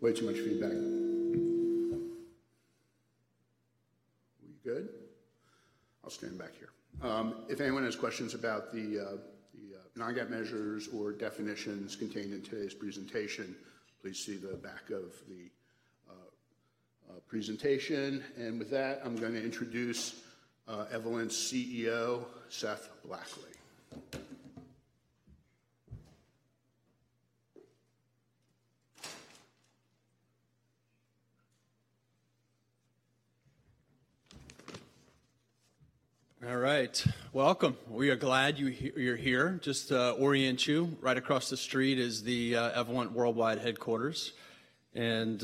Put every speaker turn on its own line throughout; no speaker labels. Way too much feedback. We good? I'll stand back here. If anyone has questions about the non-GAAP measures or definitions contained in today's presentation, please see the back of the presentation. With that, I'm gonna introduce Evolent's CEO, Seth Blackley.
All right. Welcome. We are glad you're here. Just to orient you, right across the street is the Evolent worldwide headquarters. You're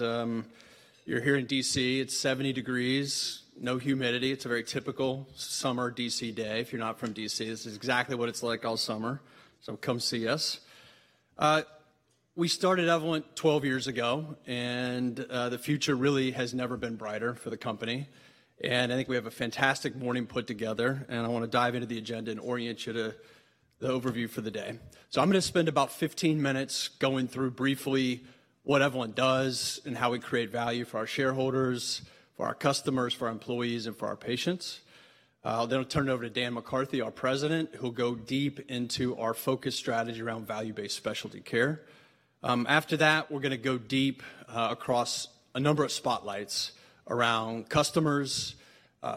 here in D.C., it's 70 degrees, no humidity. It's a very typical summer D.C. day. If you're not from D.C., this is exactly what it's like all summer, so come see us. We started Evolent 12 years ago, the future really has never been brighter for the company. I think we have a fantastic morning put together, and I wanna dive into the agenda and orient you to the overview for the day. I'm gonna spend about 15 minutes going through briefly what Evolent does and how we create value for our shareholders, for our customers, for our employees, and for our patients. I'll turn it over to Dan McCarthy, our President, who'll go deep into our focus strategy around value-based specialty care. After that, we're gonna go deep across a number of spotlights around customers,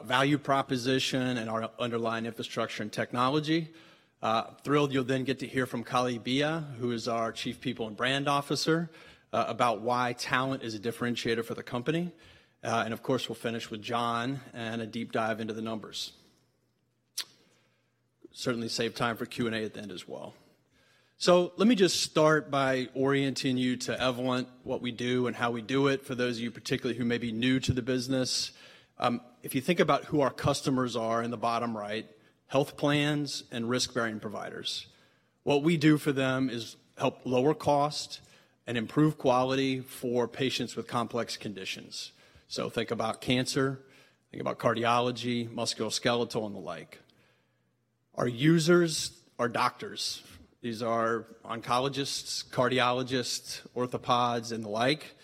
value proposition, and our underlying infrastructure and technology. Thrilled you'll then get to hear from Kali Beyah, who is our Chief People and Brand Officer, about why talent is a differentiator for the company. Of course, we'll finish with John and a deep dive into the numbers. Certainly save time for Q&A at the end as well. Let me just start by orienting you to Evolent, what we do and how we do it, for those of you particularly who may be new to the business. If you think about who our customers are in the bottom right, health plans and risk-bearing providers. What we do for them is help lower cost and improve quality for patients with complex conditions. Think about cancer, think about cardiology, musculoskeletal and the like. Our users are doctors. These are oncologists, cardiologists, orthopods, and the like.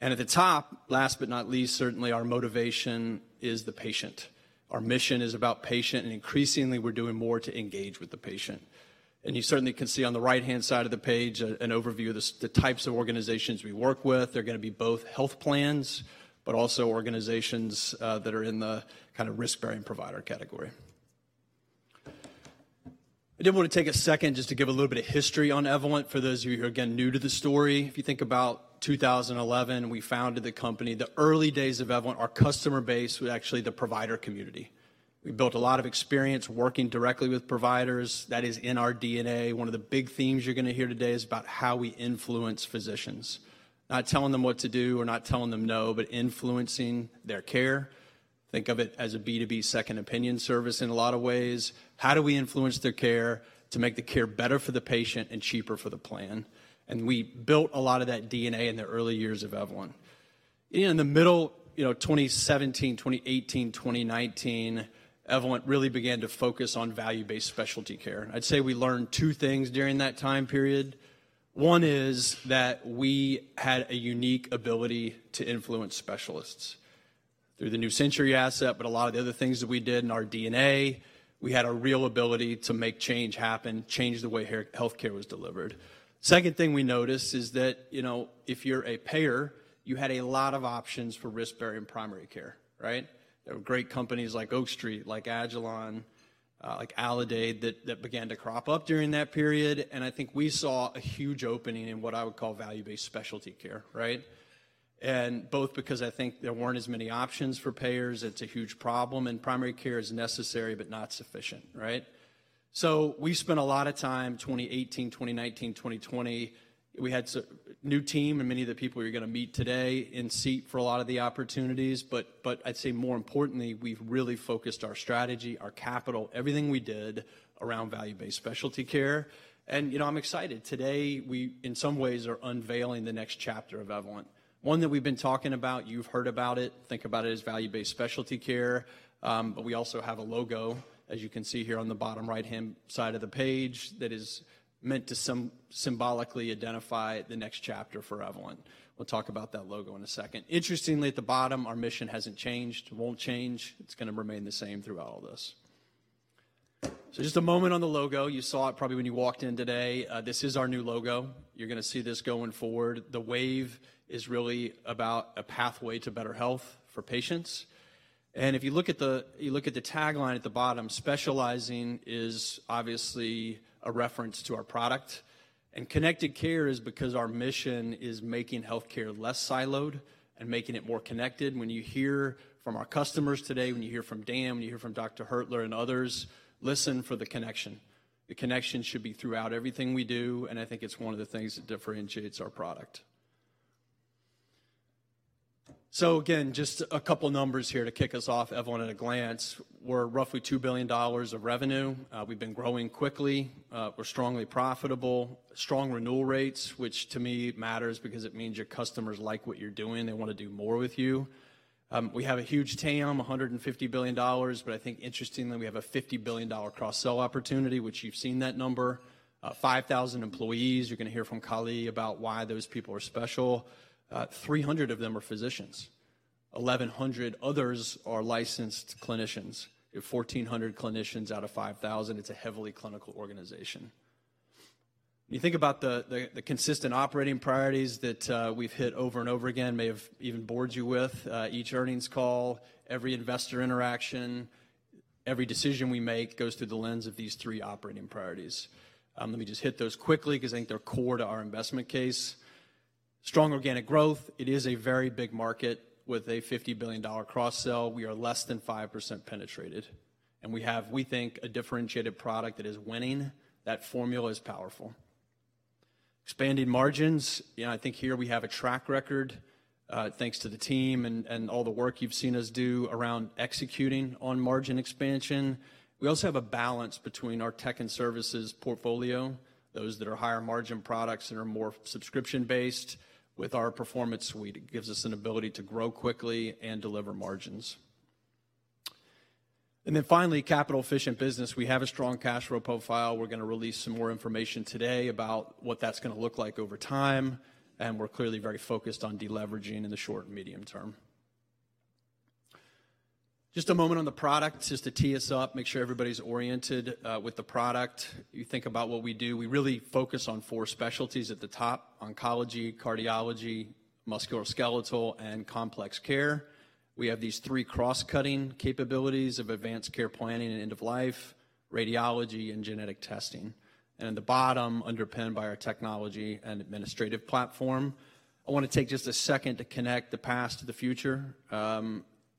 At the top, last but not least, certainly our motivation is the patient. Our mission is about patient, and increasingly we're doing more to engage with the patient. You certainly can see on the right-hand side of the page an overview of the types of organizations we work with. They're gonna be both health plans, but also organizations that are in the kinda risk-bearing provider category. I did wanna take a second just to give a little bit of history on Evolent for those of you who are, again, new to the story. If you think about 2011, we founded the company. The early days of Evolent, our customer base was actually the provider community. We built a lot of experience working directly with providers. That is in our DNA. One of the big themes you're gonna hear today is about how we influence physicians. Not telling them what to do or not telling them no, but influencing their care. Think of it as a B2B second opinion service in a lot of ways. How do we influence their care to make the care better for the patient and cheaper for the plan? We built a lot of that DNA in the early years of Evolent. In the middle, you know, 2017, 2018, 2019, Evolent really began to focus on value-based specialty care. I'd say we learned 2 things during that time period. One is that we had a unique ability to influence specialists through the New Century asset, but a lot of the other things that we did in our DNA, we had a real ability to make change happen, change the way healthcare was delivered. Second thing we noticed is that, you know, if you're a payer, you had a lot of options for risk-bearing primary care, right? There were great companies like Oak Street, like Agilon, like Aledade, that began to crop up during that period. I think we saw a huge opening in what I would call value-based specialty care, right? Both because I think there weren't as many options for payers, it's a huge problem, and primary care is necessary but not sufficient, right? We spent a lot of time, 2018, 2019, 2020, we had new team and many of the people you're gonna meet today in seat for a lot of the opportunities. I'd say more importantly, we've really focused our strategy, our capital, everything we did around value-based specialty care. You know, I'm excited. Today we, in some ways, are unveiling the next chapter of Evolent. One that we've been talking about, you've heard about it, think about it as value-based specialty care. We also have a logo, as you can see here on the bottom right-hand side of the page, that is meant to symbolically identify the next chapter for Evolent. We'll talk about that logo in a second. Interestingly, at the bottom, our mission hasn't changed, won't change. It's gonna remain the same through all of this. Just a moment on the logo. You saw it probably when you walked in today. This is our new logo. You're gonna see this going forward. The wave is really about a pathway to better health for patients. If you look at the tagline at the bottom, specializing is obviously a reference to our product. Connected care is because our mission is making healthcare less siloed and making it more connected. When you hear from our customers today, when you hear from Dan, when you hear from Dr. Hertler and others, listen for the connection. The connection should be throughout everything we do, and I think it's one of the things that differentiates our product. Again, just a couple numbers here to kick us off, Evolent at a glance. We're roughly $2 billion of revenue. We've been growing quickly. We're strongly profitable. Strong renewal rates, which to me matters because it means your customers like what you're doing, they wanna do more with you. We have a huge TAM, $150 billion, but I think interestingly, we have a $50 billion cross-sell opportunity, which you've seen that number. 5,000 employees. You're gonna hear from Kali about why those people are special. 300 of them are physicians. 1,100 others are licensed clinicians. You have 1,400 clinicians out of 5,000. It's a heavily clinical organization. When you think about the consistent operating priorities that we've hit over and over again, may have even bored you with each earnings call, every investor interaction, every decision we make goes through the lens of these 3 operating priorities. Let me just hit those quickly 'cause I think they're core to our investment case. Strong organic growth. It is a very big market with a $50 billion cross-sell. We are less than 5% penetrated, and we have, we think, a differentiated product that is winning. That formula is powerful. Expanding margins. You know, I think here we have a track record, thanks to the team and all the work you've seen us do around executing on margin expansion. We also have a balance between our tech and services portfolio, those that are higher margin products and are more subscription-based with our Performance Suite. It gives us an ability to grow quickly and deliver margins. Finally, capital-efficient business. We have a strong cash flow profile. We're gonna release some more information today about what that's gonna look like over time, we're clearly very focused on de-leveraging in the short and medium term. Just a moment on the product, just to tee us up, make sure everybody's oriented with the product. You think about what we do, we really focus on four specialties at the top, oncology, cardiology, musculoskeletal, and complex care. We have these three cross-cutting capabilities of advanced care planning and end of life, radiology, and genetic testing. At the bottom, underpinned by our technology and administrative platform. I wanna take just a second to connect the past to the future.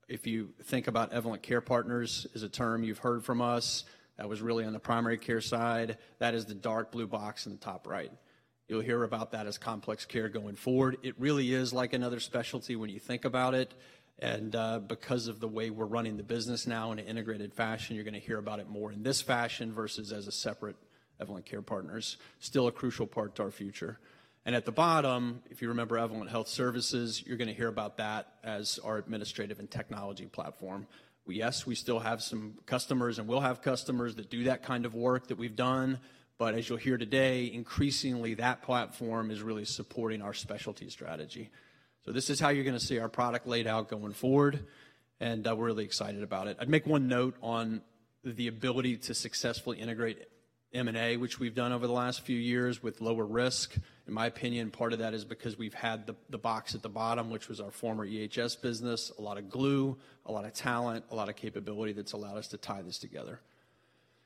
If you think about Evolent Care Partners as a term you've heard from us, that was really on the primary care side. That is the dark blue box in the top right. You'll hear about that as complex care going forward. It really is like another specialty when you think about it, and because of the way we're running the business now in an integrated fashion, you're gonna hear about it more in this fashion versus as a separate Evolent Care Partners. Still a crucial part to our future. At the bottom, if you remember Evolent Health Services, you're gonna hear about that as our administrative and technology platform. Yes, we still have some customers and will have customers that do that kind of work that we've done, but as you'll hear today, increasingly, that platform is really supporting our specialty strategy. This is how you're gonna see our product laid out going forward, and we're really excited about it. I'd make one note on the ability to successfully integrate M&A, which we've done over the last few years with lower risk. In my opinion, part of that is because we've had the box at the bottom, which was our former EHS business, a lot of glue, a lot of talent, a lot of capability that's allowed us to tie this together.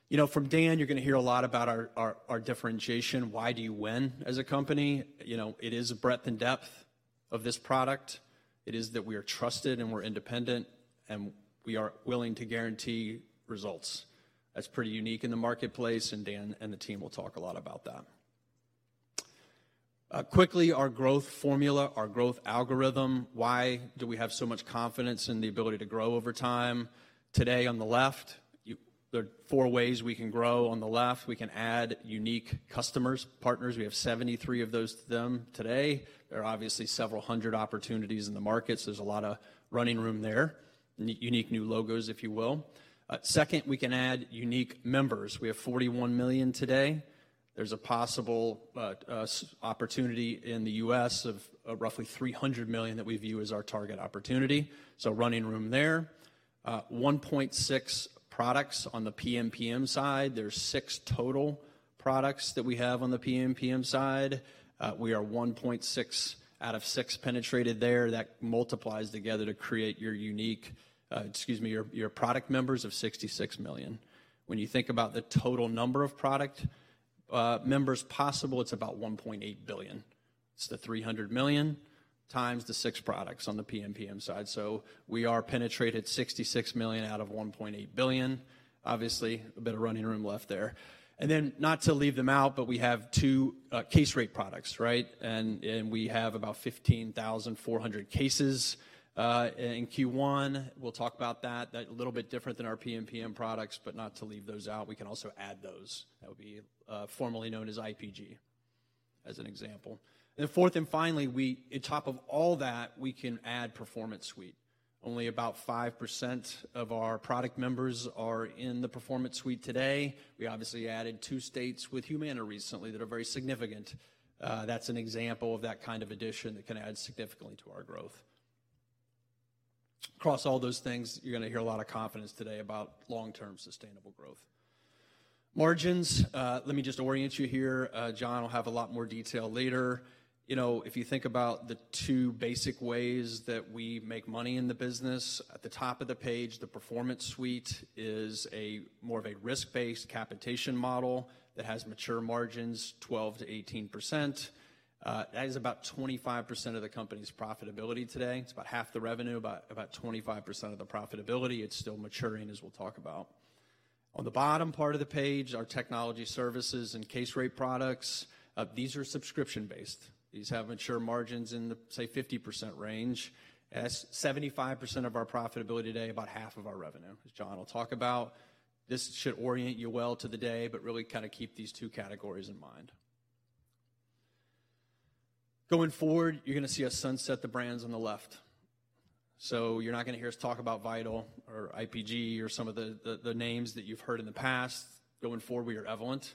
You know, from Dan, you're gonna hear a lot about our differentiation. Why do you win as a company? You know, it is a breadth and depth of this product. It is that we are trusted, and we're independent, and we are willing to guarantee results. That's pretty unique in the marketplace, and Dan and the team will talk a lot about that. Quickly, our growth formula, our growth algorithm. Why do we have so much confidence in the ability to grow over time? Today, on the left, there are four ways we can grow on the left. We can add unique customers, partners. We have 73 of those to them today. There are obviously several hundred opportunities in the markets. There's a lot of running room there. Unique new logos, if you will. Second, we can add unique members. We have 41 million today. There's a possible opportunity in the U.S. of roughly 300 million that we view as our target opportunity. Running room there. 1.6 products on the PMPM side. There's 6 total products that we have on the PMPM side. We are 1.6 out of 6 penetrated there. That multiplies together to create your unique, excuse me, your product members of 66 million. When you think about the total number of product members possible, it's about $1.8 billion. It's the $300 million times the 6 products on the PMPM side. We are penetrated $66 million out of $1.8 billion. Obviously, a bit of running room left there. Not to leave them out, but we have 2 case rate products, right? We have about 15,400 cases in Q1. We'll talk about that. That a little bit different than our PMPM products, but not to leave those out. We can also add those. That would be formerly known as IPG, as an example. Fourth and finally, we, on top of all that, we can add Performance Suite. Only about 5% of our product members are in the Performance Suite today. We obviously added two states with Humana recently that are very significant. That's an example of that kind of addition that can add significantly to our growth. Across all those things, you're gonna hear a lot of confidence today about long-term sustainable growth. Margins, let me just orient you here. John will have a lot more detail later. You know, if you think about the two basic ways that we make money in the business, at the top of the page, the Performance Suite is a more of a risk-based capitation model that has mature margins, 12%-18%. That is about 25% of the company's profitability today. It's about half the revenue, about 25% of the profitability. It's still maturing, as we'll talk about. On the bottom part of the page, our technology services and case rate products, these are subscription-based. These have mature margins in the, say, 50% range. That's 75% of our profitability today, about half of our revenue, as John will talk about. This should orient you well to the day, but really kind of keep these two categories in mind. Going forward, you're going to see us sunset the brands on the left. You're not going to hear us talk about Vital or IPG or some of the names that you've heard in the past. Going forward, we are Evolent.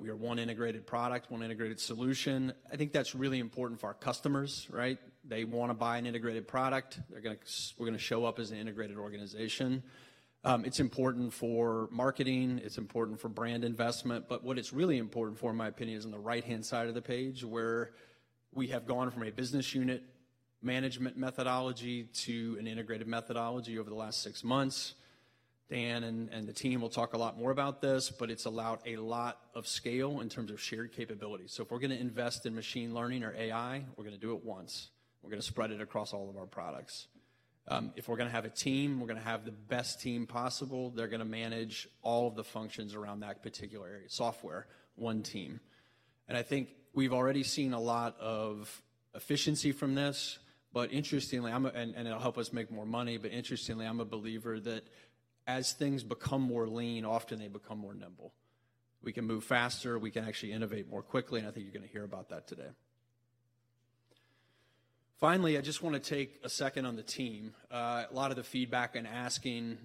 We are one integrated product, one integrated solution. I think that's really important for our customers, right? They want to buy an integrated product. They're going to show up as an integrated organization. It's important for marketing, it's important for brand investment, but what it's really important for, in my opinion, is on the right-hand side of the page, where we have gone from a business unit management methodology to an integrated methodology over the last 6 months. Dan and the team will talk a lot more about this, but it's allowed a lot of scale in terms of shared capabilities. If we're gonna invest in machine learning or AI, we're gonna do it once. We're gonna spread it across all of our products. If we're gonna have a team, we're gonna have the best team possible. They're gonna manage all of the functions around that particular area. Software, one team. I think we've already seen a lot of efficiency from this, but interestingly, I'm It'll help us make more money, but interestingly, I'm a believer that as things become more lean, often they become more nimble. We can move faster, we can actually innovate more quickly, and I think you're gonna hear about that today. Finally, I just wanna take a second on the team. A lot of the feedback in asking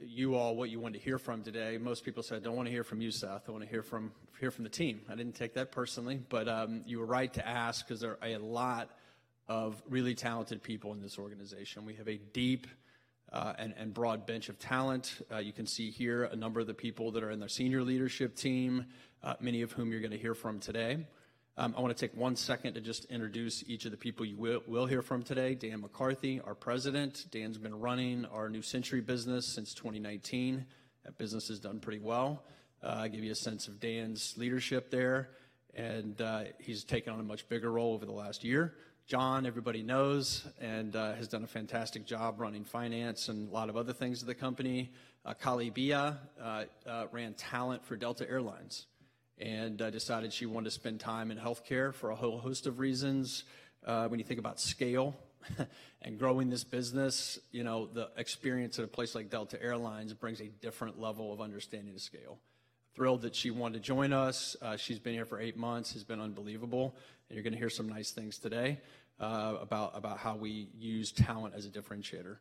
you all what you wanted to hear from today, most people said, "Don't want to hear from you, Seth. I want to hear from the team." I didn't take that personally, but you were right to ask 'cause there are a lot of really talented people in this organization. We have a deep and broad bench of talent. number of the people that are in the senior leadership team, many of whom you are going to hear from today. I want to take one second to just introduce each of the people you will hear from today. Dan McCarthy, our President. Dan has been running our New Century business since 2019. That business has done pretty well. Give you a sense of Dan's leadership there, and he has taken on a much bigger role over the last year. John, everybody knows and has done a fantastic job running finance and a lot of other things in the company. Kali Beyah ran talent for Delta Air Lines and decided she wanted to spend time in healthcare for a whole host of reasons When you think about scale, and growing this business, you know, the experience at a place like Delta Air Lines brings a different level of understanding to scale. Thrilled that she wanted to join us. She's been here for 8 months, she's been unbelievable, and you're gonna hear some nice things today, about how we use talent as a differentiator.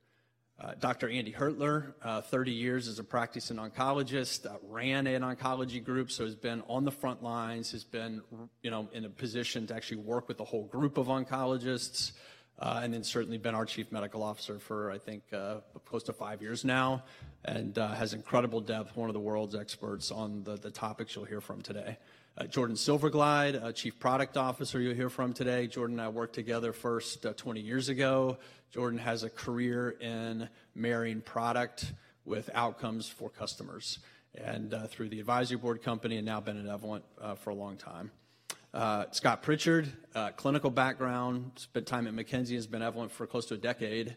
Dr. Andy Hertler, 30 years as a practicing oncologist, ran an oncology group, so has been on the front lines, has been, you know, in a position to actually work with a whole group of oncologists. Certainly been our Chief Medical Officer for, I think, close to 5 years now, and has incredible depth. One of the world's experts on the topics you'll hear from today. Jordan Silvergleid, our Chief Product Officer you'll hear from today. Jordan and I worked together first, 20 years ago. Jordan has a career in marrying product with outcomes for customers, and through The Advisory Board Company, and now been at Evolent for a long time. Scott Pritchard, clinical background, spent time at McKinsey, has been at Evolent for close to a decade.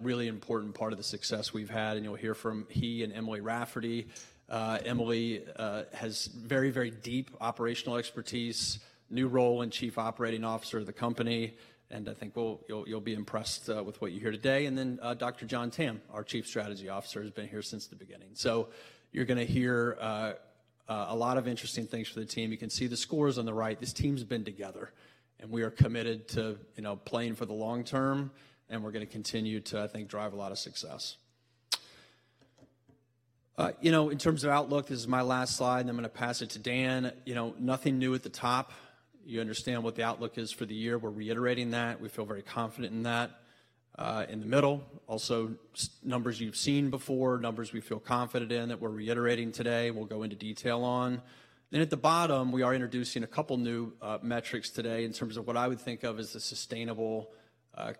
Really important part of the success we've had, and you'll hear from he and Emily Rafferty. Emily has very, very deep operational expertise, new role in Chief Operating Officer of the company, and I think you'll be impressed with what you hear today. Then Dr. John Tam, our Chief Strategy Officer, has been here since the beginning. You're gonna hear a lot of interesting things from the team. You can see the scores on the right. This team's been together, we are committed to, you know, playing for the long term, we're gonna continue to, I think, drive a lot of success. You know, in terms of outlook, this is my last slide and I'm gonna pass it to Dan. You know, nothing new at the top. You understand what the outlook is for the year. We're reiterating that. We feel very confident in that. In the middle, also numbers you've seen before, numbers we feel confident in that we're reiterating today, we'll go into detail on. At the bottom, we are introducing a couple new metrics today in terms of what I would think of as the sustainable,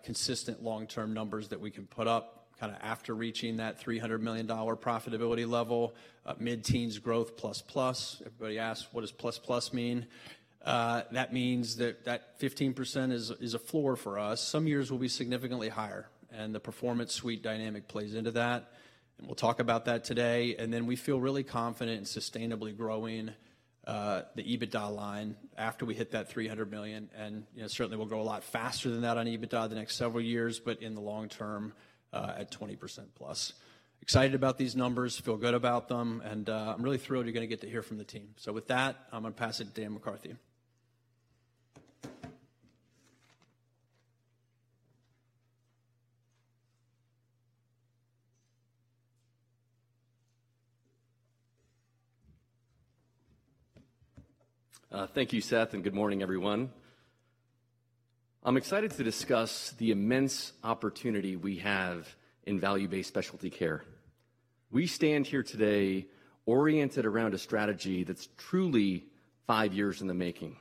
consistent long-term numbers that we can put up, kinda after reaching that $300 million profitability level, mid-teens growth plus plus. Everybody asks, "What does plus plus mean?" That means that 15% is a floor for us. Some years we'll be significantly higher, the Performance Suite dynamic plays into that, and we'll talk about that today. We feel really confident in sustainably growing the EBITDA line after we hit that $300 million, and, you know, certainly we'll grow a lot faster than that on EBITDA the next several years, but in the long term, at 20% plus. Excited about these numbers, feel good about them, and I'm really thrilled you're gonna get to hear from the team. With that, I'm gonna pass it to Dan McCarthy.
Thank you, Seth, and good morning, everyone. I'm excited to discuss the immense opportunity we have in value-based specialty care. We stand here today oriented around a strategy that's truly five years in the making.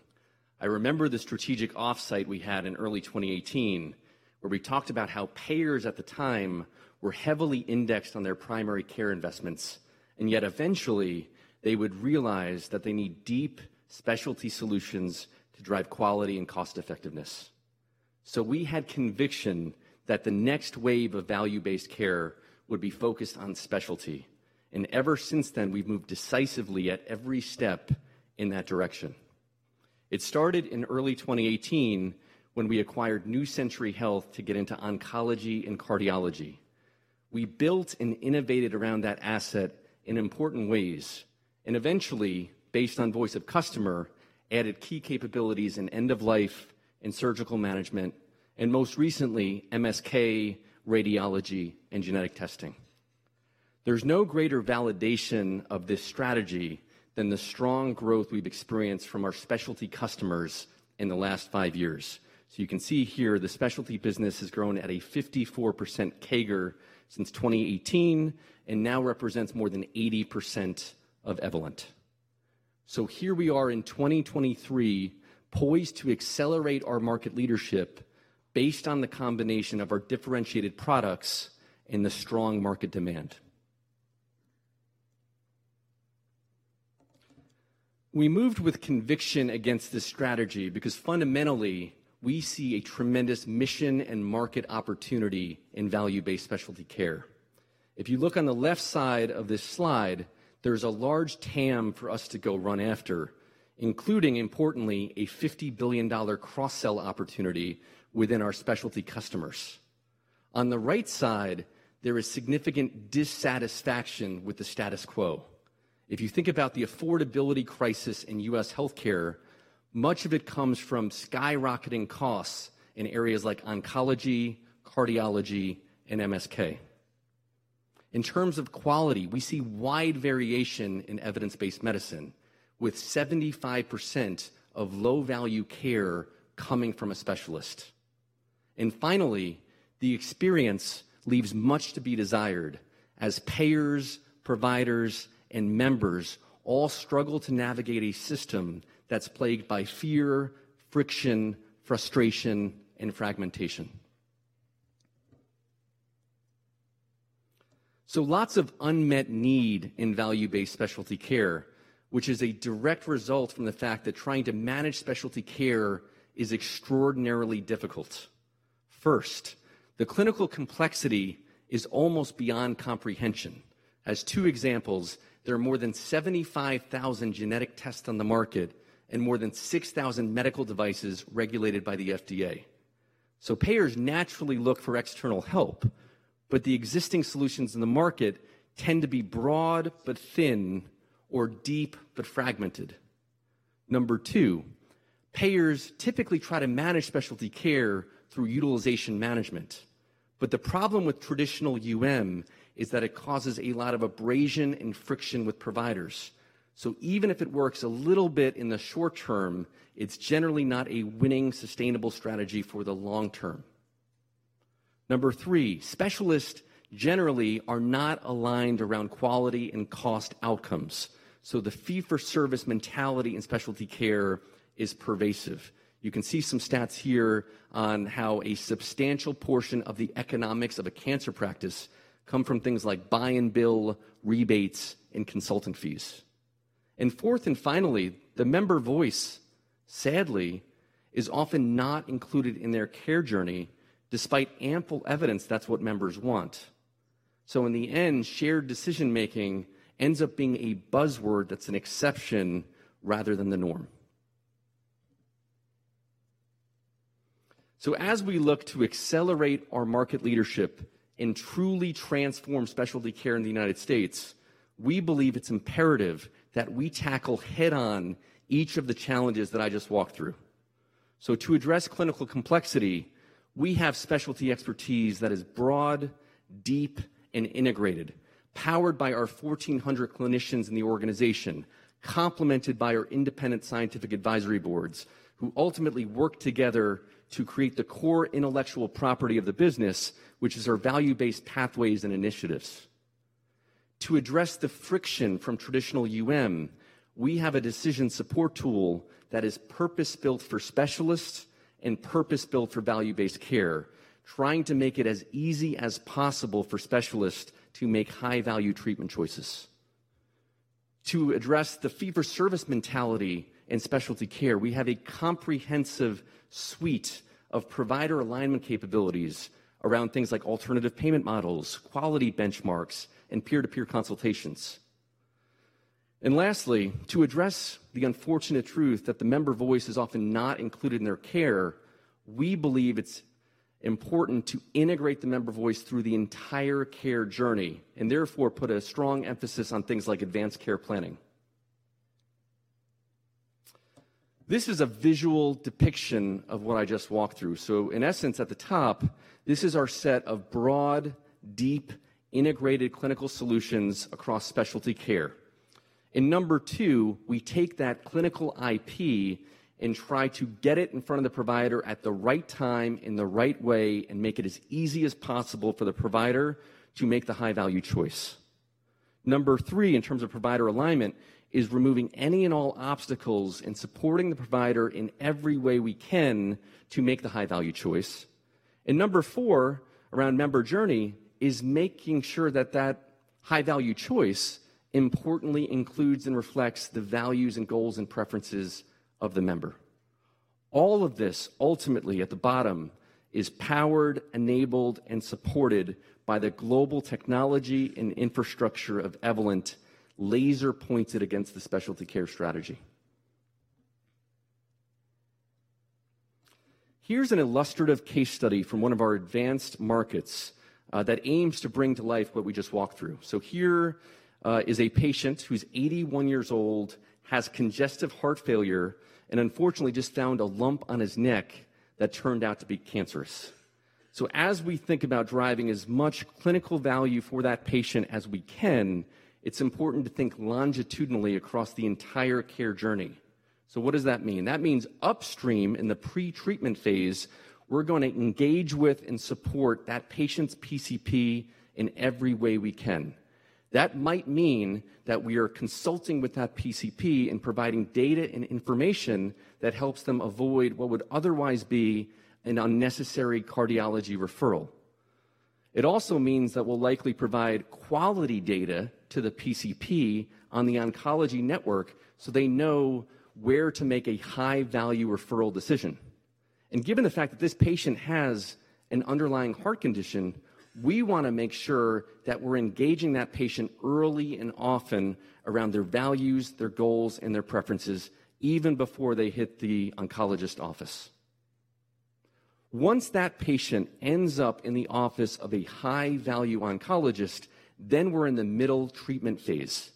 I remember the strategic offsite we had in early 2018, where we talked about how payers at the time were heavily indexed on their primary care investments, and yet eventually, they would realize that they need deep specialty solutions to drive quality and cost effectiveness. We had conviction that the next wave of value-based care would be focused on specialty, and ever since then, we've moved decisively at every step in that direction. It started in early 2018 when we acquired New Century Health to get into oncology and cardiology. We built and innovated around that asset in important ways, and eventually, based on voice of customer, added key capabilities in end of life and surgical management, and most recently, MSK, radiology, and genetic testing. There's no greater validation of this strategy than the strong growth we've experienced from our specialty customers in the last 5 years. You can see here the specialty business has grown at a 54% CAGR since 2018 and now represents more than 80% of Evolent. Here we are in 2023, poised to accelerate our market leadership based on the combination of our differentiated products and the strong market demand. We moved with conviction against this strategy because fundamentally, we see a tremendous mission and market opportunity in value-based specialty care. If you look on the left side of this slide, there's a large TAM for us to go run after, including, importantly, a $50 billion cross-sell opportunity within our specialty customers. On the right side, there is significant dissatisfaction with the status quo. If you think about the affordability crisis in U.S. healthcare, much of it comes from skyrocketing costs in areas like oncology, cardiology, and MSK. In terms of quality, we see wide variation in evidence-based medicine, with 75% of low-value care coming from a specialist. Finally, the experience leaves much to be desired as payers, providers, and members all struggle to navigate a system that's plagued by fear, friction, frustration, and fragmentation. Lots of unmet need in value-based specialty care, which is a direct result from the fact that trying to manage specialty care is extraordinarily difficult. First, the clinical complexity is almost beyond comprehension. As two examples, there are more than 75,000 genetic tests on the market and more than 6,000 medical devices regulated by the FDA. Payers naturally look for external help, but the existing solutions in the market tend to be broad but thin or deep but fragmented. Number 2, payers typically try to manage specialty care through utilization management. The problem with traditional UM is that it causes a lot of abrasion and friction with providers. Even if it works a little bit in the short term, it's generally not a winning, sustainable strategy for the long term. Number 3, specialists generally are not aligned around quality and cost outcomes, the fee-for-service mentality in specialty care is pervasive. You can see some stats here on how a substantial portion of the economics of a cancer practice come from things like buy-and-bill rebates and consultant fees. Fourth and finally, the member voice, sadly, is often not included in their care journey, despite ample evidence that's what members want. In the end, shared decision-making ends up being a buzzword that's an exception rather than the norm. As we look to accelerate our market leadership and truly transform specialty care in the United States, we believe it's imperative that we tackle head-on each of the challenges that I just walked through. To address clinical complexity, we have specialty expertise that is broad, deep, and integrated, powered by our 1,400 clinicians in the organization, complemented by our independent scientific advisory boards, who ultimately work together to create the core intellectual property of the business, which is our value-based pathways and initiatives. To address the friction from traditional UM, we have a decision support tool that is purpose-built for specialists and purpose-built for value-based care, trying to make it as easy as possible for specialists to make high-value treatment choices. To address the fee-for-service mentality in specialty care, we have a comprehensive suite of provider alignment capabilities around things like alternative payment models, quality benchmarks, and peer-to-peer consultations. Lastly, to address the unfortunate truth that the member voice is often not included in their care, we believe it's important to integrate the member voice through the entire care journey, and therefore put a strong emphasis on things like advanced care planning. This is a visual depiction of what I just walked through. In essence, at the top, this is our set of broad, deep, integrated clinical solutions across specialty care. In number 2, we take that clinical IP and try to get it in front of the provider at the right time in the right way and make it as easy as possible for the provider to make the high-value choice. Number 3, in terms of provider alignment, is removing any and all obstacles and supporting the provider in every way we can to make the high-value choice. Number four, around member journey, is making sure that that high-value choice importantly includes and reflects the values and goals and preferences of the member. All of this ultimately at the bottom is powered, enabled, and supported by the global technology and infrastructure of Evolent laser-pointed against the specialty care strategy. Here's an illustrative case study from one of our advanced markets that aims to bring to life what we just walked through. Here is a patient who's 81 years old, has congestive heart failure, and unfortunately just found a lump on his neck that turned out to be cancerous. As we think about driving as much clinical value for that patient as we can, it's important to think longitudinally across the entire care journey. What does that mean? That means upstream in the pretreatment phase, we're gonna engage with and support that patient's PCP in every way we can. That might mean that we are consulting with that PCP and providing data and information that helps them avoid what would otherwise be an unnecessary cardiology referral. It also means that we'll likely provide quality data to the PCP on the oncology network so they know where to make a high-value referral decision. Given the fact that this patient has an underlying heart condition, we wanna make sure that we're engaging that patient early and often around their values, their goals, and their preferences even before they hit the oncologist office. Once that patient ends up in the office of a high-value oncologist, then we're in the middle treatment phase,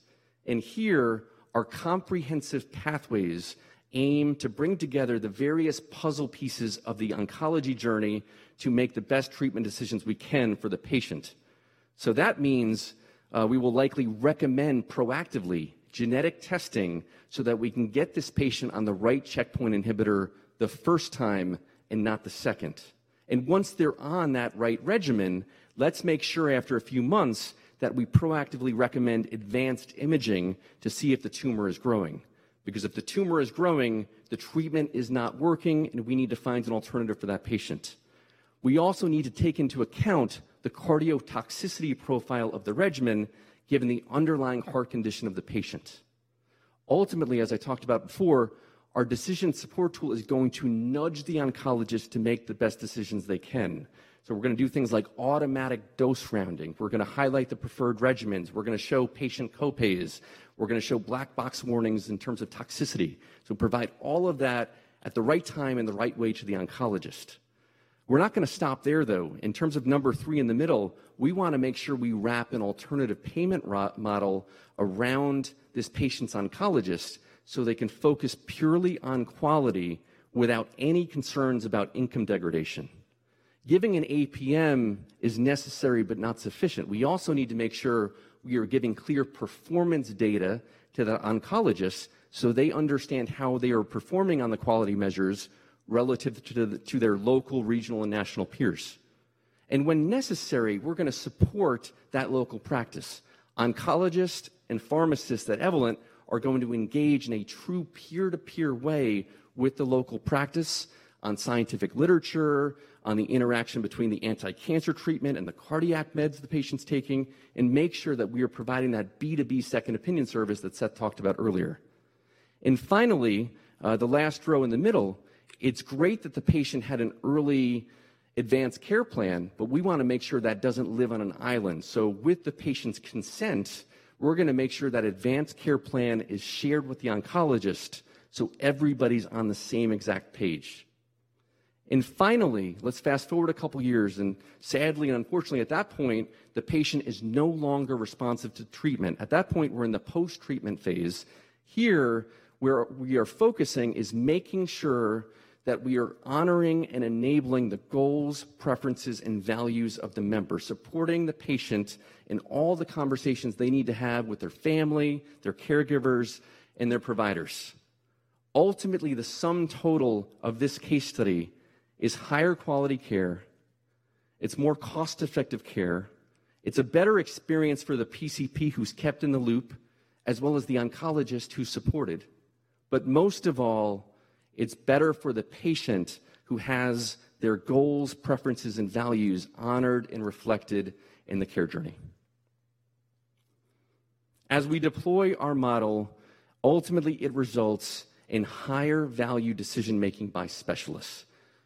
and here our comprehensive pathways aim to bring together the various puzzle pieces of the oncology journey to make the best treatment decisions we can for the patient. That means we will likely recommend proactively genetic testing so that we can get this patient on the right checkpoint inhibitor the first time and not the second. Once they're on that right regimen, let's make sure after a few months that we proactively recommend advanced imaging to see if the tumor is growing. If the tumor is growing, the treatment is not working, and we need to find an alternative for that patient. We also need to take into account the cardiotoxicity profile of the regimen, given the underlying heart condition of the patient. Ultimately, as I talked about before, our decision support tool is going to nudge the oncologist to make the best decisions they can. We're gonna do things like automatic dose rounding. We're gonna highlight the preferred regimens. We're gonna show patient co-pays. We're gonna show black box warnings in terms of toxicity. Provide all of that at the right time and the right way to the oncologist. We're not gonna stop there, though. In terms of number 3 in the middle, we wanna make sure we wrap an alternative payment model around this patient's oncologist so they can focus purely on quality without any concerns about income degradation. Giving an APM is necessary but not sufficient. We also need to make sure we are giving clear performance data to the oncologists so they understand how they are performing on the quality measures relative to their local, regional, and national peers. When necessary, we're gonna support that local practice. Oncologists and pharmacists at Evolent are going to engage in a true peer-to-peer way with the local practice on scientific literature, on the interaction between the anti-cancer treatment and the cardiac meds the patient's taking, and make sure that we are providing that B2B second opinion service that Seth talked about earlier. Finally, the last row in the middle, it's great that the patient had an early advanced care plan, but we wanna make sure that doesn't live on an island. With the patient's consent, we're going to make sure that advance care plan is shared with the oncologist so everybody's on the same exact page. Finally, let's fast-forward a couple years, and sadly and unfortunately at that point, the patient is no longer responsive to treatment. At that point, we're in the post-treatment phase. Here, where we are focusing is making sure that we are honoring and enabling the goals, preferences, and values of the member, supporting the patient in all the conversations they need to have with their family, their caregivers, and their providers. Ultimately, the sum total of this case study is higher quality care, it's more cost-effective care, it's a better experience for the PCP who's kept in the loop, as well as the oncologist who's supported. Most of all, it's better for the patient who has their goals, preferences, and values honored and reflected in the care journey. As we deploy our model, ultimately it results in higher value decision-making by specialists.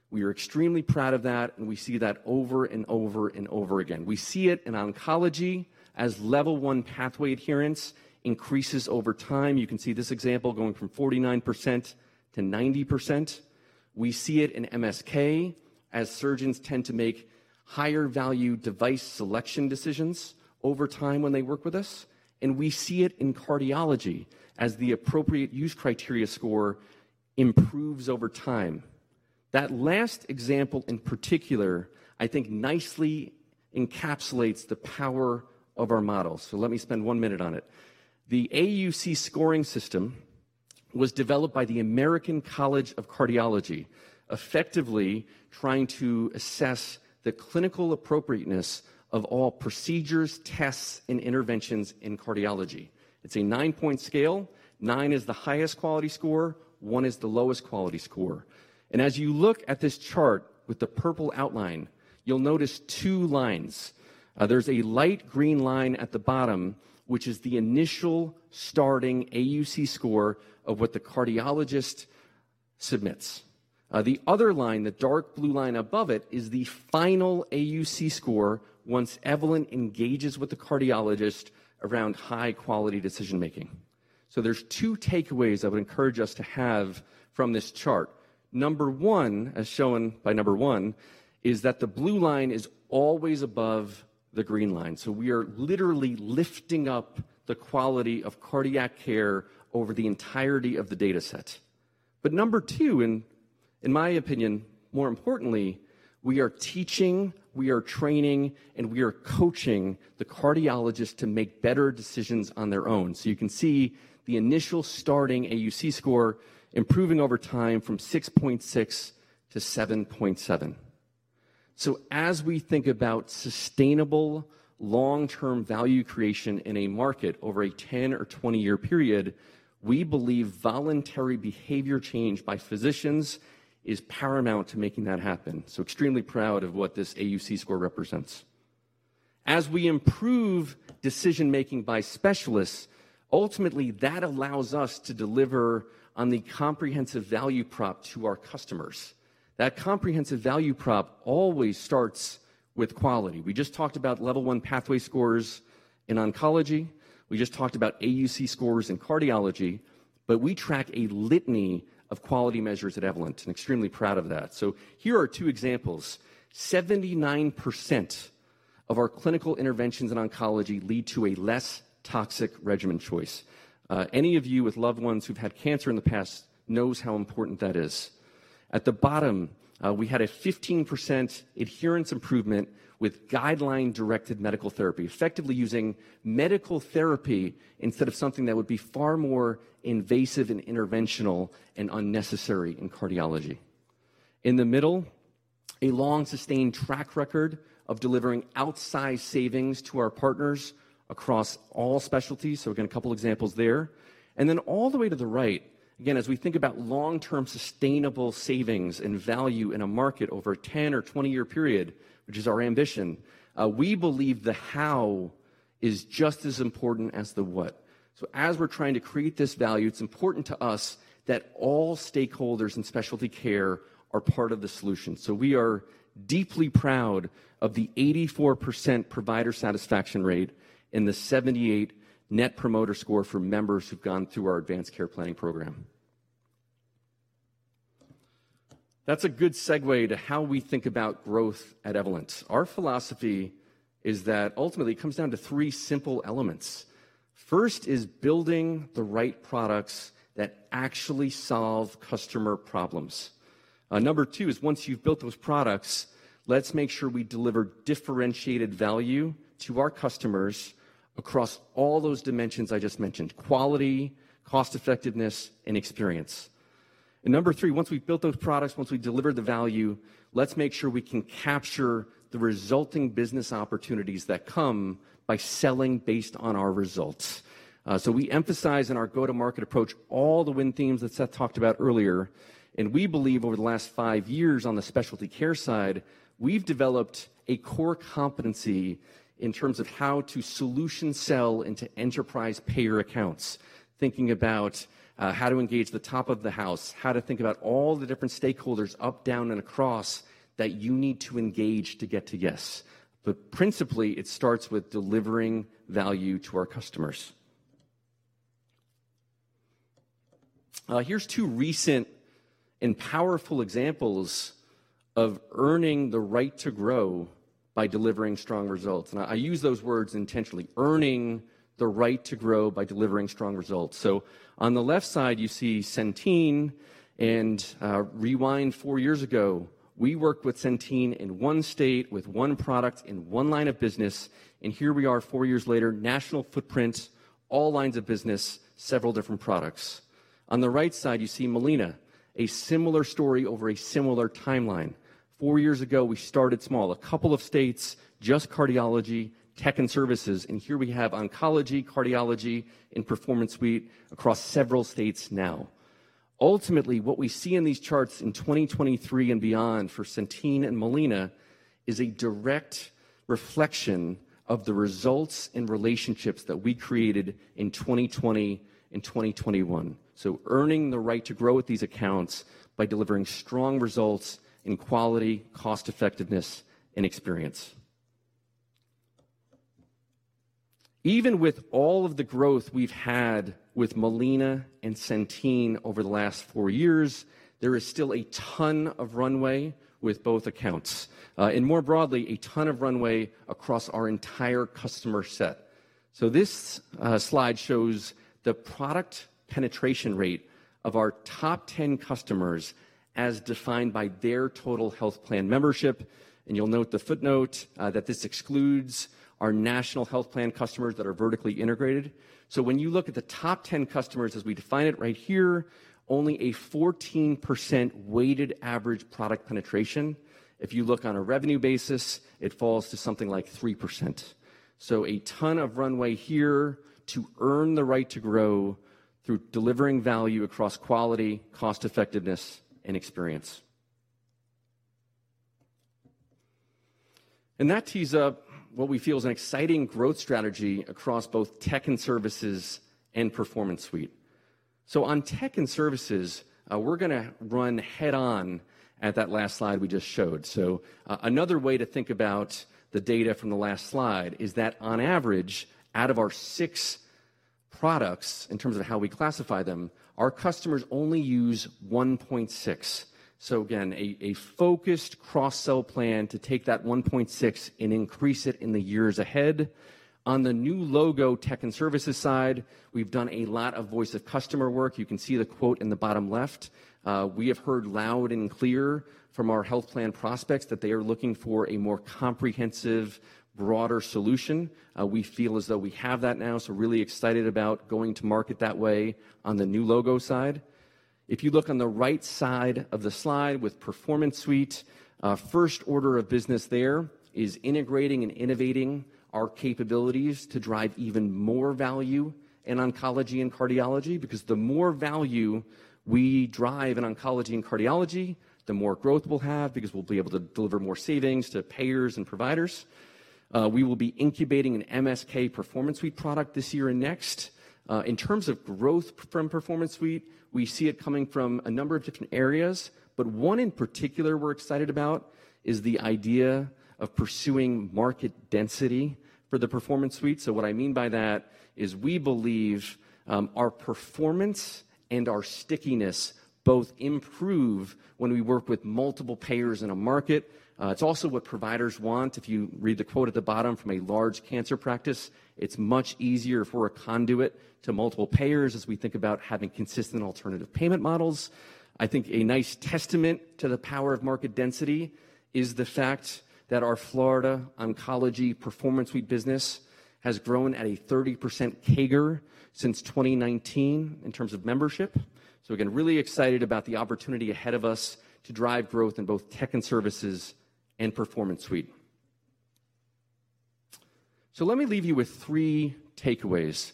We are extremely proud of that, and we see that over and over and over again. We see it in oncology as Level 1 Pathways adherence increases over time. You can see this example going from 49% to 90%. We see it in MSK as surgeons tend to make higher value device selection decisions over time when they work with us, and we see it in cardiology as the appropriate use criteria score improves over time. That last example, in particular, I think nicely encapsulates the power of our model, so let me spend one minute on it. The AUC scoring system was developed by the American College of Cardiology, effectively trying to assess the clinical appropriateness of all procedures, tests, and interventions in cardiology. It's a 9-point scale. 9 is the highest quality score, 1 is the lowest quality score. As you look at this chart with the purple outline, you'll notice 2 lines. There's a light green line at the bottom, which is the initial starting AUC score of what the cardiologist submits. The other line, the dark blue line above it, is the final AUC score once Evolent engages with the cardiologist around high-quality decision making. There's 2 takeaways I would encourage us to have from this chart. Number 1, as shown by number 1, is that the blue line is always above the green line. We are literally lifting up the quality of cardiac care over the entirety of the data set. Number two, and in my opinion, more importantly, we are teaching, we are training, and we are coaching the cardiologists to make better decisions on their own. You can see the initial starting AUC score improving over time from 6.6 to 7.7. As we think about sustainable long-term value creation in a market over a 10 or 20-year period, we believe voluntary behavior change by physicians is paramount to making that happen. Extremely proud of what this AUC score represents. As we improve decision-making by specialists, ultimately that allows us to deliver on the comprehensive value prop to our customers. That comprehensive value prop always starts with quality. We just talked about Level 1 Pathway scores in oncology. We just talked about AUC scores in cardiology, but we track a litany of quality measures at Evolent, and extremely proud of that. Here are 2 examples. 79% of our clinical interventions in oncology lead to a less toxic regimen choice. Any of you with loved ones who've had cancer in the past knows how important that is. At the bottom, we had a 15% adherence improvement with guideline-directed medical therapy, effectively using medical therapy instead of something that would be far more invasive and interventional and unnecessary in cardiology. In the middle, a long-sustained track record of delivering outsized savings to our partners across all specialties, so again, a couple examples there. All the way to the right, again, as we think about long-term sustainable savings and value in a market over a 10 or 20-year period, which is our ambition, we believe the how is just as important as the what. As we're trying to create this value, it's important to us that all stakeholders in specialty care are part of the solution. We are deeply proud of the 84% provider satisfaction rate and the 78 net promoter score for members who've gone through our advanced care planning program. That's a good segue to how we think about growth at Evolent. Our philosophy is that ultimately it comes down to 3 simple elements. First is building the right products that actually solve customer problems. Number two is once you've built those products, let's make sure we deliver differentiated value to our customers across all those dimensions I just mentioned: quality, cost effectiveness, and experience. Number three, once we've built those products, once we deliver the value, let's make sure we can capture the resulting business opportunities that come by selling based on our results. We emphasize in our go-to-market approach all the win themes that Seth talked about earlier, and we believe over the last five years on the specialty care side, we've developed a core competency in terms of how to solution sell into enterprise payer accounts. Thinking about how to engage the top of the house, how to think about all the different stakeholders up, down, and across that you need to engage to get to yes. Principally, it starts with delivering value to our customers. Here's 2 recent and powerful examples of earning the right to grow by delivering strong results. I use those words intentionally, earning the right to grow by delivering strong results. On the left side, you see Centene, rewind 4 years ago, we worked with Centene in 1 state with 1 product in 1 line of business, and here we are 4 years later, national footprint, all lines of business, several different products. On the right side, you see Molina, a similar story over a similar timeline. 4 years ago, we started small, a couple of states, just cardiology, tech, and services, and here we have oncology, cardiology, and Performance Suite across several states now. Ultimately, what we see in these charts in 2023 and beyond for Centene and Molina is a direct reflection of the results and relationships that we created in 2020 and 2021. Earning the right to grow with these accounts by delivering strong results in quality, cost effectiveness, and experience. Even with all of the growth we've had with Molina and Centene over the last 4 years, there is still a ton of runway with both accounts. And more broadly, a ton of runway across our entire customer set. This slide shows the product penetration rate of our top 10 customers as defined by their total health plan membership. You'll note the footnote that this excludes our national health plan customers that are vertically integrated. When you look at the top 10 customers as we define it right here, only a 14% weighted average product penetration. If you look on a revenue basis, it falls to something like 3%. A ton of runway here to earn the right to grow through delivering value across quality, cost effectiveness, and experience. That tees up what we feel is an exciting growth strategy across both tech and services and Performance Suite. On tech and services, we're gonna run head-on at that last slide we just showed. Another way to think about the data from the last slide is that on average, out of our six products, in terms of how we classify them, our customers only use 1.6. Again, a focused cross-sell plan to take that 1.6 and increase it in the years ahead. On the new logo tech and services side, we've done a lot of voice of customer work. You can see the quote in the bottom left. We have heard loud and clear from our health plan prospects that they are looking for a more comprehensive, broader solution. We feel as though we have that now, really excited about going to market that way on the new logo side. If you look on the right side of the slide with Performance Suite, first order of business there is integrating and innovating our capabilities to drive even more value in oncology and cardiology, because the more value we drive in oncology and cardiology, the more growth we'll have because we'll be able to deliver more savings to payers and providers. We will be incubating an MSK Performance Suite product this year and next. In terms of growth from Performance Suite, we see it coming from a number of different areas, one in particular we're excited about is the idea of pursuing market density for the Performance Suite. What I mean by that is we believe our performance and our stickiness both improve when we work with multiple payers in a market. It's also what providers want. If you read the quote at the bottom from a large cancer practice, it's much easier for a conduit to multiple payers as we think about having consistent alternative payment models. I think a nice testament to the power of market density is the fact that our Florida Oncology Performance Suite business has grown at a 30% CAGR since 2019 in terms of membership. Again, really excited about the opportunity ahead of us to drive growth in both tech and services and Performance Suite. Let me leave you with three takeaways.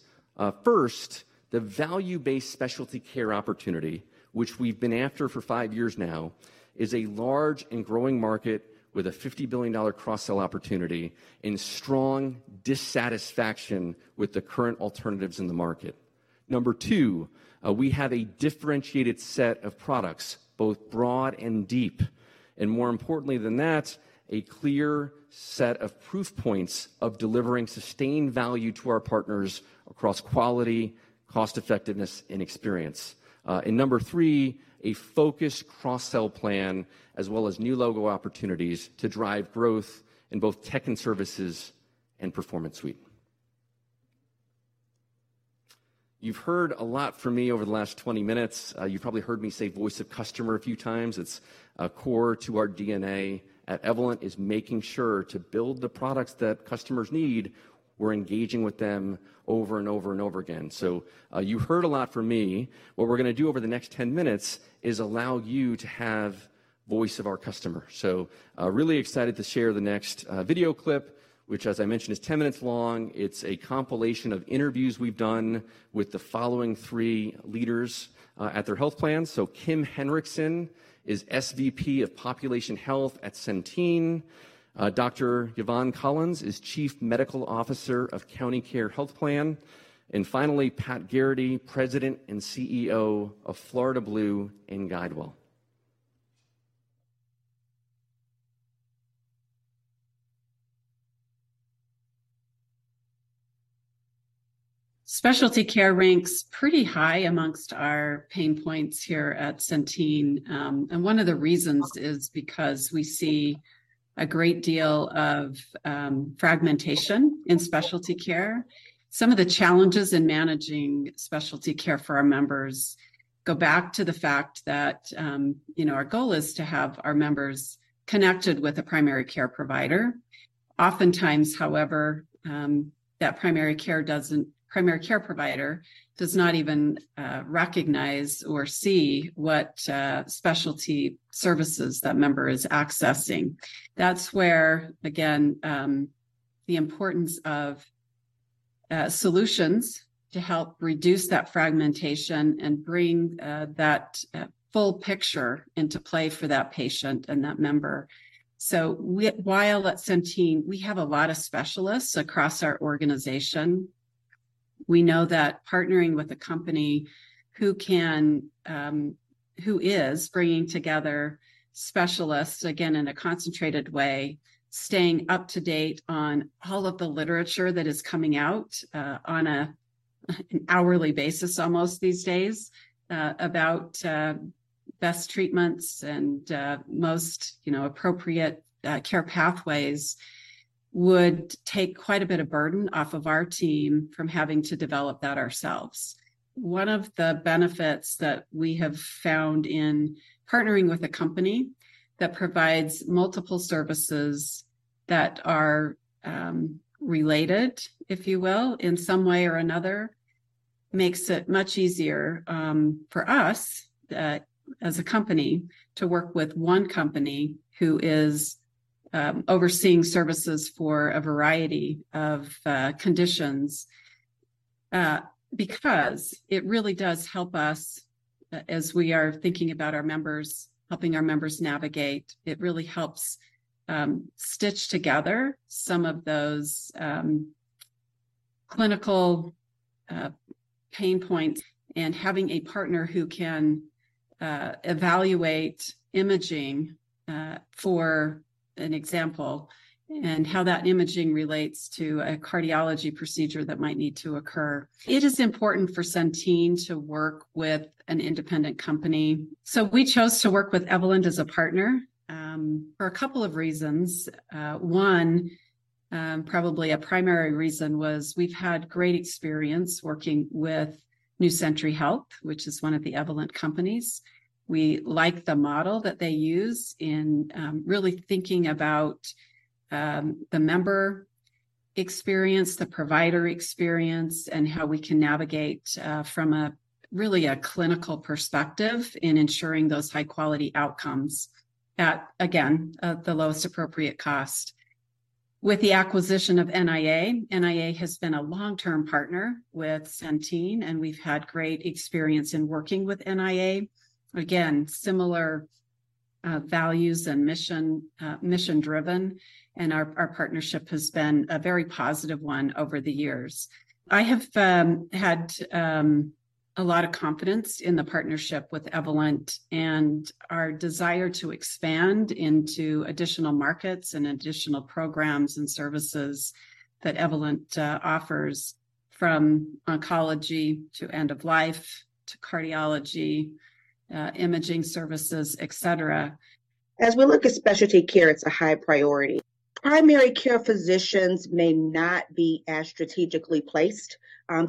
First, the value-based specialty care opportunity, which we've been after for five years now, is a large and growing market with a $50 billion cross-sell opportunity and strong dissatisfaction with the current alternatives in the market. Number two, we have a differentiated set of products, both broad and deep, and more importantly than that, a clear set of proof points of delivering sustained value to our partners across quality, cost effectiveness, and experience. Number three, a focused cross-sell plan as well as new logo opportunities to drive growth in both tech and services and Performance Suite. You've heard a lot from me over the last 20 minutes. You probably heard me say voice of customer a few times. It's a core to our DNA at Evolent is making sure to build the products that customers need. We're engaging with them over and over and over again. You heard a lot from me. What we're gonna do over the next 10 minutes is allow you to have voice of our customer. Really excited to share the next video clip, which as I mentioned, is 10 minutes long. It's a compilation of interviews we've done with the following 3 leaders at their health plan. Kim Henrichsen is SVP of Population Health at Centene. Dr. Yvonne Collins is Chief Medical Officer of CountyCare Health Plan. Finally, Pat Geraghty, President and CEO of Florida Blue and GuideWell.
Specialty care ranks pretty high amongst our pain points here at Centene. One of the reasons is because we see a great deal of fragmentation in specialty care. Some of the challenges in managing specialty care for our members go back to the fact that, you know, our goal is to have our members connected with a primary care provider. Oftentimes, however, that primary care provider does not even recognize or see what specialty services that member is accessing. That's where, again, the importance of solutions to help reduce that fragmentation and bring that full picture into play for that patient and that member. While at Centene, we have a lot of specialists across our organization. We know that partnering with a company who is bringing together specialists, again, in a concentrated way, staying up to date on all of the literature that is coming out on an hourly basis almost these days about best treatments and most, you know, appropriate care pathways would take quite a bit of burden off of our team from having to develop that ourselves. One of the benefits that we have found in partnering with a company that provides multiple services that are related, if you will, in some way or another, makes it much easier for us as a company to work with one company who is overseeing services for a variety of conditions because it really does help us as we are thinking about our members, helping our members navigate, it really helps stitch together some of those clinical pain points, and having a partner who can evaluate imaging for an example, and how that imaging relates to a cardiology procedure that might need to occur. It is important for Centene to work with an independent company. We chose to work with Evolent as a partner for a couple of reasons. One, probably a primary reason was we've had great experience working with New Century Health, which is one of the Evolent companies. We like the model that they use in really thinking about the member experience, the provider experience, and how we can navigate from a really a clinical perspective in ensuring those high-quality outcomes at, again, at the lowest appropriate cost. With the acquisition of NIA has been a long-term partner with Centene, and we've had great experience in working with NIA. Again, similar values and mission driven, and our partnership has been a very positive one over the years. I have had a lot of confidence in the partnership with Evolent and our desire to expand into additional markets and additional programs and services that Evolent offers, from oncology to end of life to cardiology, imaging services, et cetera.
As we look at specialty care, it's a high priority. Primary care physicians may not be as strategically placed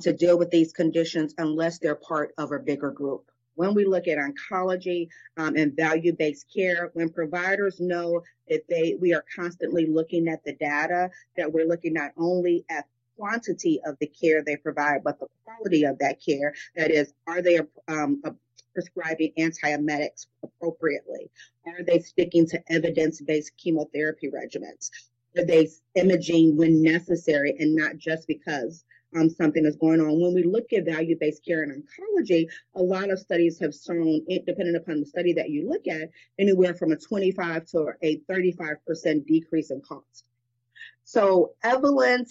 to deal with these conditions unless they're part of a bigger group. When we look at oncology and value-based care, when providers know that we are constantly looking at the data, that we're looking not only at quantity of the care they provide, but the quality of that care. That is, are they prescribing antiemetics appropriately? Are they sticking to evidence-based chemotherapy regimens? Are they imaging when necessary and not just because something is going on? When we look at value-based care in oncology, a lot of studies have shown, dependent upon the study that you look at, anywhere from a 25% to a 35% decrease in cost. Evolent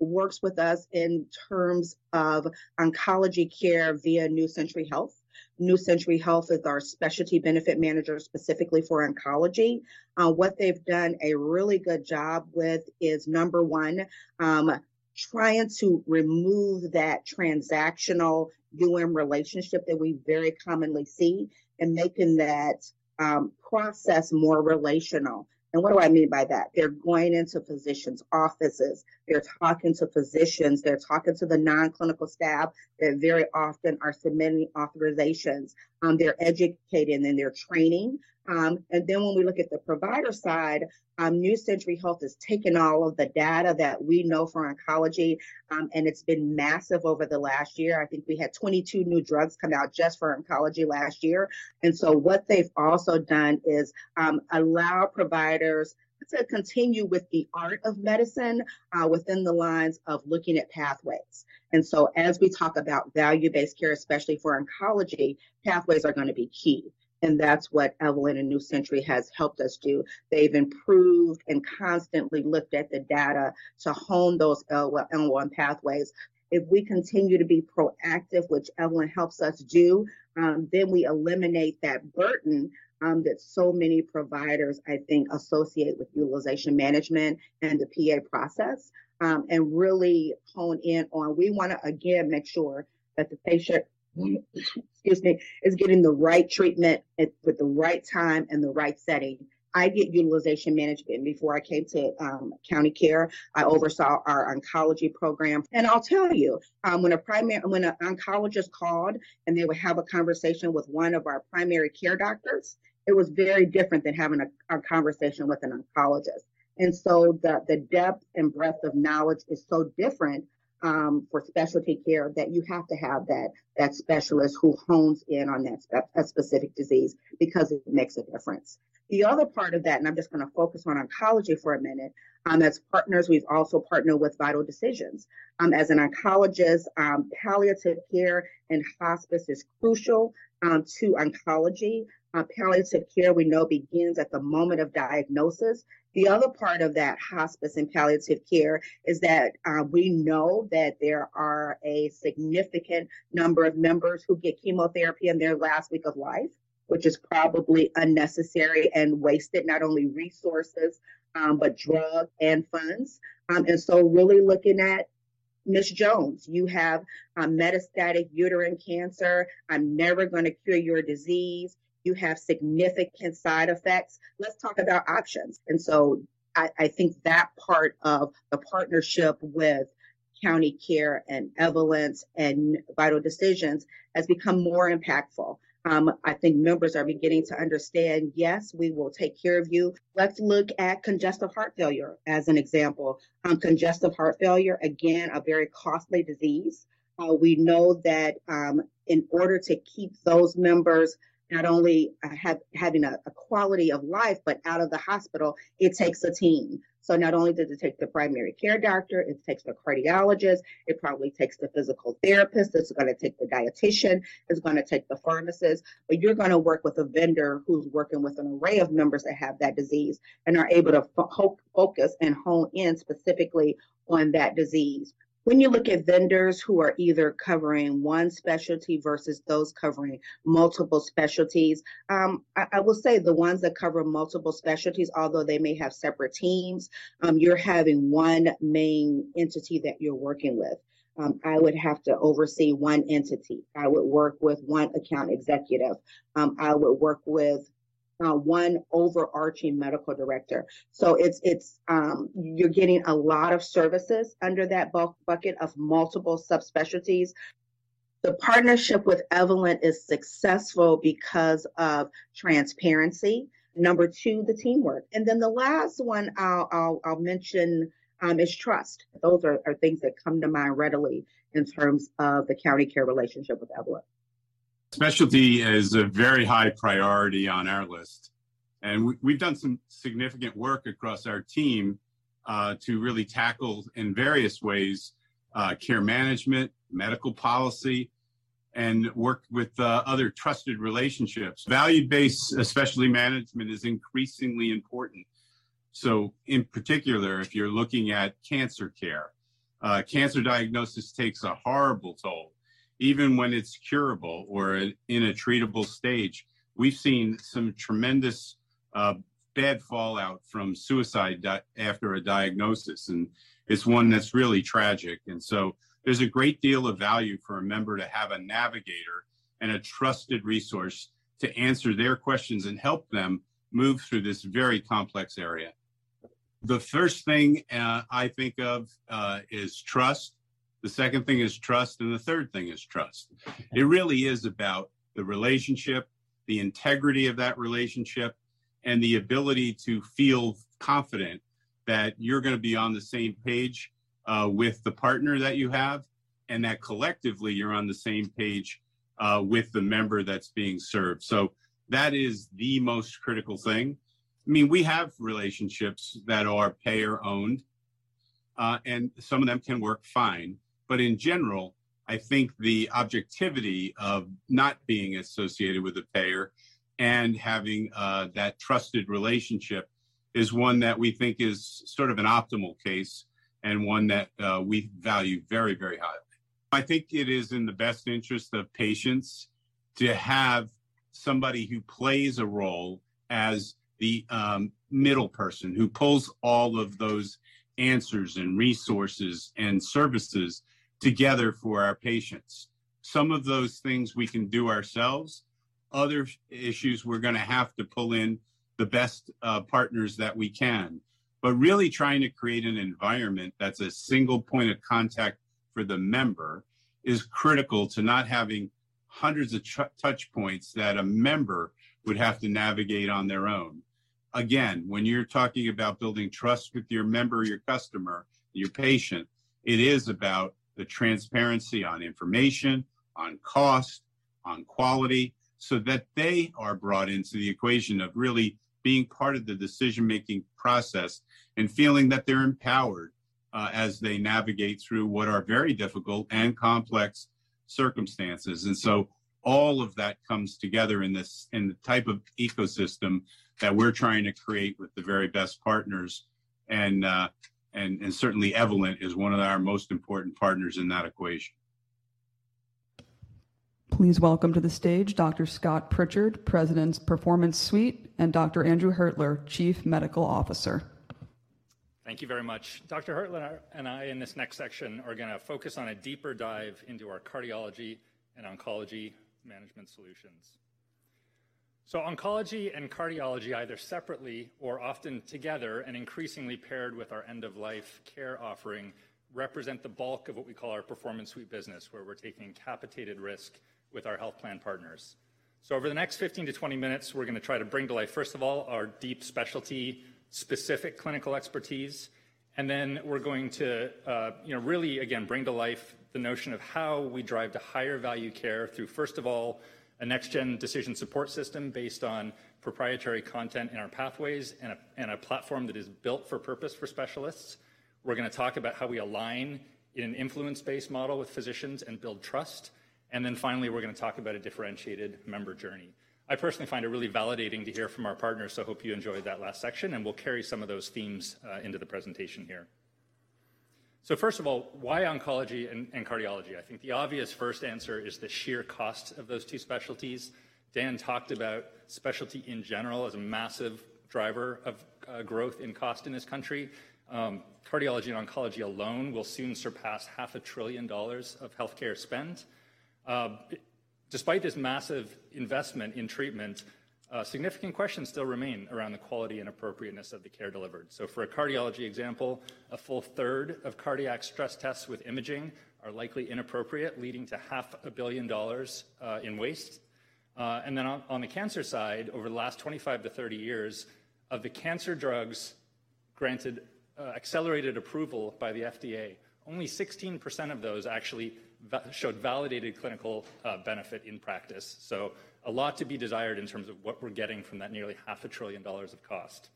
works with us in terms of oncology care via New Century Health. New Century Health is our specialty benefit manager specifically for oncology. What they've done a really good job with is, number one, trying to remove that transactional UM relationship that we very commonly see and making that process more relational. What do I mean by that? They're going into physicians' offices. They're talking to physicians. They're talking to the non-clinical staff that very often are submitting authorizations. They're educating, and they're training. When we look at the provider side, New Century Health has taken all of the data that we know for oncology, and it's been massive over the last year. I think we had 22 new drugs come out just for oncology last year. What they've also done is allow providers to continue with the art of medicine, within the lines of looking at pathways. As we talk about value-based care, especially for oncology, pathways are gonna be key, and that's what Evolent and New Century has helped us do. They've improved and constantly looked at the data to hone those L1 Pathways. If we continue to be proactive, which Evolent helps us do, then we eliminate that burden that so many providers, I think, associate with utilization management and the PA process, and really hone in on we wanna, again, make sure that the patient, excuse me, is getting the right treatment with the right time and the right setting. I did utilization management before I came to CountyCare. I oversaw our oncology program. I'll tell you, when an oncologist called, and they would have a conversation with one of our primary care doctors, it was very different than having a conversation with an oncologist. The depth and breadth of knowledge is so different for specialty care that you have to have that specialist who hones in on that specific disease because it makes a difference. The other part of that, and I'm just gonna focus on oncology for a minute, as partners, we've also partnered with Vital Decisions. As an oncologist, palliative care and hospice is crucial to oncology. Palliative care we know begins at the moment of diagnosis. The other part of that hospice and palliative care is that we know that there are a significant number of members who get chemotherapy in their last week of life, which is probably unnecessary and wasted, not only resources, but drug and funds. Really looking at, "Miss Jones, you have metastatic uterine cancer. I'm never gonna cure your disease. You have significant side effects. Let's talk about options." I think that part of the partnership with CountyCare and Evolent and Vital Decisions has become more impactful. I think members are beginning to understand, yes, we will take care of you. Let's look at congestive heart failure as an example. Congestive heart failure, again, a very costly disease. We know that, in order to keep those members not only having a quality of life but out of the hospital, it takes a team. Not only does it take the primary care doctor, it takes the cardiologist, it probably takes the physical therapist, it's gonna take the dietitian, it's gonna take the pharmacist, but you're gonna work with a vendor who's working with an array of members that have that disease and are able to focus and hone in specifically on that disease. When you look at vendors who are either covering one specialty versus those covering multiple specialties, I will say the ones that cover multiple specialties, although they may have separate teams, you're having one main entity that you're working with. I would have to oversee one entity. I would work with one account executive. I would work with 1 overarching medical director. So it's, you're getting a lot of services under that bulk bucket of multiple subspecialties. The partnership with Evolent is successful because of transparency. Number 2, the teamwork. The last one I'll mention, is trust. Those are things that come to mind readily in terms of the CountyCare relationship with Evolent.
Specialty is a very high priority on our list, we've done some significant work across our team to really tackle in various ways care management, medical policy, and work with other trusted relationships. Value-based specialty management is increasingly important. In particular, if you're looking at cancer care, cancer diagnosis takes a horrible toll, even when it's curable or in a treatable stage. We've seen some tremendous bad fallout from suicide after a diagnosis, it's one that's really tragic. There's a great deal of value for a member to have a navigator and a trusted resource to answer their questions and help them move through this very complex area. The first thing I think of is trust. The second thing is trust, the third thing is trust. It really is about the relationship, the integrity of that relationship, and the ability to feel confident that you're gonna be on the same page with the partner that you have, and that collectively you're on the same page with the member that's being served. That is the most critical thing. I mean, we have relationships that are payer-owned, and some of them can work fine. In general, I think the objectivity of not being associated with a payer and having that trusted relationship is one that we think is sort of an optimal case and one that we value very, very highly. I think it is in the best interest of patients to have somebody who plays a role as the middle person, who pulls all of those answers and resources and services together for our patients. Some of those things we can do ourselves. Other issues, we're gonna have to pull in the best partners that we can. Really trying to create an environment that's a single point of contact for the member is critical to not having hundreds of touch points that a member would have to navigate on their own. Again, when you're talking about building trust with your member, your customer, your patient, it is about the transparency on information, on cost, on quality, so that they are brought into the equation of really being part of the decision-making process and feeling that they're empowered as they navigate through what are very difficult and complex circumstances. All of that comes together in this, in the type of ecosystem that we're trying to create with the very best partners and certainly Evolent is one of our most important partners in that equation.
Please welcome to the stage Dr. Scott Pritchard, President, Performance Suite, and Dr. Andrew Hertler, Chief Medical Officer.
Thank you very much. Dr. Hertler and I in this next section are gonna focus on a deeper dive into our cardiology and oncology management solutions. Oncology and cardiology, either separately or often together, and increasingly paired with our end-of-life care offering, represent the bulk of what we call our Performance Suite business, where we're taking capitated risk with our health plan partners. Over the next 15-20 minutes, we're gonna try to bring to life, first of all, our deep specialty specific clinical expertise, and then we're going to, you know, really again bring to life the notion of how we drive to higher value care through, first of all, a next gen decision support system based on proprietary content in our pathways and a platform that is built for purpose for specialists. We're gonna talk about how we align in an influence-based model with physicians and build trust. Finally, we're gonna talk about a differentiated member journey. I personally find it really validating to hear from our partners, so hope you enjoyed that last section, and we'll carry some of those themes into the presentation here. First of all, why oncology and cardiology? I think the obvious first answer is the sheer cost of those two specialties. Dan talked about specialty in general as a massive driver of growth in cost in this country. Cardiology and oncology alone will soon surpass half a trillion dollars of healthcare spend. Despite this massive investment in treatment, significant questions still remain around the quality and appropriateness of the care delivered. For a cardiology example, a full third of cardiac stress tests with imaging are likely inappropriate, leading to half a billion dollars in waste. On the cancer side, over the last 25 to 30 years, of the cancer drugs granted accelerated approval by the FDA, only 16% of those actually showed validated clinical benefit in practice. A lot to be desired in terms of what we're getting from that nearly half a trillion dollars of cost.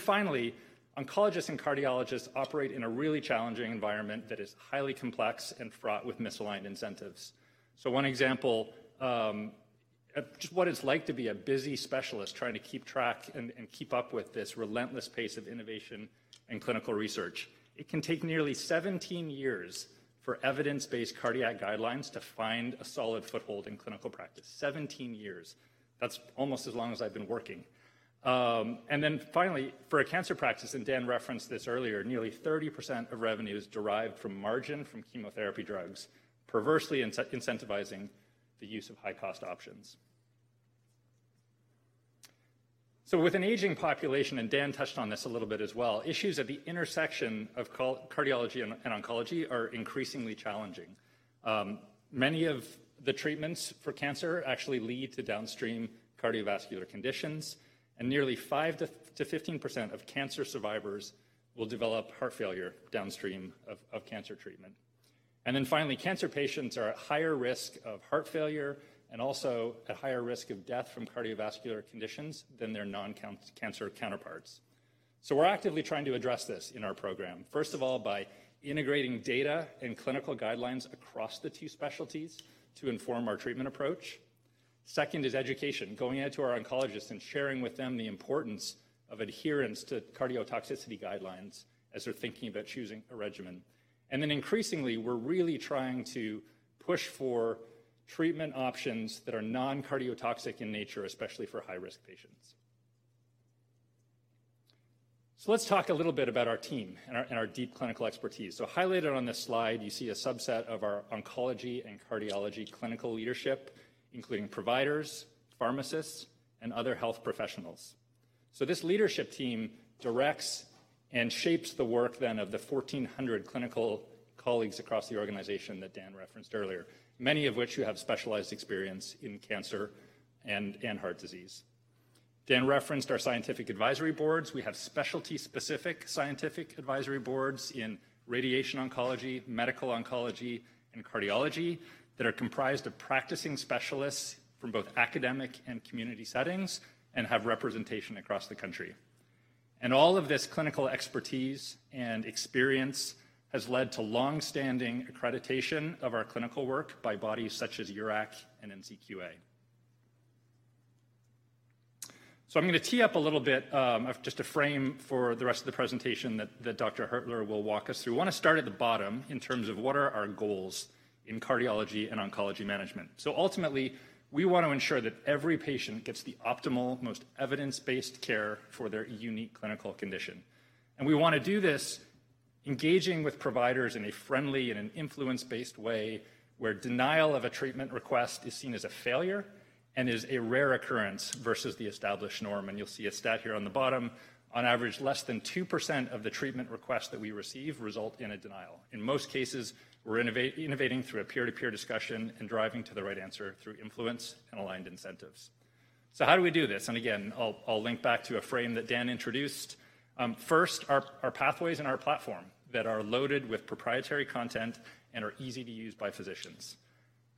Finally, oncologists and cardiologists operate in a really challenging environment that is highly complex and fraught with misaligned incentives. One example, just what it's like to be a busy specialist trying to keep track and keep up with this relentless pace of innovation and clinical research. It can take nearly 17 years for evidence-based cardiac guidelines to find a solid foothold in clinical practice. 17 years. That's almost as long as I've been working. Finally, for a cancer practice, and Dan referenced this earlier, nearly 30% of revenue is derived from margin from chemotherapy drugs, perversely incentivizing the use of high-cost options. With an aging population, and Dan touched on this a little bit as well, issues at the intersection of cardiology and oncology are increasingly challenging. Many of the treatments for cancer actually lead to downstream cardiovascular conditions, and nearly 5% to 15% of cancer survivors will develop heart failure downstream of cancer treatment. Finally, cancer patients are at higher risk of heart failure and also at higher risk of death from cardiovascular conditions than their non-cancer counterparts. We're actively trying to address this in our program. First of all, by integrating data and clinical guidelines across the two specialties to inform our treatment approach. Second is education, going out to our oncologists and sharing with them the importance of adherence to cardiotoxicity guidelines as they're thinking about choosing a regimen. Increasingly, we're really trying to push for treatment options that are non-cardiotoxic in nature, especially for high-risk patients. Let's talk a little bit about our team and our deep clinical expertise. Highlighted on this slide, you see a subset of our oncology and cardiology clinical leadership, including providers, pharmacists, and other health professionals. This leadership team directs and shapes the work then of the 1,400 clinical colleagues across the organization that Dan referenced earlier, many of which who have specialized experience in cancer and heart disease. Dan referenced our scientific advisory boards. We have specialty-specific scientific advisory boards in radiation oncology, medical oncology, and cardiology that are comprised of practicing specialists from both academic and community settings and have representation across the country. All of this clinical expertise and experience has led to long-standing accreditation of our clinical work by bodies such as URAC and NCQA. I'm gonna tee up a little bit of just a frame for the rest of the presentation that Dr. Hertler will walk us through. Wanna start at the bottom in terms of what are our goals in cardiology and oncology management. Ultimately, we want to ensure that every patient gets the optimal, most evidence-based care for their unique clinical condition. We wanna do this engaging with providers in a friendly and an influence-based way, where denial of a treatment request is seen as a failure and is a rare occurrence versus the established norm, and you'll see a stat here on the bottom. On average, less than 2% of the treatment requests that we receive result in a denial. In most cases, we're innovating through a peer-to-peer discussion and driving to the right answer through influence and aligned incentives. How do we do this? Again, I'll link back to a frame that Dan introduced. First, our pathways and our platform that are loaded with proprietary content and are easy to use by physicians.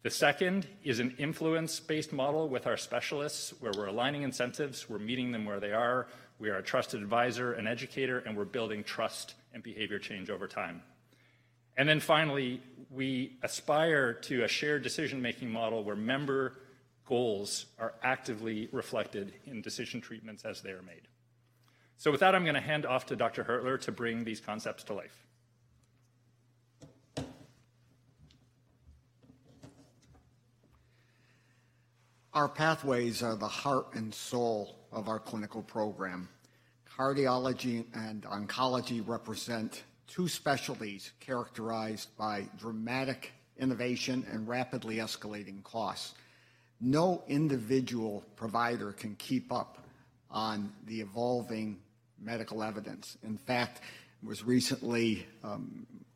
The second is an influence-based model with our specialists, where we're aligning incentives, we're meeting them where they are, we are a trusted advisor and educator, and we're building trust and behavior change over time. Finally, we aspire to a shared decision-making model where member goals are actively reflected in decision treatments as they are made. With that, I'm gonna hand off to Dr. Hertler to bring these concepts to life.
Our pathways are the heart and soul of our clinical program. Cardiology and oncology represent two specialties characterized by dramatic innovation and rapidly escalating costs. No individual provider can keep up on the evolving medical evidence. In fact, it was recently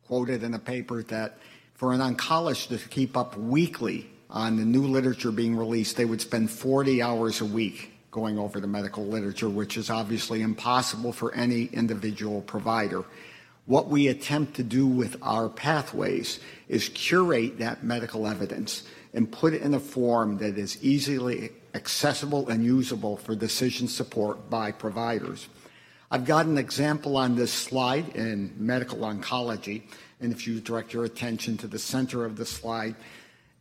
quoted in a paper that for an oncologist to keep up weekly on the new literature being released, they would spend 40 hours a week going over the medical literature, which is obviously impossible for any individual provider. What we attempt to do with our pathways is curate that medical evidence and put it in a form that is easily accessible and usable for decision support by providers. I've got an example on this slide in medical oncology, and if you direct your attention to the center of the slide,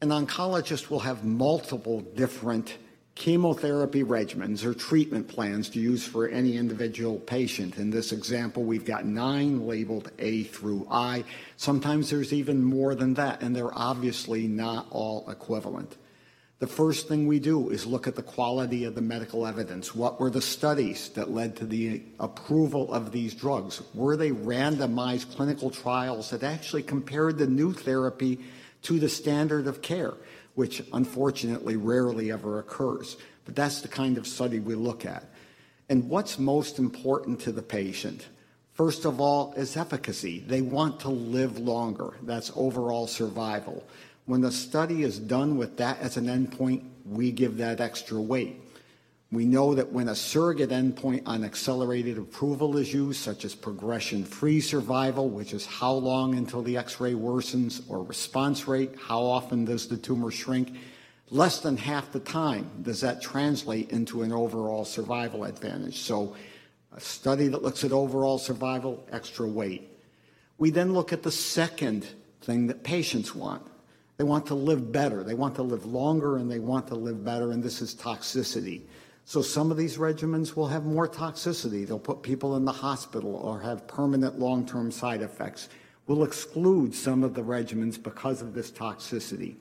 an oncologist will have multiple different chemotherapy regimens or treatment plans to use for any individual patient. In this example, we've got nine labeled A through I. Sometimes there's even more than that, and they're obviously not all equivalent. The first thing we do is look at the quality of the medical evidence. What were the studies that led to the approval of these drugs? Were they randomized clinical trials that actually compared the new therapy to the standard of care, which unfortunately rarely ever occurs? That's the kind of study we look at. What's most important to the patient, first of all, is efficacy. They want to live longer. That's overall survival. When the study is done with that as an endpoint, we give that extra weight. We know that when a surrogate endpoint on accelerated approval is used, such as progression-free survival, which is how long until the X-ray worsens or response rate, how often does the tumor shrink, less than half the time does that translate into an overall survival advantage. A study that looks at overall survival, extra weight. We look at the second thing that patients want. They want to live better. They want to live longer, and they want to live better, and this is toxicity. Some of these regimens will have more toxicity. They'll put people in the hospital or have permanent long-term side effects. We'll exclude some of the regimens because of this toxicity.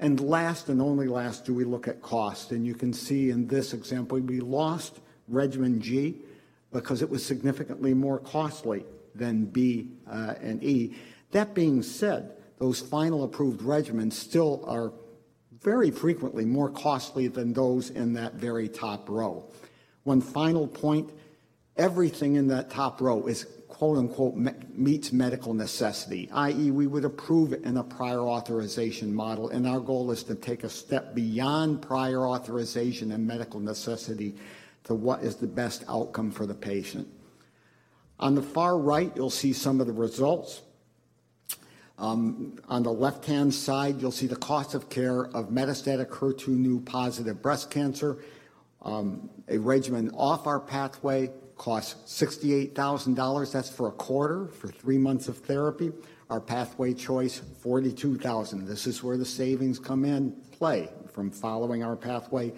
Last and only last do we look at cost, and you can see in this example, we lost regimen G because it was significantly more costly than B and E. That being said, those final approved regimens still are very frequently more costly than those in that very top row. One final point, everything in that top row is quote-unquote meets medical necessity, i.e., we would approve it in a prior authorization model, our goal is to take a step beyond prior authorization and medical necessity to what is the best outcome for the patient. On the far right, you'll see some of the results. On the left-hand side, you'll see the cost of care of metastatic HER2/neu-positive breast cancer. A regimen off our pathway costs $68,000. That's for a quarter, for 3 months of therapy. Our pathway choice, $42,000. This is where the savings come in play from following our pathway.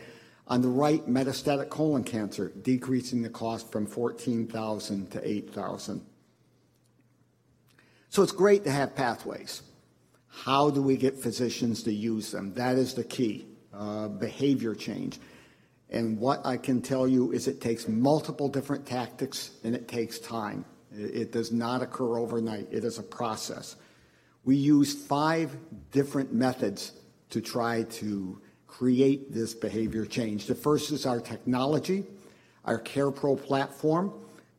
On the right, metastatic colon cancer, decreasing the cost from $14,000 to $8,000. It's great to have pathways. How do we get physicians to use them? That is the key behavior change. What I can tell you is it takes multiple different tactics, and it takes time. It does not occur overnight. It is a process. We use five different methods to try to create this behavior change. The first is our technology. Our CarePro platform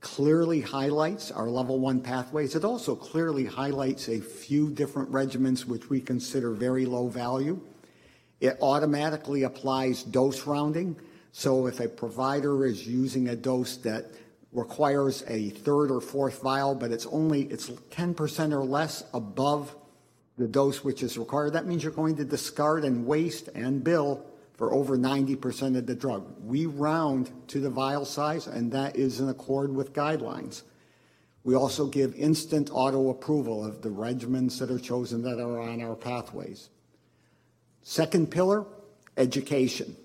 clearly highlights our Level 1 Pathways. It also clearly highlights a few different regimens which we consider very low value. It automatically applies dose rounding. If a provider is using a dose that requires a third or fourth vial, but it's only 10% or less above the dose which is required, that means you're going to discard and waste and bill for over 90% of the drug. We round to the vial size, and that is in accord with guidelines. We also give instant auto-approval of the regimens that are chosen that are on our pathways. Second pillar, education.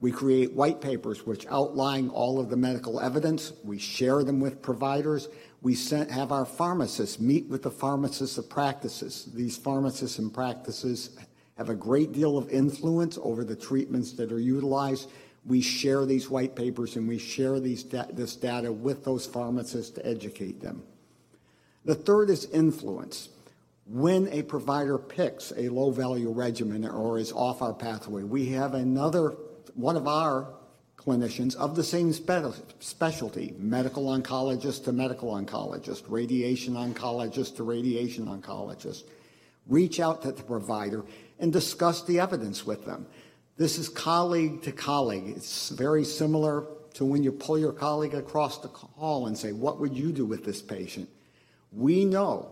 We create white papers which outline all of the medical evidence. We share them with providers. We have our pharmacists meet with the pharmacists of practices. These pharmacists and practices have a great deal of influence over the treatments that are utilized. We share these white papers, and we share this data with those pharmacists to educate them. The third is influence. When a provider picks a low-value regimen or is off our pathway, we have another one of our clinicians of the same specialty, medical oncologist to medical oncologist, radiation oncologist to radiation oncologist, reach out to the provider and discuss the evidence with them. This is colleague to colleague. It's very similar to when you pull your colleague across the hall and say, "What would you do with this patient?" We know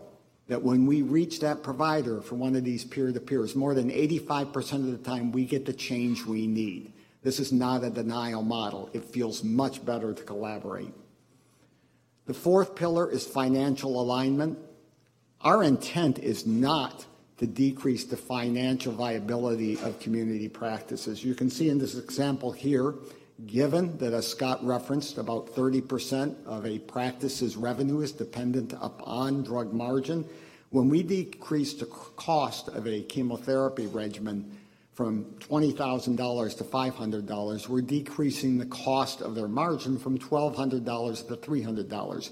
that when we reach that provider for one of these peer-to-peers, more than 85% of the time, we get the change we need. This is not a denial model. It feels much better to collaborate. The fourth pillar is financial alignment. Our intent is not to decrease the financial viability of community practices. You can see in this example here, given that, as Scott referenced, about 30% of a practice's revenue is dependent upon drug margin, when we decrease the cost of a chemotherapy regimen from $20,000 to $500, we're decreasing the cost of their margin from $1,200 to $300.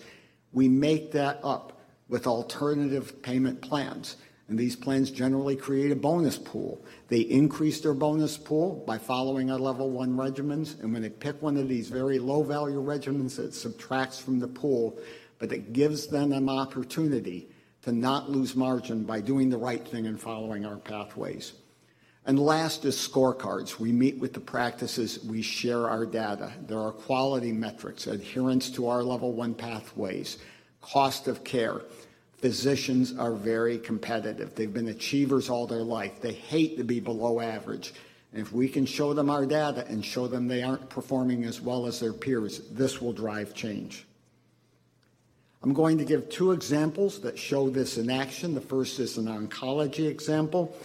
We make that up with alternative payment plans. These plans generally create a bonus pool. They increase their bonus pool by following our Level 1 regimens, and when they pick one of these very low-value regimens, it subtracts from the pool, but it gives them an opportunity to not lose margin by doing the right thing and following our pathways. Last is scorecards. We meet with the practices. We share our data. There are quality metrics, adherence to our Level 1 Pathways, cost of care. Physicians are very competitive. They've been achievers all their life. They hate to be below average. If we can show them our data and show them they aren't performing as well as their peers, this will drive change. I'm going to give 2 examples that show this in action. The first is an oncology example.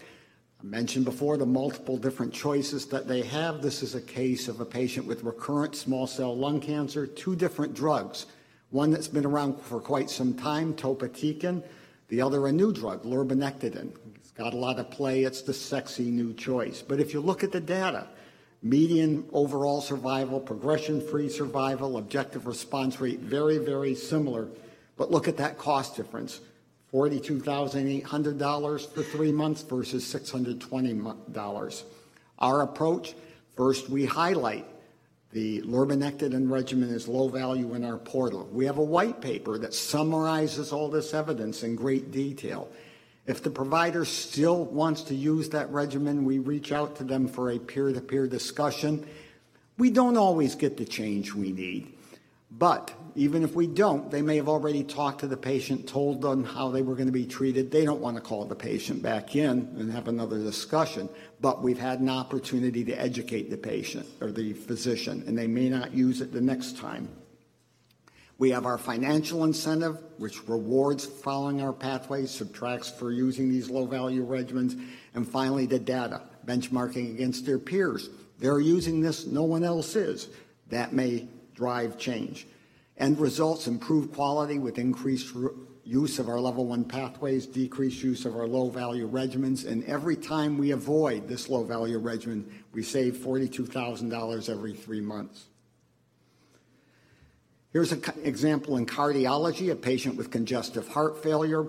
I mentioned before the multiple different choices that they have. This is a case of a patient with recurrent small cell lung cancer, two different drugs, one that's been around for quite some time, topotecan, the other a new drug, Lorbrena. It's got a lot of play. It's the sexy new choice. If you look at the data, median overall survival, progression-free survival, objective response rate, very, very similar. Look at that cost difference, $42,800 for three months versus $620. Our approach, first, we highlight the Lorbrena regimen as low value in our portal. We have a white paper that summarizes all this evidence in great detail. If the provider still wants to use that regimen, we reach out to them for a peer-to-peer discussion. We don't always get the change we need. Even if we don't, they may have already talked to the patient, told them how they were gonna be treated. They don't wanna call the patient back in and have another discussion. We've had an opportunity to educate the patient or the physician, and they may not use it the next time. We have our financial incentive, which rewards following our pathways, subtracts for using these low-value regimens. Finally, the data, benchmarking against their peers. They're using this. No one else is. That may drive change. End results, improved quality with increased use of our Level 1 Pathways, decreased use of our low-value regimens, and every time we avoid this low-value regimen, we save $42,000 every three months. Here's an example in cardiology, a patient with congestive heart failure.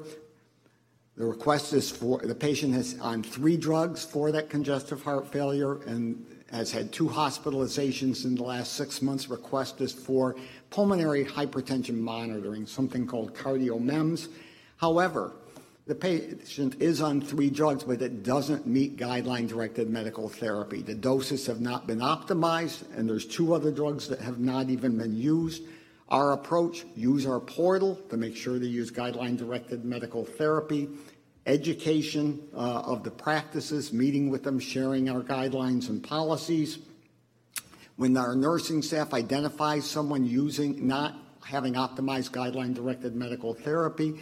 The request is for the patient is on 3 drugs for that congestive heart failure and has had 2 hospitalizations in the last 6 months. Request is for pulmonary hypertension monitoring, something called CardioMEMS. The patient is on 3 drugs, but it doesn't meet guideline-directed medical therapy. The doses have not been optimized, and there's 2 other drugs that have not even been used. Our approach, use our portal to make sure they use guideline-directed medical therapy. Education of the practices, meeting with them, sharing our guidelines and policies. When our nursing staff identifies someone not having optimized guideline-directed medical therapy,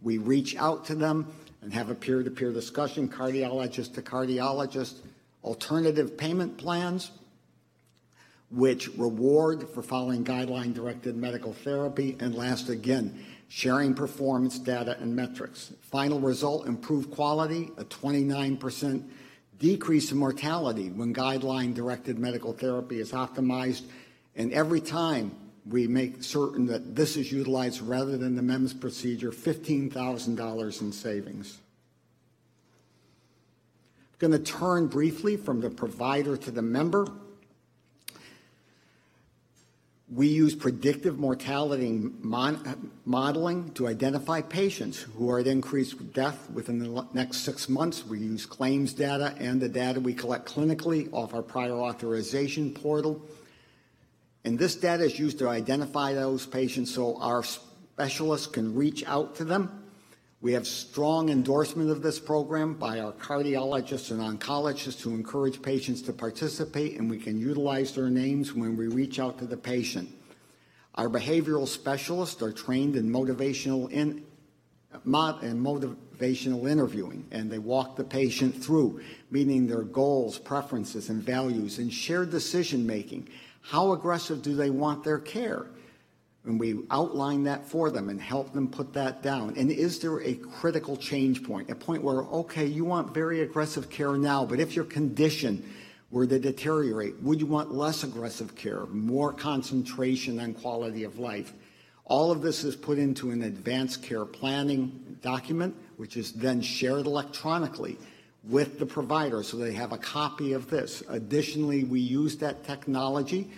we reach out to them and have a peer-to-peer discussion, cardiologist to cardiologist. Alternative payment plans which reward for following guideline-directed medical therapy. Last, again, sharing performance data and metrics. Final result, improved quality, a 29% decrease in mortality when guideline-directed medical therapy is optimized. Every time we make certain that this is utilized rather than the MEMS procedure, $15,000 in savings. Gonna turn briefly from the provider to the member. We use predictive mortality modeling to identify patients who are at increased death within the next six months. We use claims data and the data we collect clinically off our prior authorization portal. This data is used to identify those patients so our specialists can reach out to them. We have strong endorsement of this program by our cardiologists and oncologists who encourage patients to participate, We can utilize their names when we reach out to the patient. Our behavioral specialists are trained in motivational interviewing, they walk the patient through, meaning their goals, preferences, and values and shared decision-making. How aggressive do they want their care? We outline that for them and help them put that down. Is there a critical change point? A point where, "Okay, you want very aggressive care now, but if your condition were to deteriorate, would you want less aggressive care, more concentration on quality of life?" All of this is put into an advanced care planning document, which is then shared electronically with the provider, so they have a copy of this. Additionally, we use that technology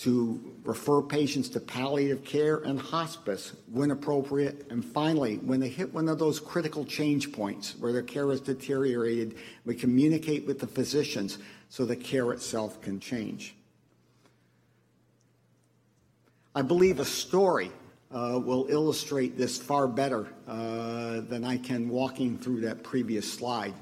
to refer patients to palliative care and hospice when appropriate. Finally, when they hit one of those critical change points where their care has deteriorated, we communicate with the physicians so the care itself can change. I believe a story will illustrate this far better than I can walking through that previous slide.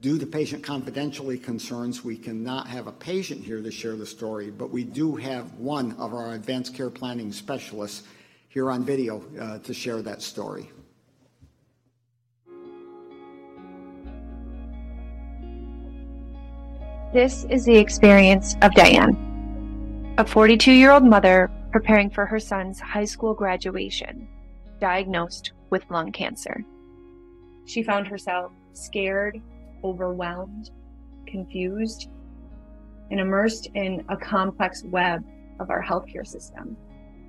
Due to patient confidentiality concerns, we cannot have a patient here to share the story, but we do have one of our advanced care planning specialists here on video to share that story.
This is the experience of Diane, a 42-year-old mother preparing for her son's high school graduation, diagnosed with lung cancer. She found herself scared, overwhelmed, confused, and immersed in a complex web of our healthcare system.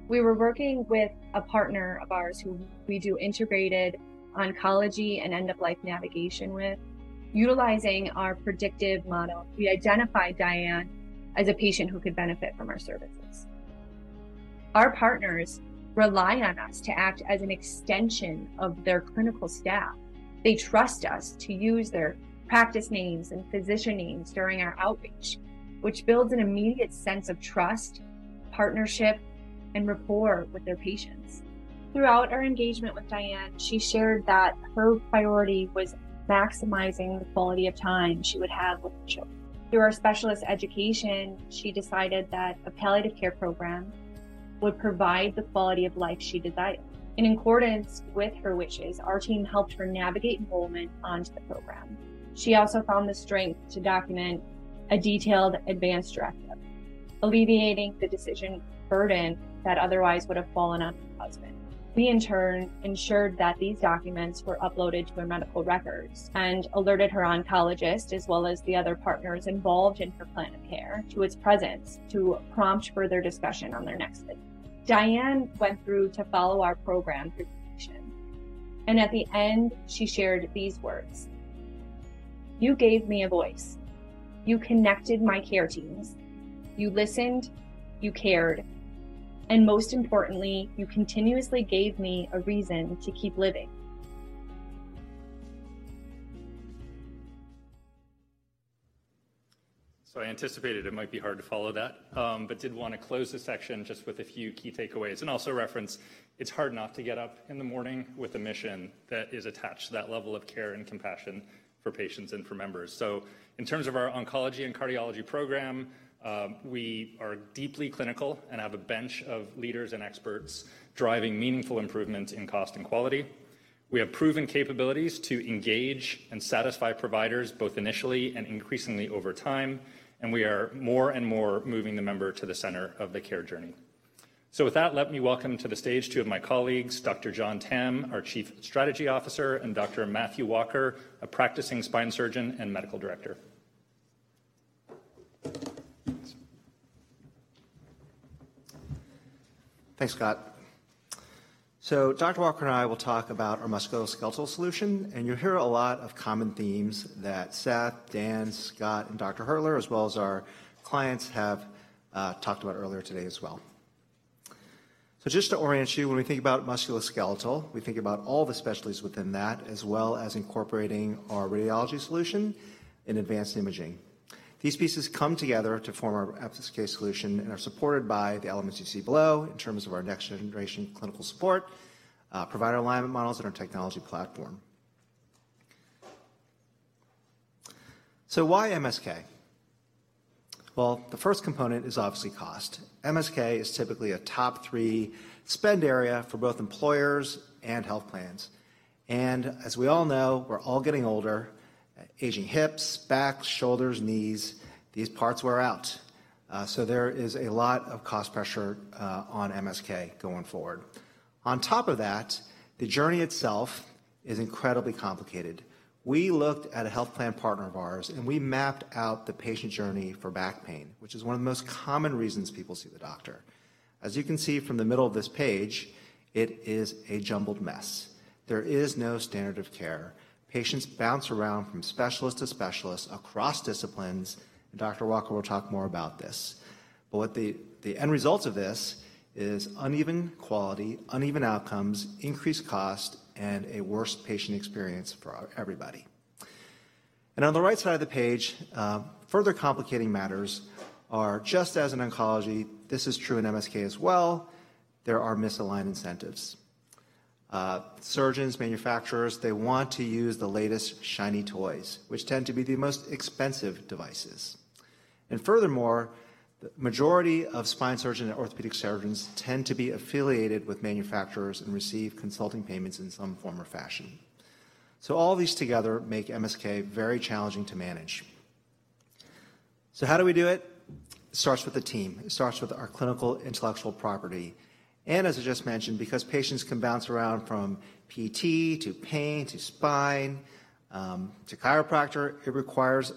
We were working with a partner of ours who we do integrated oncology and end-of-life navigation with. Utilizing our predictive model, we identified Diane as a patient who could benefit from our services. Our partners rely on us to act as an extension of their clinical staff. They trust us to use their practice names and physician names during our outreach, which builds an immediate sense of trust, partnership, and rapport with their patients. Throughout our engagement with Diane, she shared that her priority was maximizing the quality of time she would have with her children. Through our specialist education, she decided that a palliative care program would provide the quality of life she desired. In accordance with her wishes, our team helped her navigate enrollment onto the program. She also found the strength to document a detailed advance directive, alleviating the decision burden that otherwise would have fallen on her husband. We, in turn, ensured that these documents were uploaded to her medical records and alerted her oncologist, as well as the other partners involved in her plan of care, to its presence to prompt further discussion on their next visit. Diane went through to follow our program through completion. At the end, she shared these words: "You gave me a voice. You connected my care teams. You listened, you cared, and most importantly, you continuously gave me a reason to keep living.
I anticipated it might be hard to follow that, but did wanna close this section just with a few key takeaways and also reference it's hard not to get up in the morning with a mission that is attached to that level of care and compassion for patients and for members. In terms of our oncology and cardiology program, we are deeply clinical and have a bench of leaders and experts driving meaningful improvements in cost and quality. We have proven capabilities to engage and satisfy providers, both initially and increasingly over time, and we are more and more moving the member to the center of the care journey. With that, let me welcome to the stage two of my colleagues, Dr. John Tam, our Chief Strategy Officer, and Dr. Matthew Walker, a practicing spine surgeon and Medical Director.
Thanks, Scott. Dr. Matthew Walker and I will talk about our musculoskeletal solution, and you'll hear a lot of common themes that Seth, Dan, Scott, and Dr. Hertler, as well as our clients, have talked about earlier today as well. Just to orient you, when we think about musculoskeletal, we think about all the specialties within that, as well as incorporating our radiology solution and advanced imaging. These pieces come together to form our episode case solution and are supported by the elements you see below in terms of our next-generation clinical support, provider alignment models, and our technology platform. Why MSK? The first component is obviously cost. MSK is typically a top 3 spend area for both employers and health plans. As we all know, we're all getting older. Aging hips, backs, shoulders, knees, these parts wear out. There is a lot of cost pressure on MSK going forward. On top of that, the journey itself is incredibly complicated. We looked at a health plan partner of ours, and we mapped out the patient journey for back pain, which is one of the most common reasons people see the doctor. As you can see from the middle of this page, it is a jumbled mess. There is no standard of care. Patients bounce around from specialist to specialist across disciplines, and Dr. Walker will talk more about this. What the end result of this is uneven quality, uneven outcomes, increased cost, and a worse patient experience for everybody. On the right side of the page, further complicating matters are just as in oncology, this is true in MSK as well. There are misaligned incentives. Surgeons, manufacturers, they want to use the latest shiny toys, which tend to be the most expensive devices. Furthermore, the majority of spine surgeons and orthopedic surgeons tend to be affiliated with manufacturers and receive consulting payments in some form or fashion. All these together make MSK very challenging to manage. How do we do it? It starts with the team. It starts with our clinical intellectual property. As I just mentioned, because patients can bounce around from PT to pain to spine, to chiropractor, it requires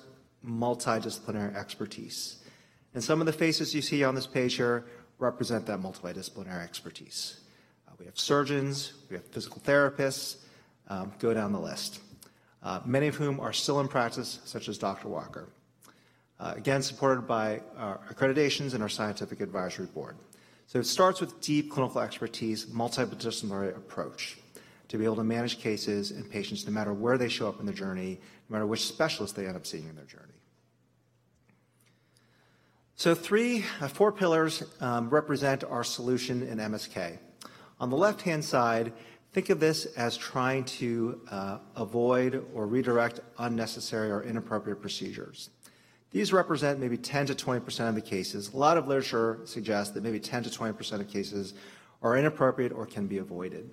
multidisciplinary expertise. Some of the faces you see on this page here represent that multidisciplinary expertise. We have surgeons, we have physical therapists, go down the list, many of whom are still in practice, such as Dr. Walker. Again, supported by our accreditations and our scientific advisory board. It starts with deep clinical expertise, multidisciplinary approach, to be able to manage cases and patients no matter where they show up in their journey, no matter which specialist they end up seeing in their journey. Three, four pillars represent our solution in MSK. On the left-hand side, think of this as trying to avoid or redirect unnecessary or inappropriate procedures. These represent maybe 10%-20% of the cases. A lot of literature suggests that maybe 10%-20% of cases are inappropriate or can be avoided.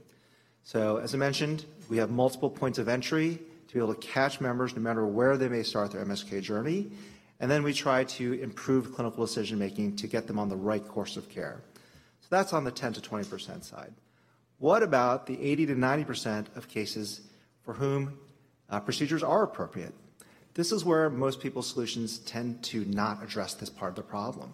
As I mentioned, we have multiple points of entry to be able to catch members no matter where they may start their MSK journey, and then we try to improve clinical decision-making to get them on the right course of care. That's on the 10%-20% side. What about the 80%-90% of cases for whom procedures are appropriate? This is where most people's solutions tend to not address this part of the problem.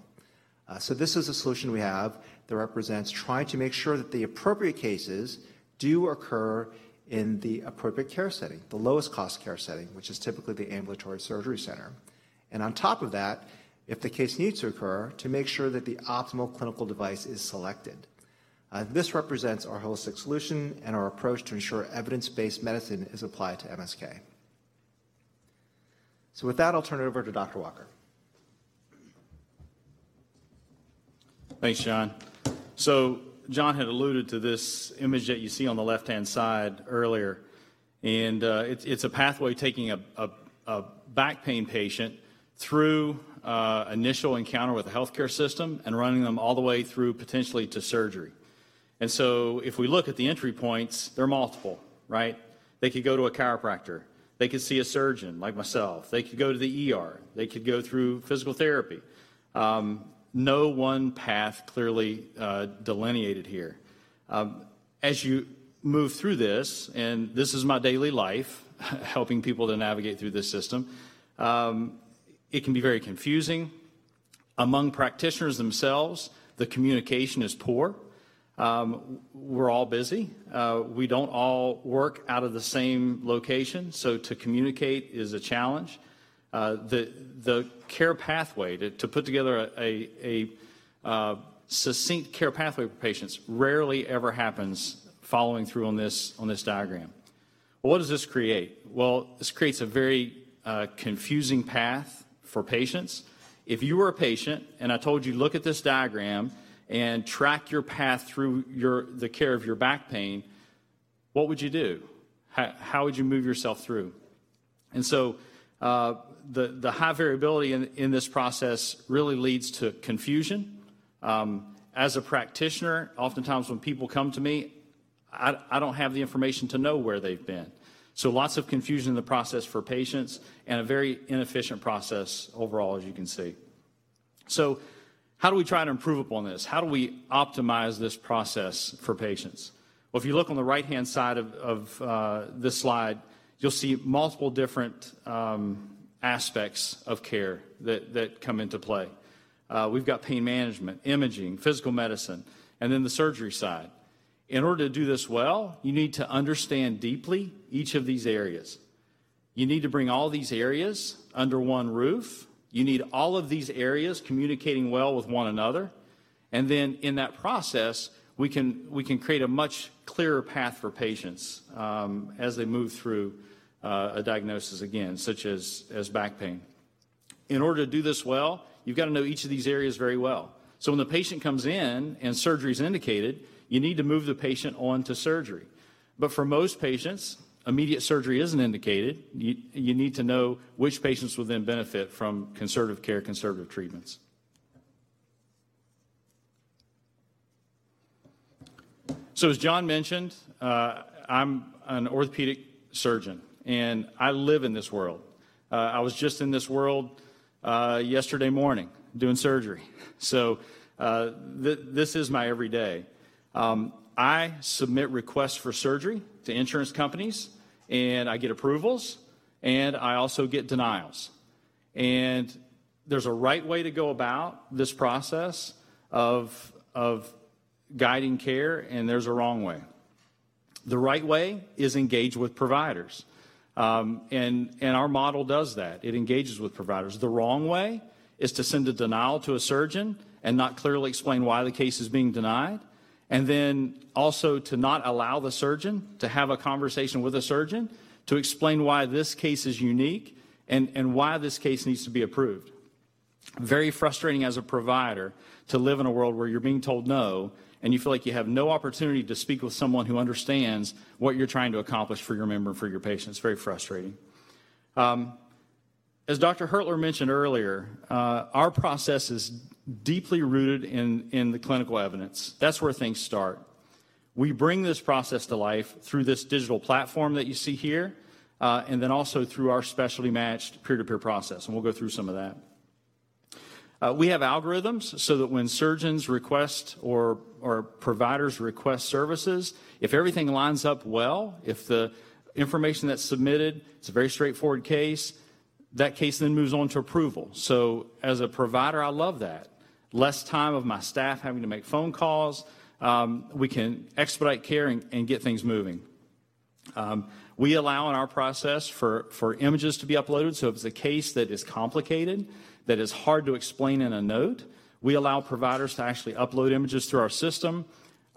This is a solution we have that represents trying to make sure that the appropriate cases do occur in the appropriate care setting, the lowest cost care setting, which is typically the ambulatory surgery center. On top of that, if the case needs to occur, to make sure that the optimal clinical device is selected. This represents our holistic solution and our approach to ensure evidence-based medicine is applied to MSK. With that, I'll turn it over to Dr. Walker.
Thanks, John. John had alluded to this image that you see on the left-hand side earlier, it's a pathway taking a back pain patient through initial encounter with the healthcare system and running them all the way through potentially to surgery. If we look at the entry points, they're multiple, right? They could go to a chiropractor. They could see a surgeon like myself. They could go to the ER. They could go through physical therapy. No one path clearly delineated here. As you move through this, and this is my daily life, helping people to navigate through this system, it can be very confusing. Among practitioners themselves, the communication is poor. We're all busy. We don't all work out of the same location, so to communicate is a challenge. The care pathway, to put together a succinct care pathway for patients rarely ever happens following through on this diagram. What does this create? This creates a very confusing path for patients. If you were a patient, and I told you, "Look at this diagram and track your path through the care of your back pain," what would you do? How would you move yourself through? The high variability in this process really leads to confusion. As a practitioner, oftentimes when people come to me, I don't have the information to know where they've been. Lots of confusion in the process for patients and a very inefficient process overall, as you can see. How do we try to improve upon this? How do we optimize this process for patients? Well, if you look on the right-hand side of this slide, you'll see multiple different aspects of care that come into play. We've got pain management, imaging, physical medicine, and then the surgery side. In order to do this well, you need to understand deeply each of these areas. You need to bring all these areas under one roof. You need all of these areas communicating well with one another. Then in that process, we can create a much clearer path for patients as they move through a diagnosis again, such as back pain. In order to do this well, you've got to know each of these areas very well. When the patient comes in and surgery is indicated, you need to move the patient on to surgery. For most patients, immediate surgery isn't indicated. You need to know which patients will then benefit from conservative care, conservative treatments. As John mentioned, I'm an orthopedic surgeon, and I live in this world. I was just in this world yesterday morning doing surgery. This is my every day. I submit requests for surgery to insurance companies, and I get approvals, and I also get denials. There's a right way to go about this process of guiding care, and there's a wrong way. The right way is engage with providers. Our model does that. It engages with providers. The wrong way is to send a denial to a surgeon and not clearly explain why the case is being denied, also to not allow the surgeon to have a conversation with a surgeon to explain why this case is unique and why this case needs to be approved. Very frustrating as a provider to live in a world where you're being told no, and you feel like you have no opportunity to speak with someone who understands what you're trying to accomplish for your member, for your patient. It's very frustrating. As Dr. Hertler mentioned earlier, our process is deeply rooted in the clinical evidence. That's where things start. We bring this process to life through this digital platform that you see here, also through our specialty matched peer-to-peer process, we'll go through some of that. We have algorithms so that when surgeons request or providers request services, if everything lines up well, if the information that's submitted is a very straightforward case, that case then moves on to approval. As a provider, I love that. Less time of my staff having to make phone calls. We can expedite care and get things moving. We allow in our process for images to be uploaded. If it's a case that is complicated, that is hard to explain in a note, we allow providers to actually upload images through our system.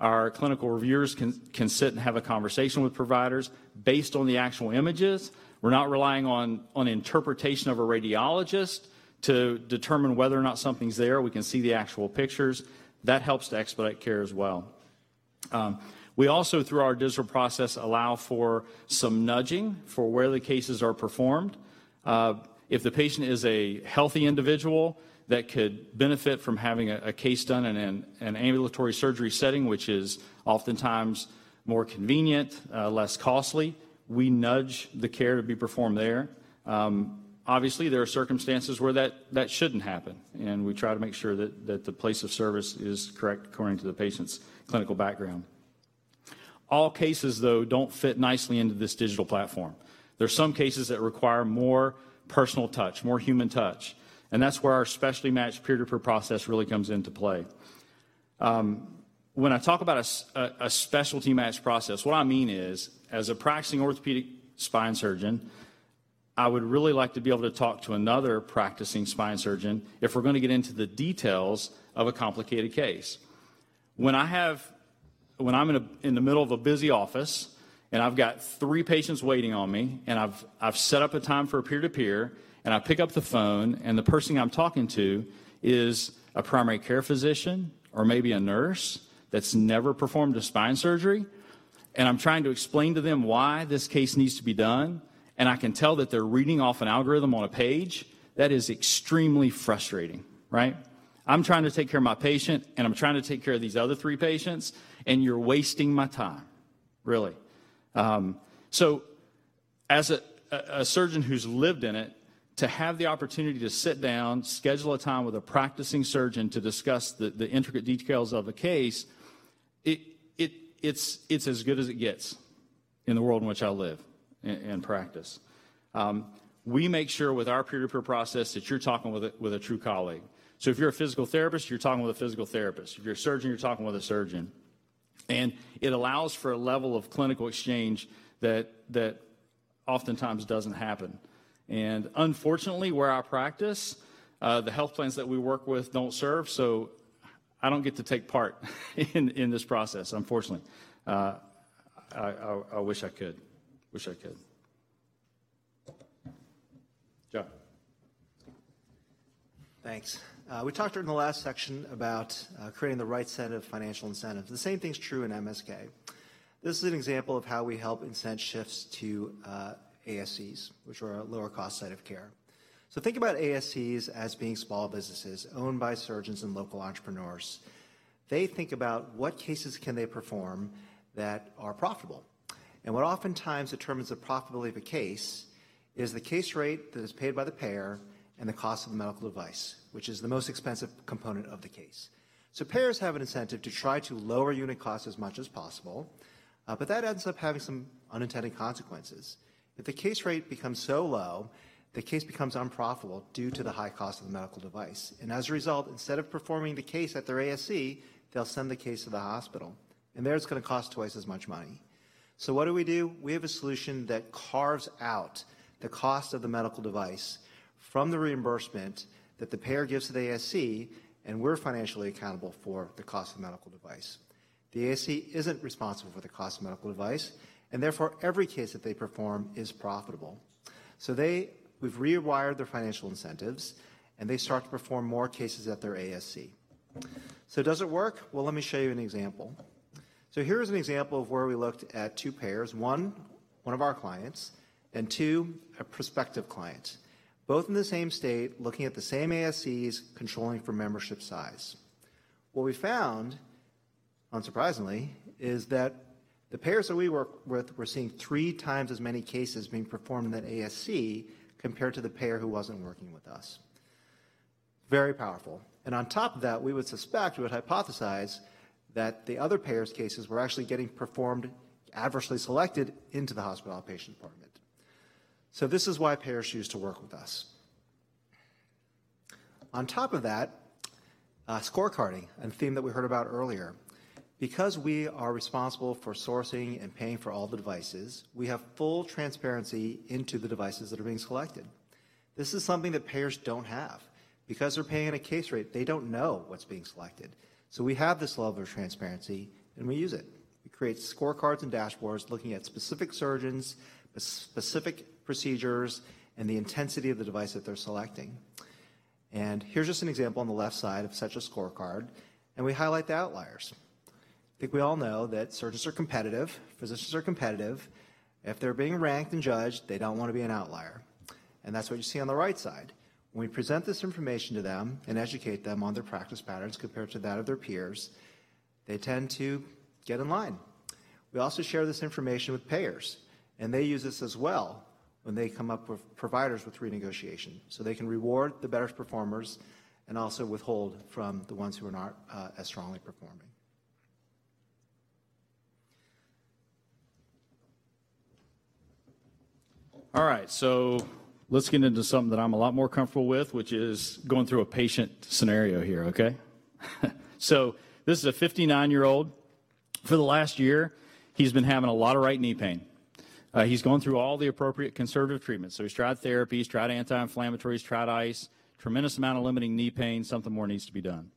Our clinical reviewers can sit and have a conversation with providers based on the actual images. We're not relying on interpretation of a radiologist to determine whether or not something's there. We can see the actual pictures. That helps to expedite care as well. We also through our digital process allow for some nudging for where the cases are performed. If the patient is a healthy individual that could benefit from having a case done in an ambulatory surgery setting, which is oftentimes more convenient, less costly, we nudge the care to be performed there. Obviously, there are circumstances where that shouldn't happen, and we try to make sure that the place of service is correct according to the patient's clinical background. All cases, though, don't fit nicely into this digital platform. There are some cases that require more personal touch, more human touch, and that's where our specialty matched peer-to-peer process really comes into play. When I talk about a specialty matched process, what I mean is, as a practicing orthopedic spine surgeon, I would really like to be able to talk to another practicing spine surgeon if we're going to get into the details of a complicated case. When I'm in the middle of a busy office and I've got 3 patients waiting on me and I've set up a time for a peer-to-peer and I pick up the phone and the person I'm talking to is a primary care physician or maybe a nurse that's never performed a spine surgery, and I'm trying to explain to them why this case needs to be done, and I can tell that they're reading off an algorithm on a page, that is extremely frustrating, right? I'm trying to take care of my patient, and I'm trying to take care of these other three patients, and you're wasting my time, really. As a surgeon who's lived in it, to have the opportunity to sit down, schedule a time with a practicing surgeon to discuss the intricate details of a case, it's as good as it gets in the world in which I live and practice. We make sure with our peer-to-peer process that you're talking with a true colleague. If you're a physical therapist, you're talking with a physical therapist. If you're a surgeon, you're talking with a surgeon. It allows for a level of clinical exchange that oftentimes doesn't happen. Unfortunately, where I practice, the health plans that we work with don't serve, so I don't get to take part in this process, unfortunately. I wish I could. Wish I could. John.
Thanks. We talked during the last section about creating the right set of financial incentives. The same thing's true in MSK. This is an example of how we help incent shifts to ASCs, which are a lower cost site of care. Think about ASCs as being small businesses owned by surgeons and local entrepreneurs. They think about what cases can they perform that are profitable. What oftentimes determines the profitability of a case is the case rate that is paid by the payer and the cost of the medical device, which is the most expensive component of the case. Payers have an incentive to try to lower unit costs as much as possible, but that ends up having some unintended consequences. If the case rate becomes so low, the case becomes unprofitable due to the high cost of the medical device, as a result, instead of performing the case at their ASC, they'll send the case to the hospital, there it's gonna cost twice as much money. What do we do? We have a solution that carves out the cost of the medical device from the reimbursement that the payer gives to the ASC, we're financially accountable for the cost of medical device. The ASC isn't responsible for the cost of medical device, therefore, every case that they perform is profitable. We've rewired their financial incentives, they start to perform more cases at their ASC. Does it work? Well, let me show you an example. Here is an example of where we looked at two payers. One of our clients, two, a prospective client, both in the same state, looking at the same ASCs, controlling for membership size. What we found, unsurprisingly, is that the payers that we work with were seeing 3x as many cases being performed in that ASC compared to the payer who wasn't working with us. Very powerful. On top of that, we would suspect, we would hypothesize that the other payer's cases were actually getting performed adversely selected into the hospital outpatient department. This is why payers choose to work with us. On top of that, scorecarding, a theme that we heard about earlier. Because we are responsible for sourcing and paying for all the devices, we have full transparency into the devices that are being selected. This is something that payers don't have. They're paying at a case rate, they don't know what's being selected. We have this level of transparency, and we use it. We create scorecards and dashboards looking at specific surgeons, specific procedures, and the intensity of the device that they're selecting. Here's just an example on the left side of such a scorecard, and we highlight the outliers. I think we all know that surgeons are competitive, physicians are competitive. If they're being ranked and judged, they don't want to be an outlier, and that's what you see on the right side. When we present this information to them and educate them on their practice patterns compared to that of their peers, they tend to get in line. We also share this information with payers, and they use this as well when they come up with providers with renegotiation, so they can reward the better performers and also withhold from the ones who are not as strongly performing.
All right, let's get into something that I'm a lot more comfortable with, which is going through a patient scenario here, okay? This is a 59-year-old. For the last year, he's been having a lot of right knee pain. He's gone through all the appropriate conservative treatments, he's tried therapy, he's tried anti-inflammatories, tried ice. Tremendous amount of limiting knee pain. Something more needs to be done.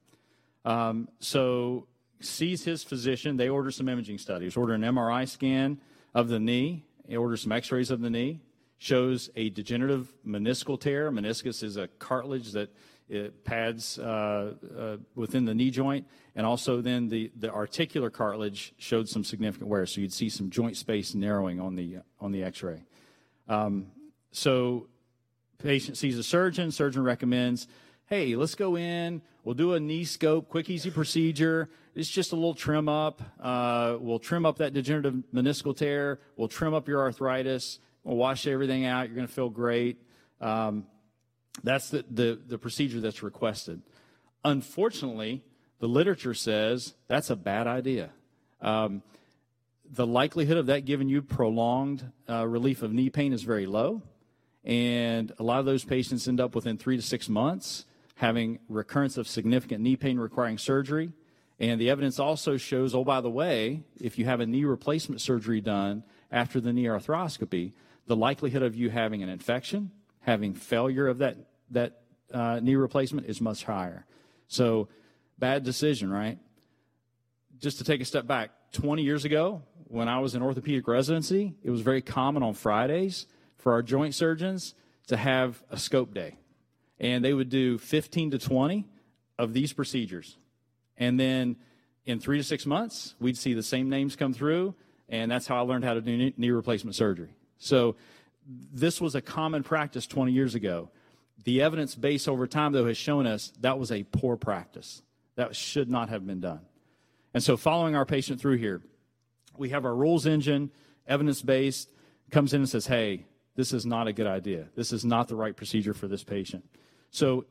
He sees his physician. They order some imaging studies, order an MRI scan of the knee. They order some X-rays of the knee. Shows a degenerative meniscal tear. Meniscus is a cartilage that pads within the knee joint, and also then the articular cartilage showed some significant wear. You'd see some joint space narrowing on the X-ray. Patient sees a surgeon. Surgeon recommends, "Hey, let's go in. We'll do a knee scope, quick, easy procedure. It's just a little trim up. We'll trim up that degenerative meniscal tear. We'll trim up your arthritis. We'll wash everything out. You're gonna feel great. That's the procedure that's requested. Unfortunately, the literature says that's a bad idea. The likelihood of that giving you prolonged relief of knee pain is very low, and a lot of those patients end up within 3 to 6 months having recurrence of significant knee pain requiring surgery. The evidence also shows, oh, by the way, if you have a knee replacement surgery done after the knee arthroscopy, the likelihood of you having an infection, having failure of that knee replacement is much higher. Bad decision, right? Just to take a step back, 20 years ago, when I was in orthopedic residency, it was very common on Fridays for our joint surgeons to have a scope day, and they would do 15-20 of these procedures, and then in 3-6 months, we'd see the same names come through, and that's how I learned how to do knee replacement surgery. This was a common practice 20 years ago. The evidence base over time, though, has shown us that was a poor practice. That should not have been done. Following our patient through here, we have our rules engine, evidence-based, comes in and says, "Hey, this is not a good idea. This is not the right procedure for this patient."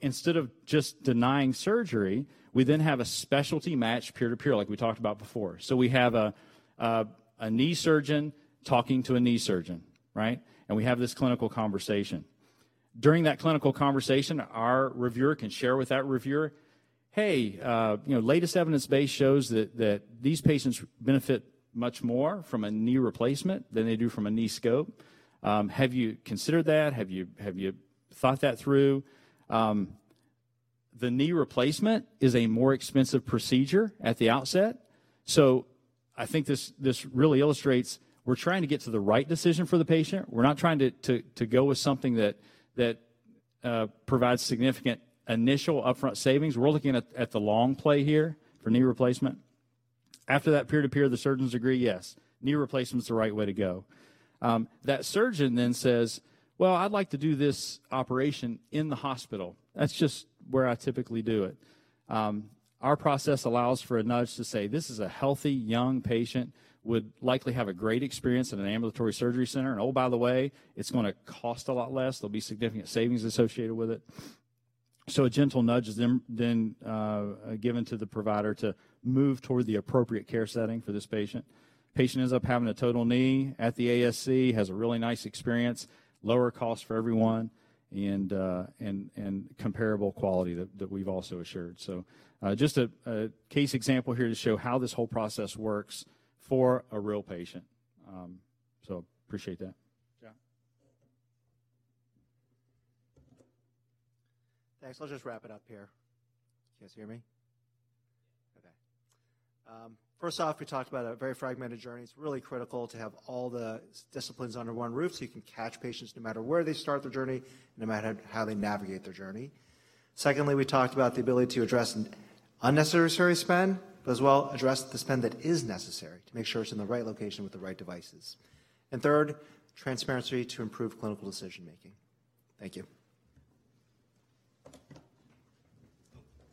Instead of just denying surgery, we then have a specialty match peer-to-peer like we talked about before. We have a knee surgeon talking to a knee surgeon, right? We have this clinical conversation. During that clinical conversation, our reviewer can share with that reviewer, "Hey, you know, latest evidence base shows that these patients benefit much more from a knee replacement than they do from a knee scope. Have you considered that? Have you thought that through?" The knee replacement is a more expensive procedure at the outset, so I think this really illustrates we're trying to get to the right decision for the patient. We're not trying to go with something that provides significant initial upfront savings. We're looking at the long play here for knee replacement. After that peer-to-peer, the surgeons agree, yes, knee replacement is the right way to go. That surgeon then says, "Well, I'd like to do this operation in the hospital. That's just where I typically do it." Our process allows for a nudge to say, "This is a healthy young patient, would likely have a great experience at an ambulatory surgery center. Oh, by the way, it's gonna cost a lot less. There'll be significant savings associated with it." A gentle nudge is then given to the provider to move toward the appropriate care setting for this patient. Patient ends up having a total knee at the ASC, has a really nice experience, lower cost for everyone, and comparable quality that we've also assured. Just a case example here to show how this whole process works for a real patient. Appreciate that, John
Thanks. I'll just wrap it up here. Can you guys hear me? Okay. First off, we talked about a very fragmented journey. It's really critical to have all the disciplines under one roof, so you can catch patients no matter where they start their journey, no matter how they navigate their journey. Secondly, we talked about the ability to address an unnecessary spend, but as well address the spend that is necessary to make sure it's in the right location with the right devices. Third, transparency to improve clinical decision-making. Thank you. Oh,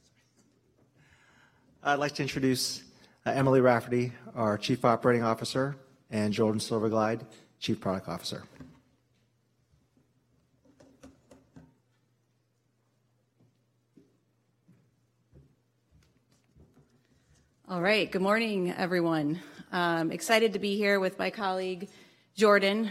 sorry. I'd like to introduce Emily Rafferty, our Chief Operating Officer, and Jordan Silvergleid, Chief Product Officer.
All right. Good morning, everyone. I'm excited to be here with my colleague, Jordan.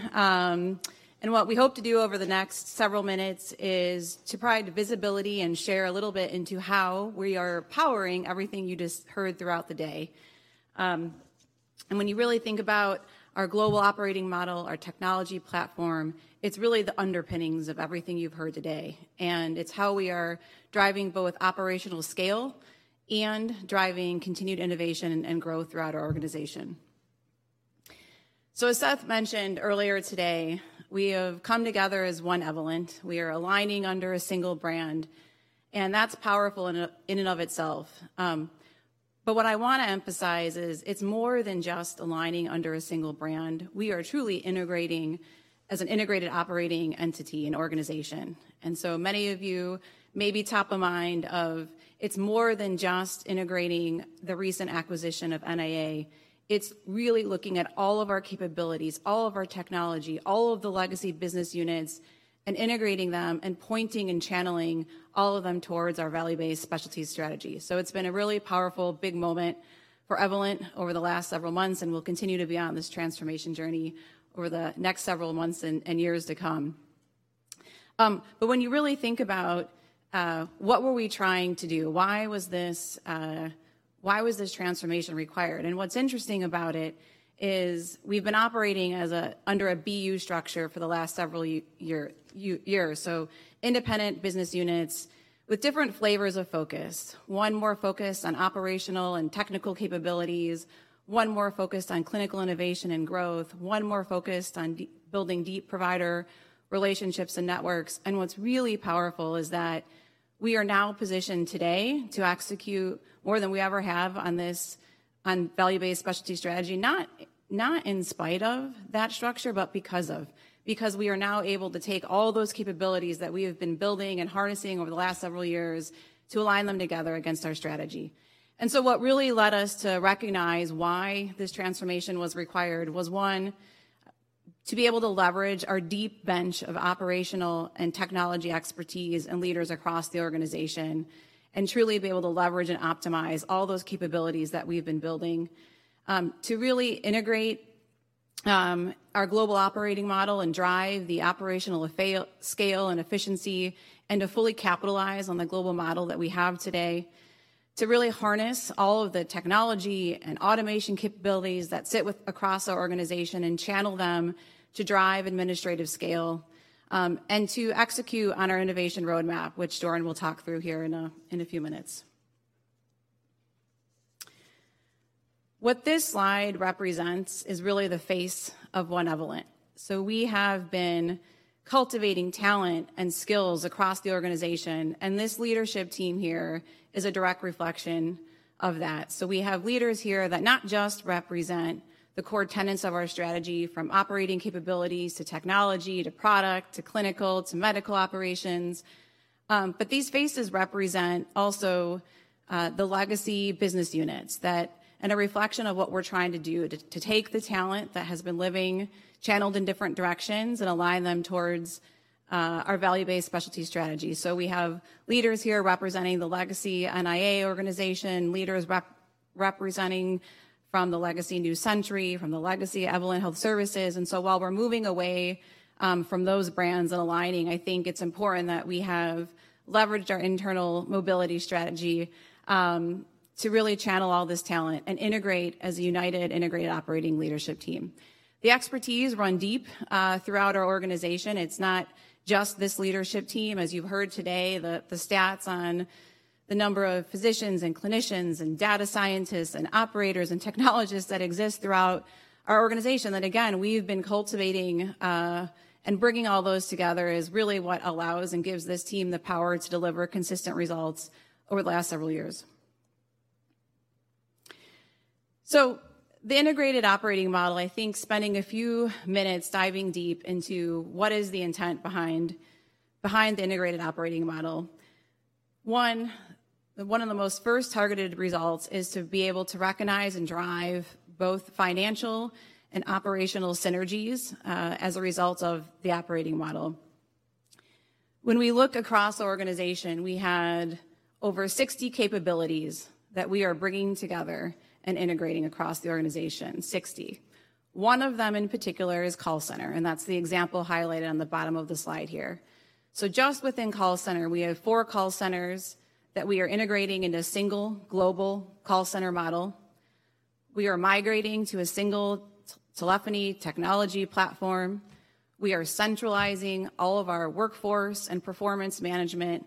What we hope to do over the next several minutes is to provide visibility and share a little bit into how we are powering everything you just heard throughout the day. When you really think about our global operating model, our technology platform, it's really the underpinnings of everything you've heard today, and it's how we are driving both operational scale and driving continued innovation and growth throughout our organization. As Seth mentioned earlier today, we have come together as One Evolent. We are aligning under a single brand, and that's powerful in and of itself. What I wanna emphasize is it's more than just aligning under a single brand. We are truly integrating as an integrated operating entity and organization. Many of you may be top of mind of it's more than just integrating the recent acquisition of NIA. It's really looking at all of our capabilities, all of our technology, all of the legacy business units, and integrating them and pointing and channeling all of them towards our value-based specialty strategy. It's been a really powerful, big moment for Evolent over the last several months, and we'll continue to be on this transformation journey over the next several months and years to come. When you really think about, what were we trying to do? Why was this transformation required? What's interesting about it is we've been operating under a BU structure for the last several years, so independent business units with different flavors of focus. One more focused on operational and technical capabilities, one more focused on clinical innovation and growth, one more focused on building deep provider relationships and networks. What's really powerful is that we are now positioned today to execute more than we ever have on this, on value-based specialty strategy, not in spite of that structure, but because of. We are now able to take all those capabilities that we have been building and harnessing over the last several years to align them together against our strategy. What really led us to recognize why this transformation was required was, one, to be able to leverage our deep bench of operational and technology expertise and leaders across the organization and truly be able to leverage and optimize all those capabilities that we've been building, to really integrate our global operating model and drive the operational scale and efficiency, and to fully capitalize on the global model that we have today to really harness all of the technology and automation capabilities that sit across our organization and channel them to drive administrative scale, and to execute on our innovation roadmap, which Jordan will talk through here in a few minutes. What this slide represents is really the face of One Evolent. We have been cultivating talent and skills across the organization, and this leadership team here is a direct reflection of that. We have leaders here that not just represent the core tenets of our strategy from operating capabilities to technology to product to clinical to medical operations, but these faces represent also the legacy business units that and a reflection of what we're trying to do to take the talent that has been living channeled in different directions and align them towards our value-based specialty strategy. We have leaders here representing the legacy NIA organization, leaders representing from the legacy New Century, from the legacy Evolent Health Services. While we're moving away from those brands and aligning, I think it's important that we have leveraged our internal mobility strategy to really channel all this talent and integrate as a united integrated operating leadership team. The expertise run deep throughout our organization. It's not just this leadership team. As you've heard today, the stats on the number of physicians and clinicians and data scientists and operators and technologists that exist throughout our organization that, again, we've been cultivating and bringing all those together is really what allows and gives this team the power to deliver consistent results over the last several years. The integrated operating model, I think spending a few minutes diving deep into what is the intent behind the integrated operating model. One of the first targeted results is to be able to recognize and drive both financial and operational synergies as a result of the operating model. When we look across the organization, we had over 60 capabilities that we are bringing together and integrating across the organization. One of them in particular is call center, and that's the example highlighted on the bottom of the slide here. Just within call center, we have 4 call centers that we are integrating into a single global call center model. We are migrating to a single telephony technology platform. We are centralizing all of our workforce and performance management.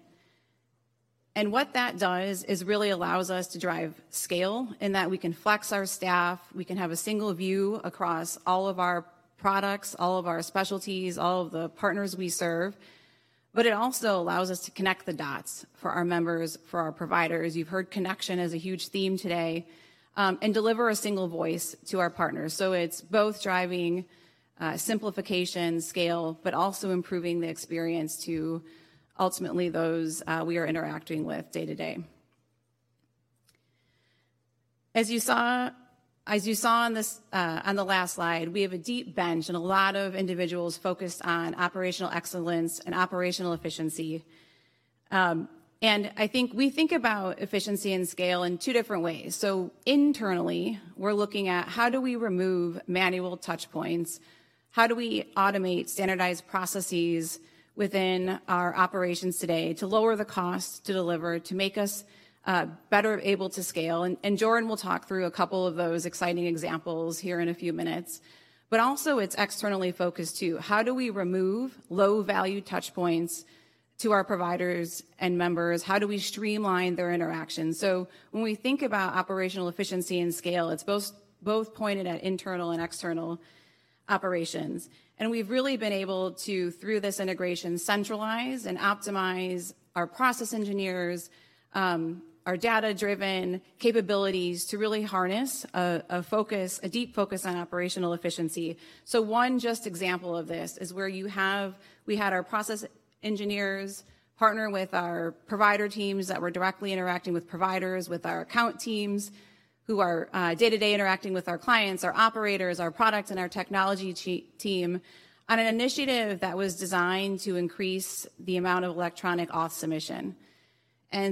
What that does is really allows us to drive scale in that we can flex our staff, we can have a single view across all of our products, all of our specialties, all of the partners we serve, but it also allows us to connect the dots for our members, for our providers, you've heard connection is a huge theme today, and deliver a single voice to our partners. It's both driving simplification, scale, but also improving the experience to ultimately those we are interacting with day to day. As you saw on this on the last slide, we have a deep bench and a lot of individuals focused on operational excellence and operational efficiency. I think we think about efficiency and scale in 2 different ways. Internally, we're looking at how do we remove manual touch points? How do we automate standardized processes within our operations today to lower the cost to deliver, to make us better able to scale? Jordan will talk through a couple of those exciting examples here in a few minutes. Also, it's externally focused too. How do we remove low-value touch points to our providers and members? How do we streamline their interactions? When we think about operational efficiency and scale, it's both pointed at internal and external operations. We've really been able to, through this integration, centralize and optimize our process engineers, our data-driven capabilities to really harness a focus, a deep focus on operational efficiency. One just example of this is where we had our process engineers partner with our provider teams that were directly interacting with providers, with our account teams who are day-to-day interacting with our clients, our operators, our products, and our technology team on an initiative that was designed to increase the amount of electronic auth submission.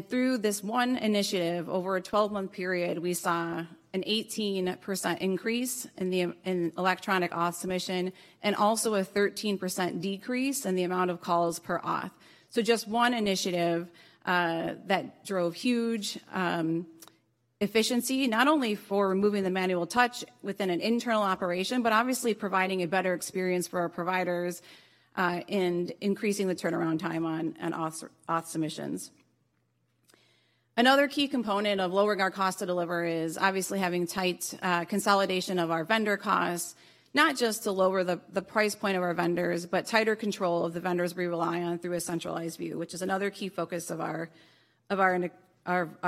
Through this 1 initiative, over a 12-month period, we saw an 18% increase in electronic auth submission and also a 13% decrease in the amount of calls per auth. Just 1 initiative that drove huge efficiency, not only for removing the manual touch within an internal operation, but obviously providing a better experience for our providers and increasing the turnaround time on an auth submissions. Another key component of lowering our cost to deliver is obviously having tight consolidation of our vendor costs, not just to lower the price point of our vendors, but tighter control of the vendors we rely on through a centralized view, which is another key focus of our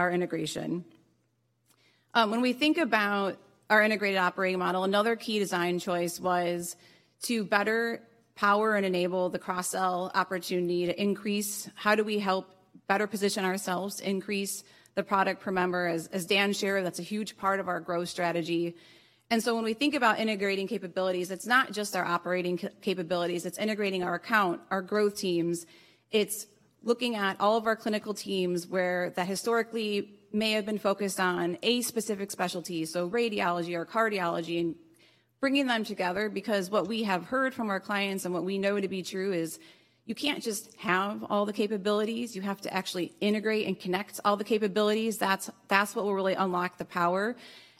integration. When we think about our integrated operating model, another key design choice was to better power and enable the cross-sell opportunity to increase how do we help better position ourselves, increase the product per member. As Dan shared, that's a huge part of our growth strategy. When we think about integrating capabilities, it's not just our operating capabilities, it's integrating our account, our growth teams. It's looking at all of our clinical teams where that historically may have been focused on a specific specialty, so radiology or cardiology, and bringing them together because what we have heard from our clients and what we know to be true is you can't just have all the capabilities. You have to actually integrate and connect all the capabilities. That's what will really unlock the power.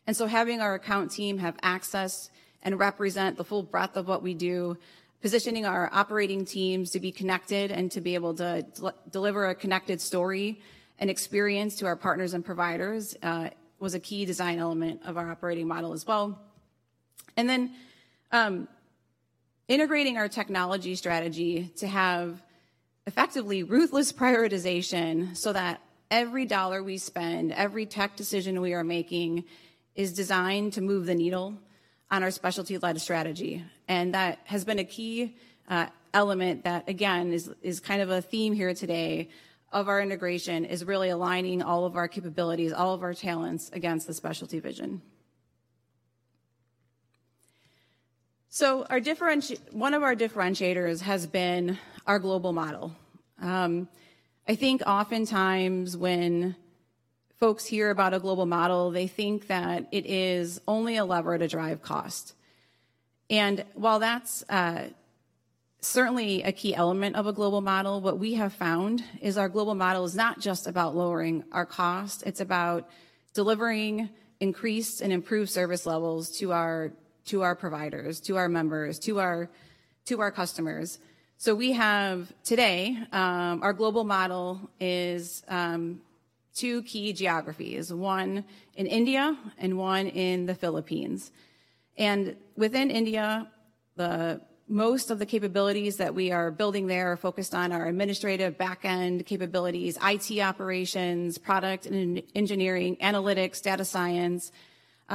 Having our account team have access and represent the full breadth of what we do, positioning our operating teams to be connected and to be able to deliver a connected story and experience to our partners and providers, was a key design element of our operating model as well. Then, integrating our technology strategy to have effectively ruthless prioritization so that every dollar we spend, every tech decision we are making is designed to move the needle on our specialty-led strategy. That has been a key element that again is kind of a theme here today of our integration, is really aligning all of our capabilities, all of our talents against the specialty vision. Our one of our differentiators has been our global model. I think oftentimes when folks hear about a global model, they think that it is only a lever to drive cost. While that's certainly a key element of a global model, what we have found is our global model is not just about lowering our cost, it's about delivering increased and improved service levels to our providers, to our members, to our customers. We have today, our global model is two key geographies, one in India and one in the Philippines. Within India, the most of the capabilities that we are building there are focused on our administrative backend capabilities, IT operations, product and engineering, analytics, data science,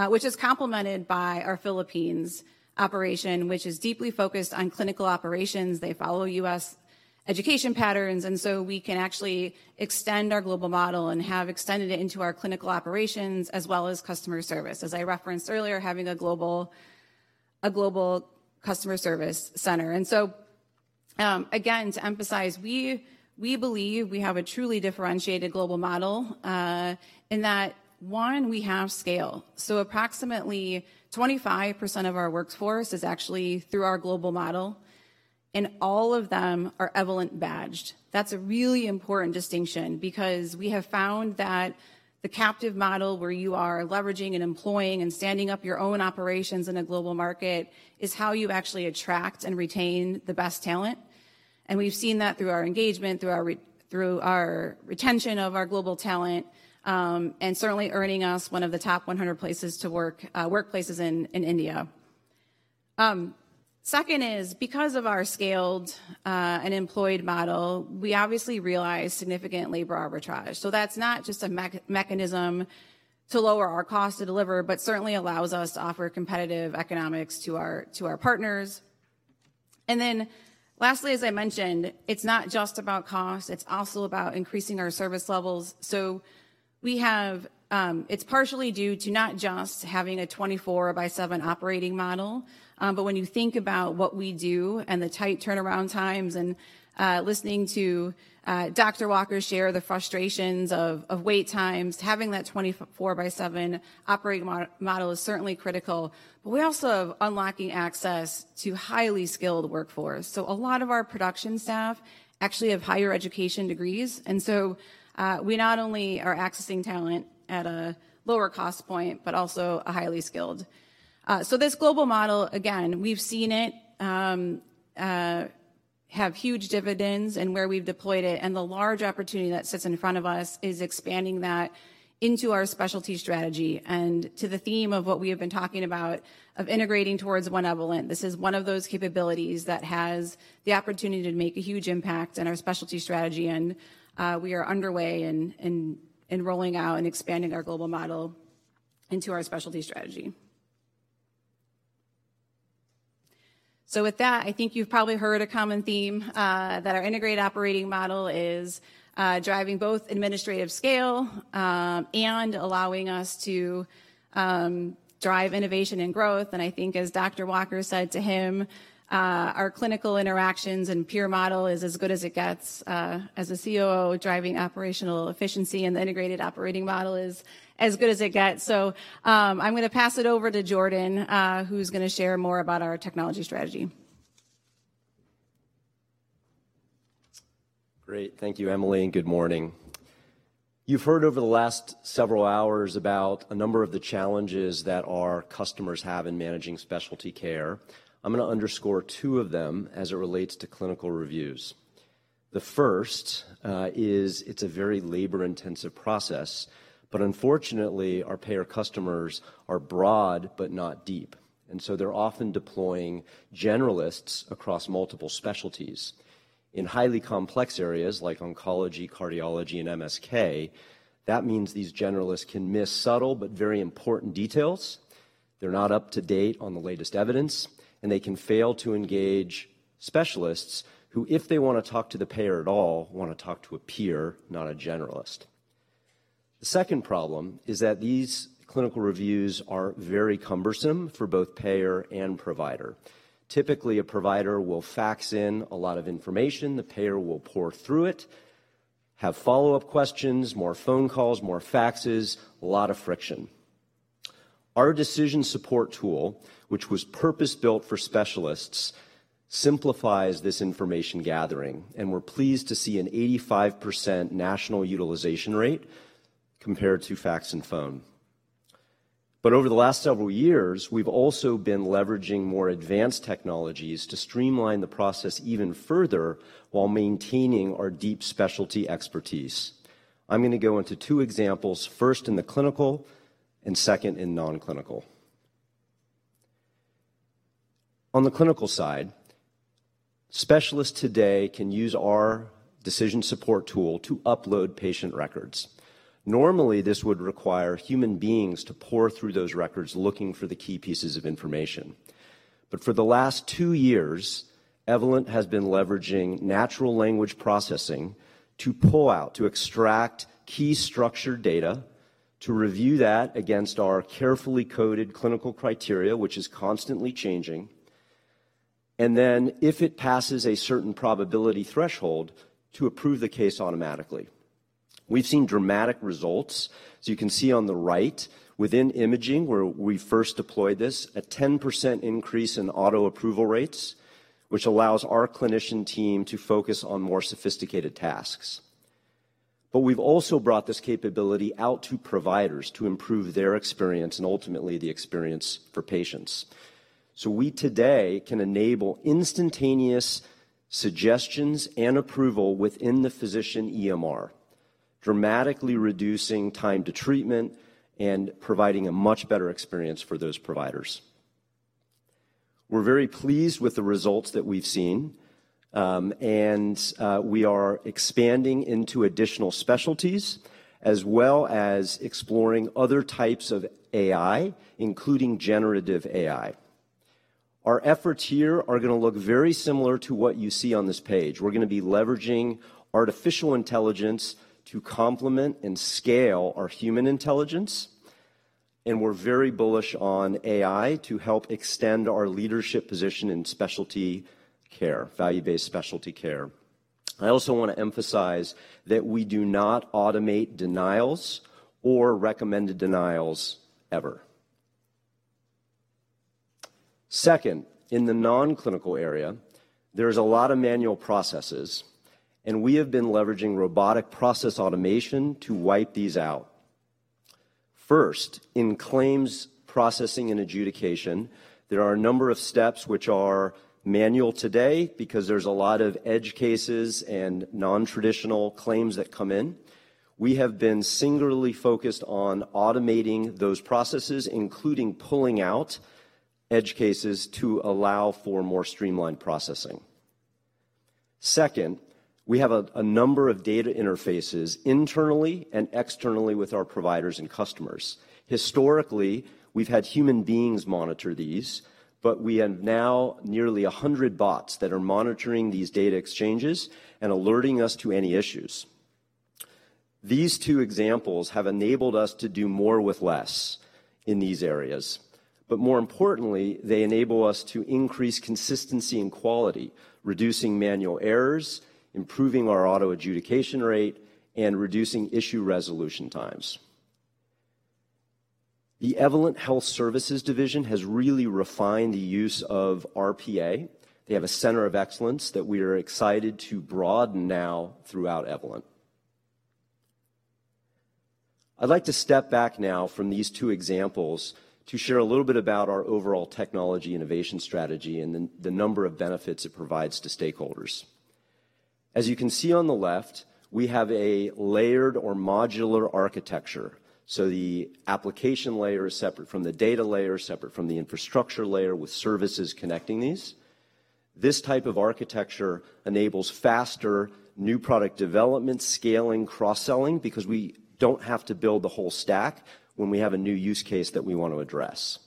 which is complemented by our Philippines operation, which is deeply focused on clinical operations. They follow U.S. education patterns, we can actually extend our global model and have extended it into our clinical operations as well as customer service. As I referenced earlier, having a global customer service center. Again, to emphasize, we believe we have a truly differentiated global model, in that, 1, we have scale. Approximately 25% of our workforce is actually through our global model, and all of them are Evolent badged. That's a really important distinction because we have found that the captive model where you are leveraging and employing and standing up your own operations in a global market is how you actually attract and retain the best talent, and we've seen that through our engagement, through our retention of our global talent, and certainly earning us one of the top 100 places to work, workplaces in India. Second is because of our scaled and employed model, we obviously realize significant labor arbitrage. That's not just a mechanism to lower our cost to deliver, but certainly allows us to offer competitive economics to our partners. Lastly, as I mentioned, it's not just about cost, it's also about increasing our service levels. We have, it's partially due to not just having a 24/7 operating model, but when you think about what we do and the tight turnaround times and listening to Dr. Walker share the frustrations of wait times, having that 24/7 operating model is certainly critical. We also have unlocking access to highly skilled workforce. A lot of our production staff actually have higher education degrees. We not only are accessing talent at a lower cost point, but also a highly skilled. This global model, again, we've seen it have huge dividends in where we've deployed it, and the large opportunity that sits in front of us is expanding that into our specialty strategy and to the theme of what we have been talking about of integrating towards One Evolent. This is one of those capabilities that has the opportunity to make a huge impact in our specialty strategy and we are underway in rolling out and expanding our global model into our specialty strategy. With that, I think you've probably heard a common theme that our integrated operating model is driving both administrative scale and allowing us to drive innovation and growth. I think as Dr. Walker said to him, our clinical interactions and peer model is as good as it gets, as a COO driving operational efficiency and the integrated operating model is as good as it gets. I'm gonna pass it over to Jordan, who's gonna share more about our technology strategy.
Great. Thank you, Emily. Good morning. You've heard over the last several hours about a number of the challenges that our customers have in managing specialty care. I'm gonna underscore two of them as it relates to clinical reviews. The first is it's a very labor-intensive process. Unfortunately, our payer customers are broad but not deep, they're often deploying generalists across multiple specialties. In highly complex areas like oncology, cardiology, and MSK, that means these generalists can miss subtle but very important details. They're not up to date on the latest evidence, they can fail to engage specialists who, if they wanna talk to the payer at all, wanna talk to a peer, not a generalist. The second problem is that these clinical reviews are very cumbersome for both payer and provider. Typically, a provider will fax in a lot of information. The payer will pore through it, have follow-up questions, more phone calls, more faxes, a lot of friction. Our decision support tool, which was purpose-built for specialists, simplifies this information gathering. We're pleased to see an 85% national utilization rate compared to fax and phone. Over the last several years, we've also been leveraging more advanced technologies to streamline the process even further while maintaining our deep specialty expertise. I'm gonna go into 2 examples, first in the clinical and second in non-clinical. On the clinical side, specialists today can use our decision support tool to upload patient records. Normally, this would require human beings to pore through those records looking for the key pieces of information. For the last two years, Evolent has been leveraging natural language processing to pull out, to extract key structured data to review that against our carefully coded clinical criteria, which is constantly changing, and then if it passes a certain probability threshold to approve the case automatically. We've seen dramatic results. As you can see on the right, within imaging, where we first deployed this, a 10% increase in auto approval rates, which allows our clinician team to focus on more sophisticated tasks. We've also brought this capability out to providers to improve their experience and ultimately the experience for patients. We today can enable instantaneous suggestions and approval within the physician EMR. Dramatically reducing time to treatment and providing a much better experience for those providers. We're very pleased with the results that we've seen, and we are expanding into additional specialties as well as exploring other types of AI, including generative AI. Our efforts here are gonna look very similar to what you see on this page. We're gonna be leveraging artificial intelligence to complement and scale our human intelligence, and we're very bullish on AI to help extend our leadership position in specialty care, value-based specialty care. I also wanna emphasize that we do not automate denials or recommended denials ever. Second, in the non-clinical area, there's a lot of manual processes, and we have been leveraging robotic process automation to wipe these out. First, in claims processing and adjudication, there are a number of steps which are manual today because there's a lot of edge cases and non-traditional claims that come in. We have been singularly focused on automating those processes, including pulling out edge cases to allow for more streamlined processing. Second, we have a number of data interfaces internally and externally with our providers and customers. Historically, we've had human beings monitor these, but we have now nearly 100 bots that are monitoring these data exchanges and alerting us to any issues. These two examples have enabled us to do more with less in these areas, but more importantly, they enable us to increase consistency and quality, reducing manual errors, improving our auto adjudication rate, and reducing issue resolution times. The Evolent Health Services division has really refined the use of RPA. They have a center of excellence that we are excited to broaden now throughout Evolent. I'd like to step back now from these two examples to share a little bit about our overall technology innovation strategy and the number of benefits it provides to stakeholders. As you can see on the left, we have a layered or modular architecture, so the application layer is separate from the data layer, separate from the infrastructure layer with services connecting these. This type of architecture enables faster new product development, scaling, cross-selling because we don't have to build the whole stack when we have a new use case that we want to address.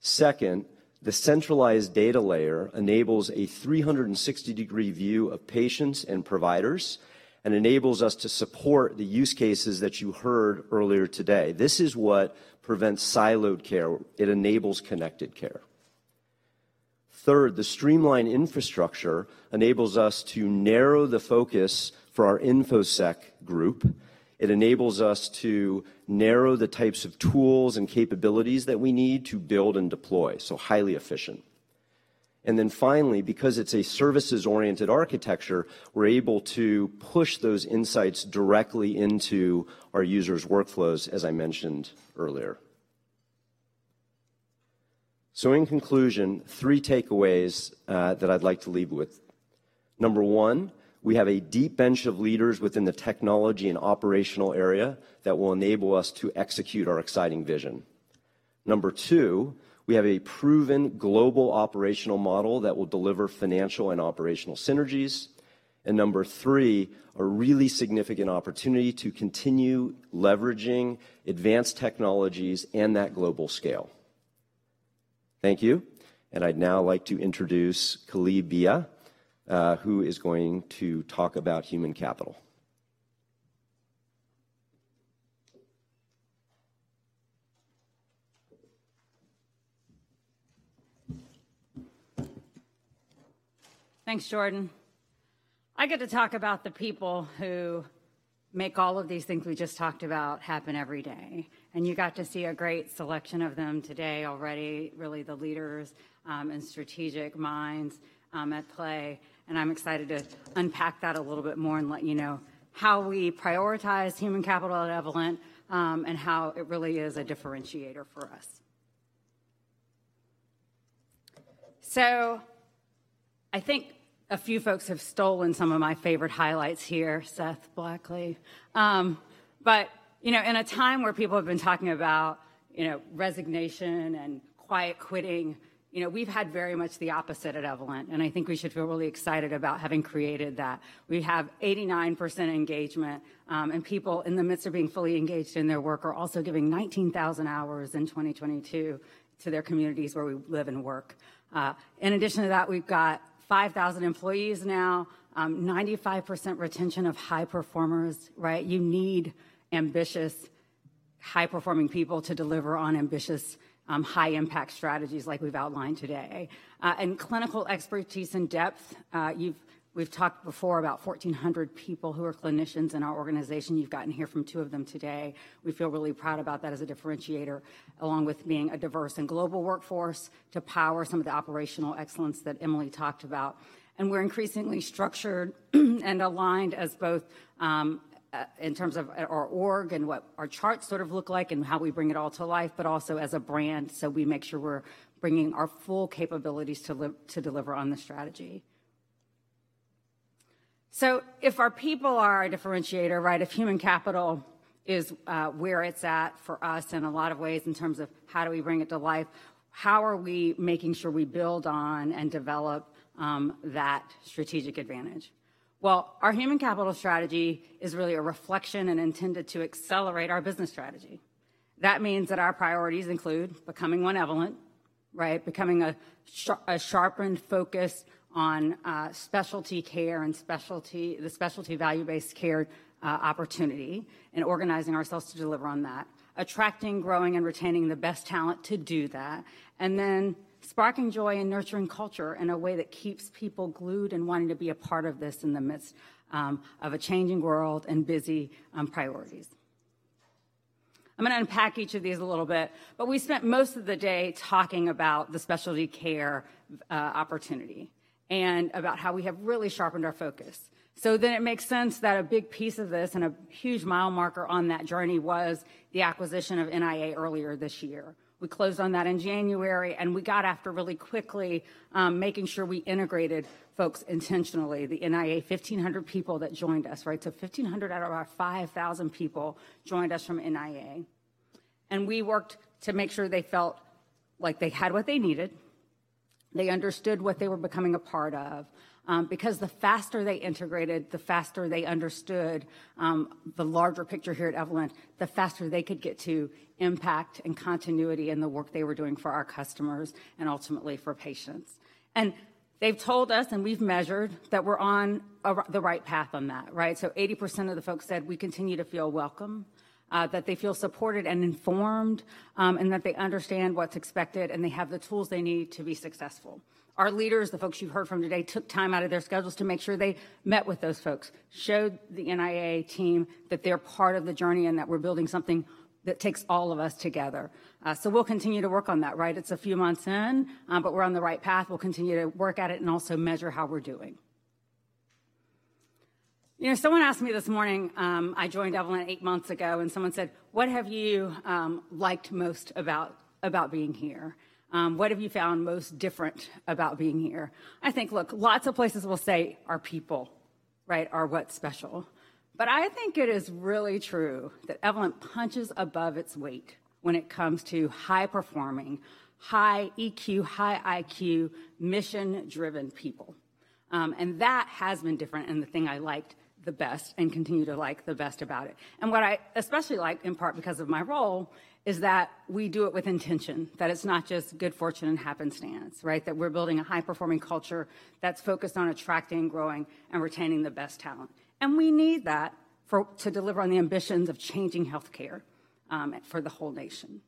Second, the centralized data layer enables a 360-degree view of patients and providers and enables us to support the use cases that you heard earlier today. This is what prevents siloed care. It enables connected care. Third, the streamlined infrastructure enables us to narrow the focus for our InfoSec group. It enables us to narrow the types of tools and capabilities that we need to build and deploy, so highly efficient. Finally, because it's a services-oriented architecture, we're able to push those insights directly into our users' workflows, as I mentioned earlier. In conclusion, three takeaways that I'd like to leave with. Number one, we have a deep bench of leaders within the technology and operational area that will enable us to execute our exciting vision. Number two, we have a proven global operational model that will deliver financial and operational synergies. Number three, a really significant opportunity to continue leveraging advanced technologies and that global scale. Thank you. I'd now like to introduce Kali Beyah, who is going to talk about human capital.
Thanks, Jordan. I get to talk about the people who make all of these things we just talked about happen every day. You got to see a great selection of them today already, really the leaders, and strategic minds, at play. I'm excited to unpack that a little bit more and let you know how we prioritize human capital at Evolent, and how it really is a differentiator for us. I think a few folks have stolen some of my favorite highlights here, Seth Blackley. You know, in a time where people have been talking about, you know, resignation and quiet quitting, you know, we've had very much the opposite at Evolent, and I think we should feel really excited about having created that. We have 89% engagement, and people in the midst of being fully engaged in their work are also giving 19,000 hours in 2022 to their communities where we live and work. In addition to that, we've got 5,000 employees now, 95% retention of high performers, right? You need ambitious, high-performing people to deliver on ambitious, high-impact strategies like we've outlined today. Clinical expertise and depth, we've talked before about 1,400 people who are clinicians in our organization. You've gotten to hear from two of them today. We feel really proud about that as a differentiator, along with being a diverse and global workforce to power some of the operational excellence that Emily talked about. We're increasingly structured and aligned as both, in terms of our org and what our charts sort of look like and how we bring it all to life, but also as a brand, so we make sure we're bringing our full capabilities to deliver on the strategy. If our people are our differentiator, right? If human capital is, where it's at for us in a lot of ways in terms of how do we bring it to life, how are we making sure we build on and develop that strategic advantage? Well, our human capital strategy is really a reflection and intended to accelerate our business strategy. That means that our priorities include becoming One Evolent, right? Becoming a sharpened focus on specialty care and the specialty value-based care opportunity and organizing ourselves to deliver on that. Attracting, growing, and retaining the best talent to do that. Sparking joy and nurturing culture in a way that keeps people glued and wanting to be a part of this in the midst of a changing world and busy priorities. I'm gonna unpack each of these a little bit, but we spent most of the day talking about the specialty care opportunity and about how we have really sharpened our focus. It makes sense that a big piece of this and a huge mile marker on that journey was the acquisition of NIA earlier this year. We closed on that in January, and we got after really quickly, making sure we integrated folks intentionally. The NIA, 1,500 people that joined us, right? So 1,500 out of our 5,000 people joined us from NIA. We worked to make sure they felt like they had what they needed, they understood what they were becoming a part of, because the faster they integrated, the faster they understood, the larger picture here at Evolent, the faster they could get to impact and continuity in the work they were doing for our customers and ultimately for patients. They've told us, and we've measured, that we're on the right path on that, right? 80% of the folks said we continue to feel welcome, that they feel supported and informed, and that they understand what's expected, and they have the tools they need to be successful. Our leaders, the folks you heard from today, took time out of their schedules to make sure they met with those folks, showed the NIA team that they're part of the journey and that we're building something that takes all of us together. We'll continue to work on that, right? It's a few months in, we're on the right path. We'll continue to work at it and also measure how we're doing. You know, someone asked me this morning, I joined Evolent 8 months ago, someone said, "What have you liked most about being here? What have you found most different about being here?" I think, look, lots of places will say our people, right, are what's special. I think it is really true that Evolent punches above its weight when it comes to high-performing, high EQ, high IQ, mission-driven people. That has been different and the thing I liked the best and continue to like the best about it. What I especially like, in part because of my role, is that we do it with intention, that it's not just good fortune and happenstance, right? That we're building a high-performing culture that's focused on attracting, growing, and retaining the best talent. We need that to deliver on the ambitions of changing healthcare for the whole nation.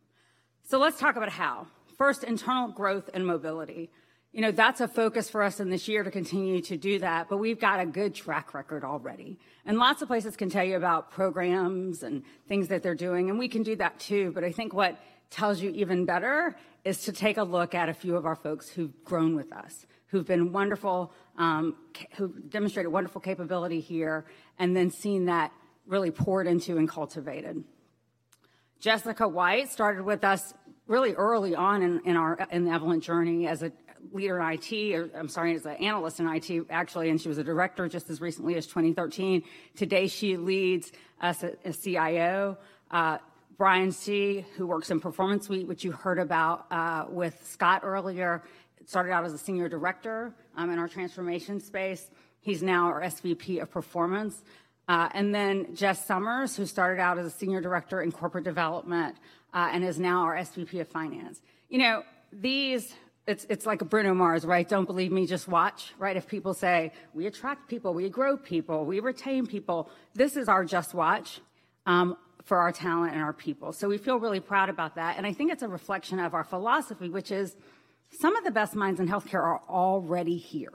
Let's talk about how. First, internal growth and mobility. You know, that's a focus for us in this year to continue to do that, but we've got a good track record already. Lots of places can tell you about programs and things that they're doing, and we can do that too, but I think what tells you even better is to take a look at a few of our folks who've grown with us, who've been wonderful, who demonstrated wonderful capability here and then seen that really poured into and cultivated. Jessica White started with us really early on in our in the Evolent journey as a leader in IT, or, I'm sorry, as an analyst in IT, actually, she was a director just as recently as 2013. Today, she leads us as CIO. Brian Seay, who works in Performance Suite, which you heard about with Scott earlier, started out as a senior director in our transformation space. He's now our SVP of Performance. Then Jessica Somers, who started out as a senior director in corporate development, and is now our SVP of Finance. You know, these. It's like a Bruno Mars, right? Don't believe me, just watch, right? If people say, "We attract people, we grow people, we retain people," this is our just watch for our talent and our people. We feel really proud about that. I think it's a reflection of our philosophy, which is some of the best minds in healthcare are already here.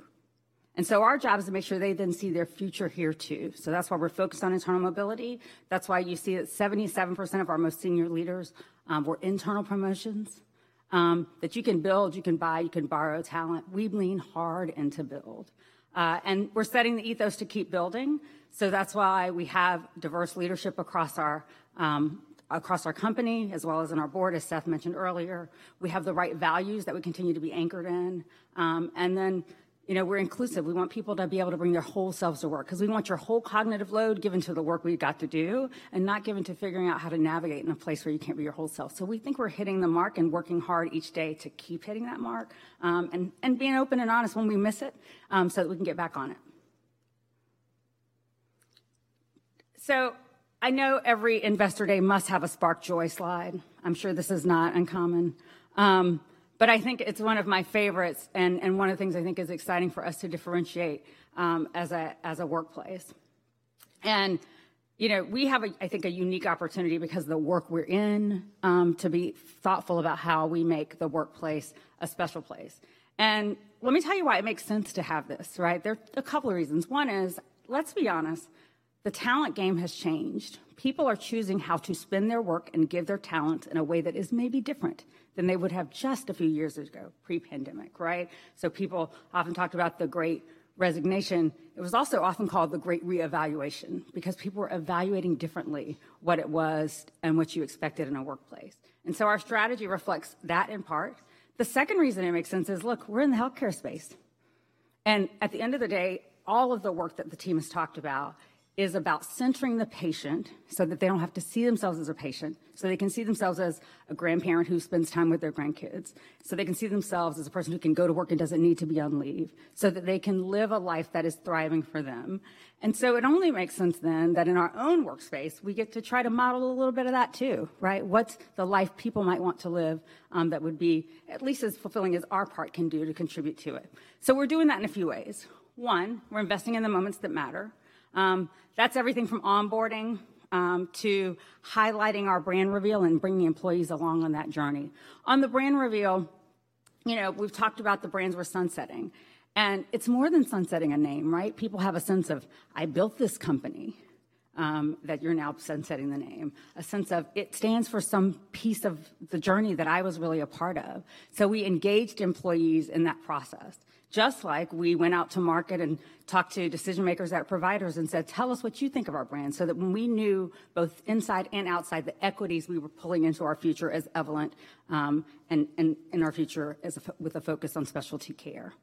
Our job is to make sure they then see their future here too. That's why we're focused on internal mobility. That's why you see that 77% of our most senior leaders were internal promotions. That you can build, you can buy, you can borrow talent. We lean hard into build. We're setting the ethos to keep building, so that's why we have diverse leadership across our company as well as in our board, as Seth mentioned earlier. We have the right values that we continue to be anchored in. Then, you know, we're inclusive. We want people to be able to bring their whole selves to work because we want your whole cognitive load given to the work we've got to do and not given to figuring out how to navigate in a place where you can't be your whole self. We think we're hitting the mark and working hard each day to keep hitting that mark, and being open and honest when we miss it, so that we can get back on it. I know every investor day must have a spark joy slide. I'm sure this is not uncommon. I think it's one of my favorites and one of the things I think is exciting for us to differentiate as a workplace. You know, we have a, I think, a unique opportunity because of the work we're in to be thoughtful about how we make the workplace a special place. Let me tell you why it makes sense to have this, right? There are a couple of reasons. One is, let's be honest, the talent game has changed. People are choosing how to spend their work and give their talent in a way that is maybe different than they would have just a few years ago, pre-pandemic, right? People often talked about the great resignation. It was also often called the great reevaluation because people were evaluating differently what it was and what you expected in a workplace. Our strategy reflects that in part. The second reason it makes sense is, look, we're in the healthcare space. At the end of the day, all of the work that the team has talked about is about centering the patient so that they don't have to see themselves as a patient, so they can see themselves as a grandparent who spends time with their grandkids, so they can see themselves as a person who can go to work and doesn't need to be on leave, so that they can live a life that is thriving for them. It only makes sense then that in our own workspace, we get to try to model a little bit of that too, right? What's the life people might want to live, that would be at least as fulfilling as our part can do to contribute to it. We're doing that in a few ways. One, we're investing in the moments that matter. That's everything from onboarding, to highlighting our brand reveal and bringing employees along on that journey. The brand reveal, you know, we've talked about the brands we're sunsetting, and it's more than sunsetting a name, right? People have a sense of, "I built this company, that you're now sunsetting the name." A sense of, "It stands for some piece of the journey that I was really a part of." We engaged employees in that process, just like we went out to market and talked to decision-makers at providers and said, "Tell us what you think of our brand," so that when we knew both inside and outside the equities we were pulling into our future as Evolent, and in our future as a with a focus on specialty care.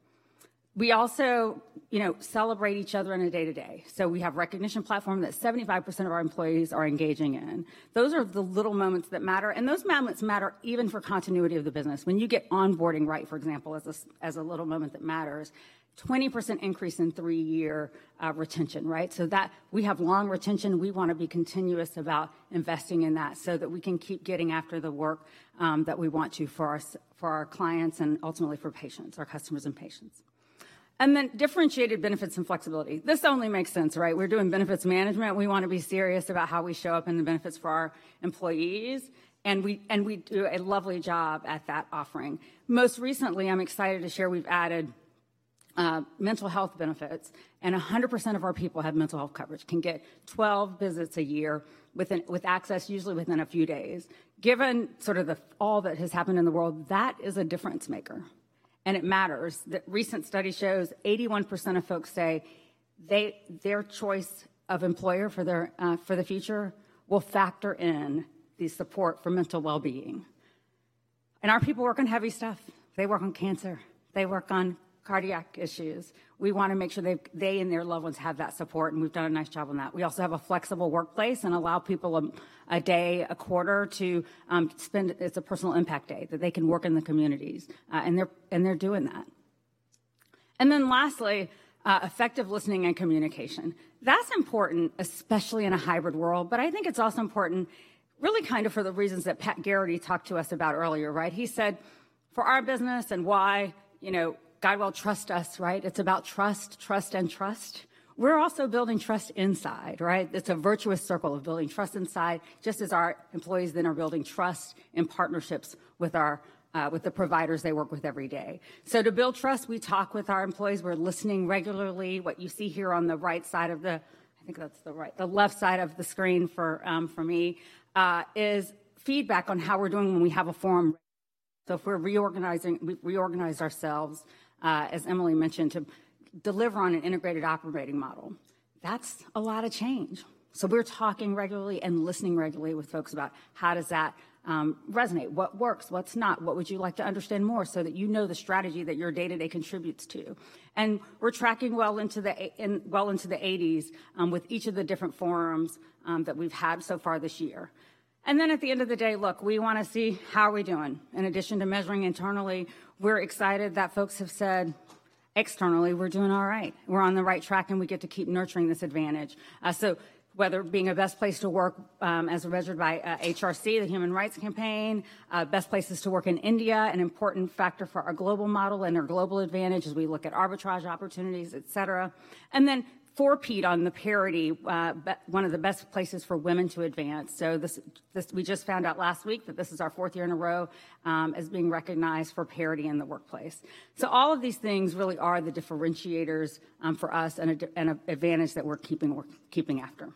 We also, you know, celebrate each other in the day-to-day. We have recognition platform that 75% of our employees are engaging in. Those are the little moments that matter, and those moments matter even for continuity of the business. When you get onboarding right, for example, as a little moment that matters, 20% increase in 3-year retention, right? That we have long retention. We want to be continuous about investing in that so that we can keep getting after the work that we want to for our clients and ultimately for patients, our customers and patients. Then differentiated benefits and flexibility. This only makes sense, right? We're doing benefits management. We want to be serious about how we show up in the benefits for our employees, and we do a lovely job at that offering. Most recently, I'm excited to share we've added mental health benefits, and 100% of our people have mental health coverage, can get 12 visits a year with access usually within a few days. Given all that has happened in the world, that is a difference maker, and it matters. The recent study shows 81% of folks say their choice of employer for their future will factor in the support for mental well-being. Our people work on heavy stuff. They work on cancer. They work on cardiac issues. We wanna make sure they and their loved ones have that support, and we've done a nice job on that. We also have a flexible workplace and allow people a day a quarter to spend. It's a personal impact day that they can work in the communities, and they're doing that. Lastly, effective listening and communication. That's important, especially in a hybrid world. I think it's also important really kind of for the reasons that Pat Geraghty talked to us about earlier, right. He said, for our business and why, you know, GuideWell trust us, right. It's about trust, and trust. We're also building trust inside, right. It's a virtuous circle of building trust inside, just as our employees then are building trust in partnerships with our with the providers they work with every day. To build trust, we talk with our employees. We're listening regularly. What you see here on the right side of the. I think that's the right. The left side of the screen for me is feedback on how we're doing when we have a forum. If we're reorganize ourselves, as Emily mentioned, to deliver on an integrated operating model, that's a lot of change. We're talking regularly and listening regularly with folks about how does that resonate, what works, what's not, what would you like to understand more so that you know the strategy that your day-to-day contributes to. We're tracking well into the 80s with each of the different forums that we've had so far this year. At the end of the day, look, we wanna see how are we doing. In addition to measuring internally, we're excited that folks have said externally, we're doing all right. We're on the right track, and we get to keep nurturing this advantage. Whether it being a best place to work, as measured by H.R.C., the Human Rights Campaign, best places to work in India, an important factor for our global model and our global advantage as we look at arbitrage opportunities, et cetera. For Parity.org one of the best places for women to advance. This we just found out last week that this is our fourth year in a row, as being recognized for parity in the workplace. All of these things really are the differentiators for us and an advantage that we're keeping after.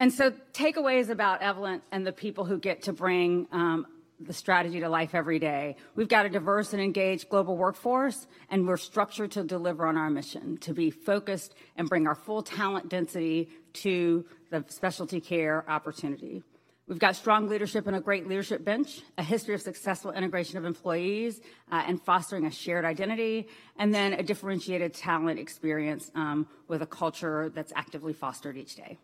Takeaways about Evolent and the people who get to bring the strategy to life every day. We've got a diverse and engaged global workforce, and we're structured to deliver on our mission, to be focused and bring our full talent density to the value-based specialty care opportunity. We've got strong leadership and a great leadership bench, a history of successful integration of employees, and fostering a shared identity, and then a differentiated talent experience, with a culture that's actively fostered each day.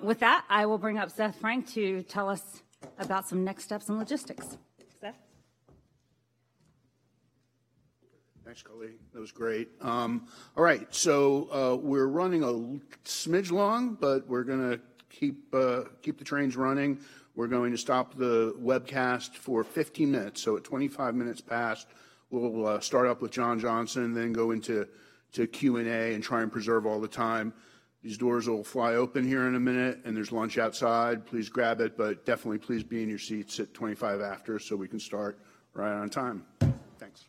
With that, I will bring up Seth Frank to tell us about some next steps in logistics. Seth?
Thanks, Kali. That was great. All right. We're running a smidge long, but we're gonna keep the trains running. We're going to stop the webcast for 15 minutes. At 25 minutes past, we'll start up with John Johnson, then go into Q&A and try and preserve all the time. These doors will fly open here in a minute, and there's lunch outside. Please grab it, definitely please be in your seats at 25 after so we can start right on time. Thanks.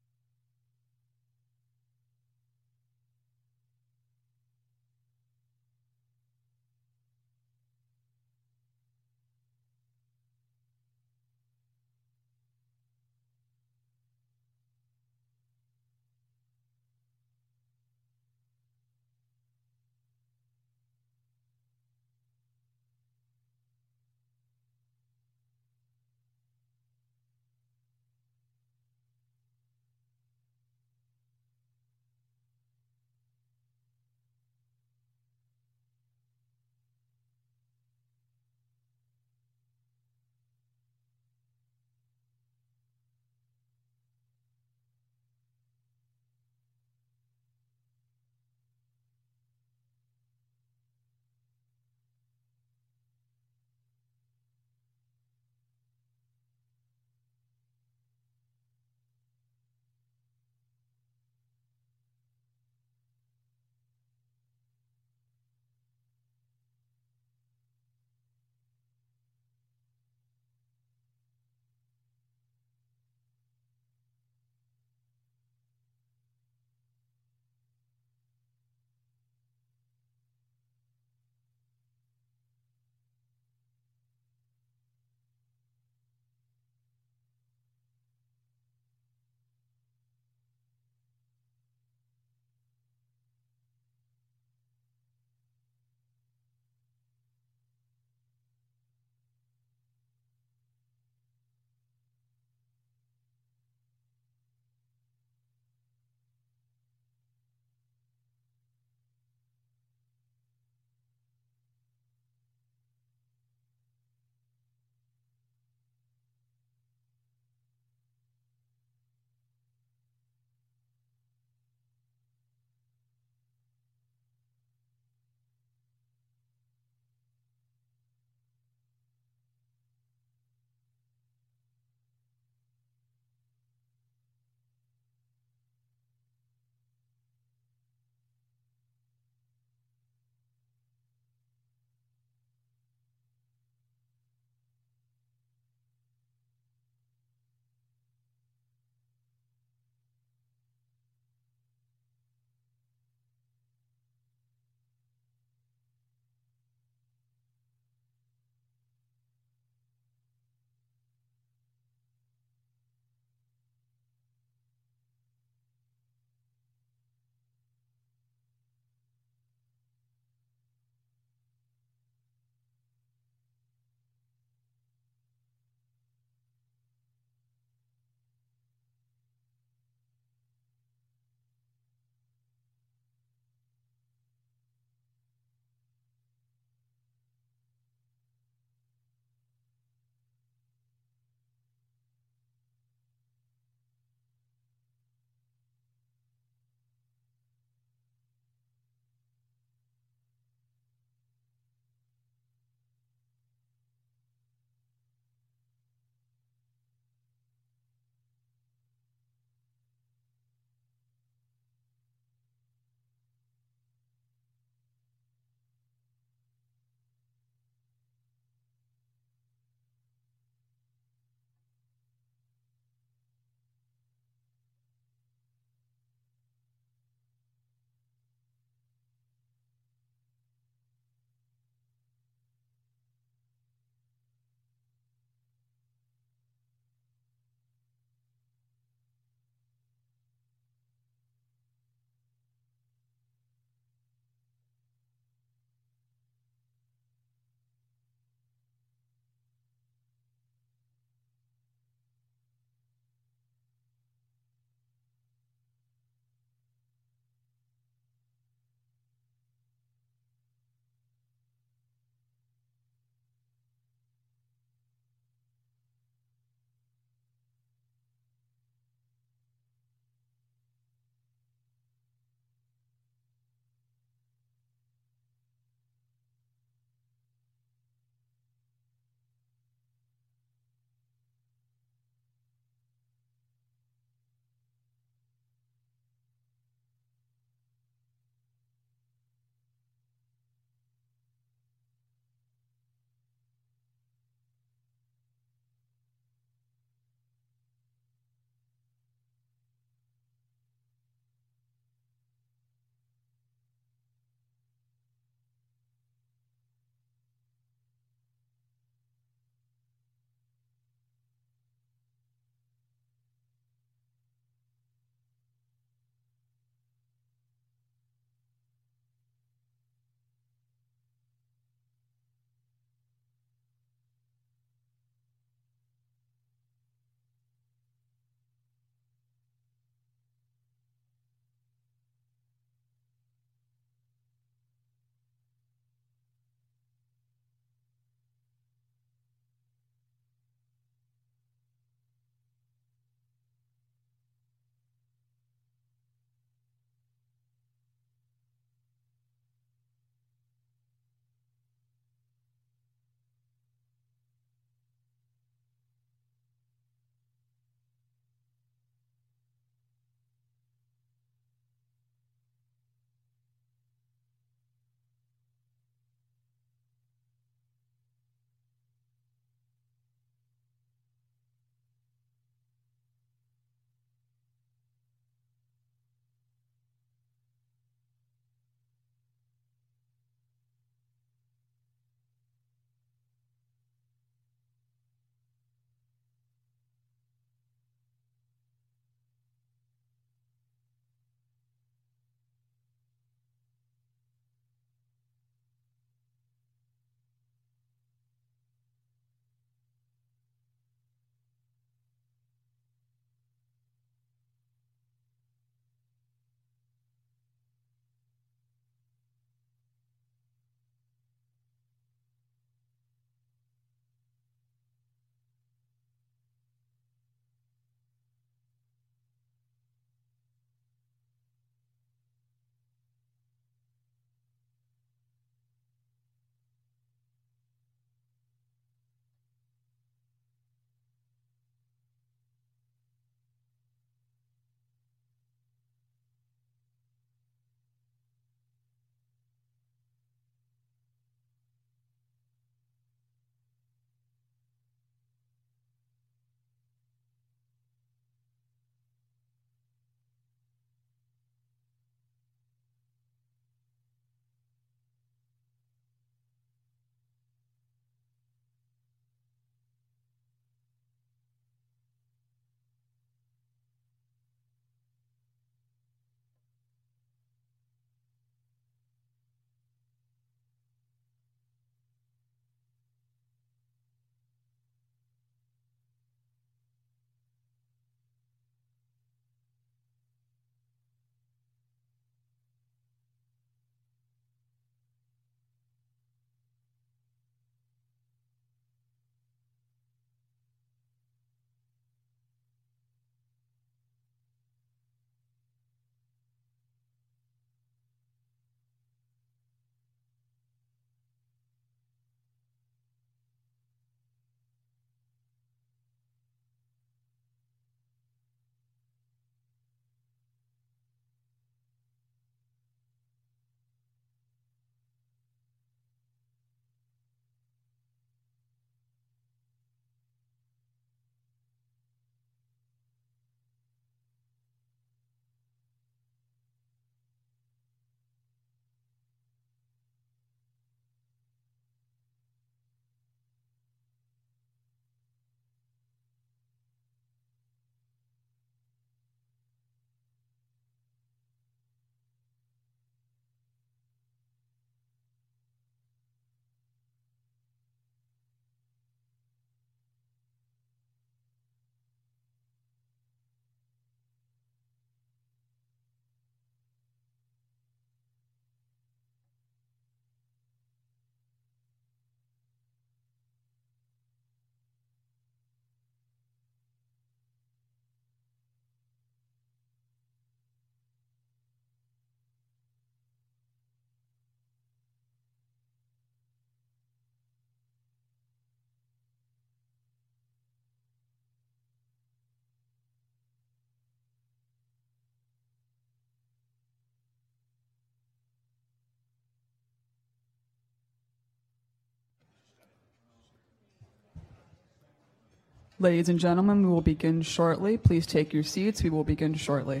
Ladies and gentlemen, we will begin shortly. Please take your seats. We will begin shortly.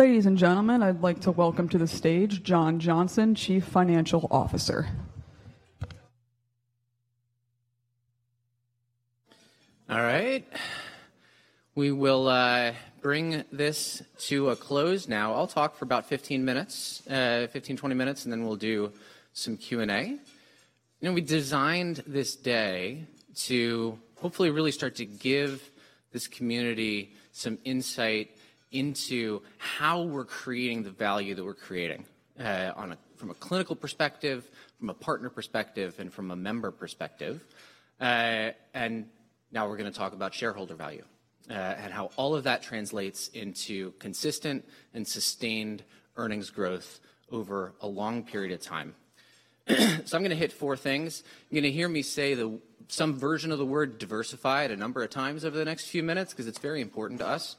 Ladies and gentlemen, I'd like to welcome to the stage John Johnson, Chief Financial Officer.
All right. We will bring this to a close now. I'll talk for about 15 minutes, 15, 20 minutes, and then we'll do some Q&A. You know, we designed this day to hopefully really start to give this community some insight into how we're creating the value that we're creating from a clinical perspective, from a partner perspective, and from a member perspective. Now we're gonna talk about shareholder value and how all of that translates into consistent and sustained earnings growth over a long period of time. I'm gonna hit 4 things. You're gonna hear me say some version of the word diversify at a number of times over the next few minutes because it's very important to us.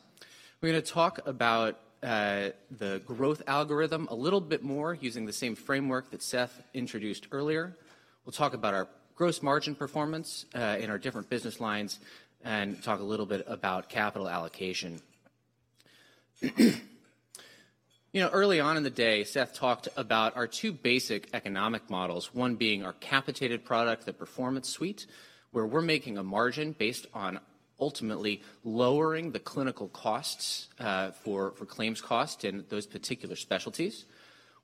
We're gonna talk about the growth algorithm a little bit more using the same framework that Seth introduced earlier. We'll talk about our gross margin performance in our different business lines and talk a little bit about capital allocation. You know, early on in the day, Seth talked about our two basic economic models, one being our capitated product, the Performance Suite, where we're making a margin based on ultimately lowering the clinical costs for claims costs in those particular specialties.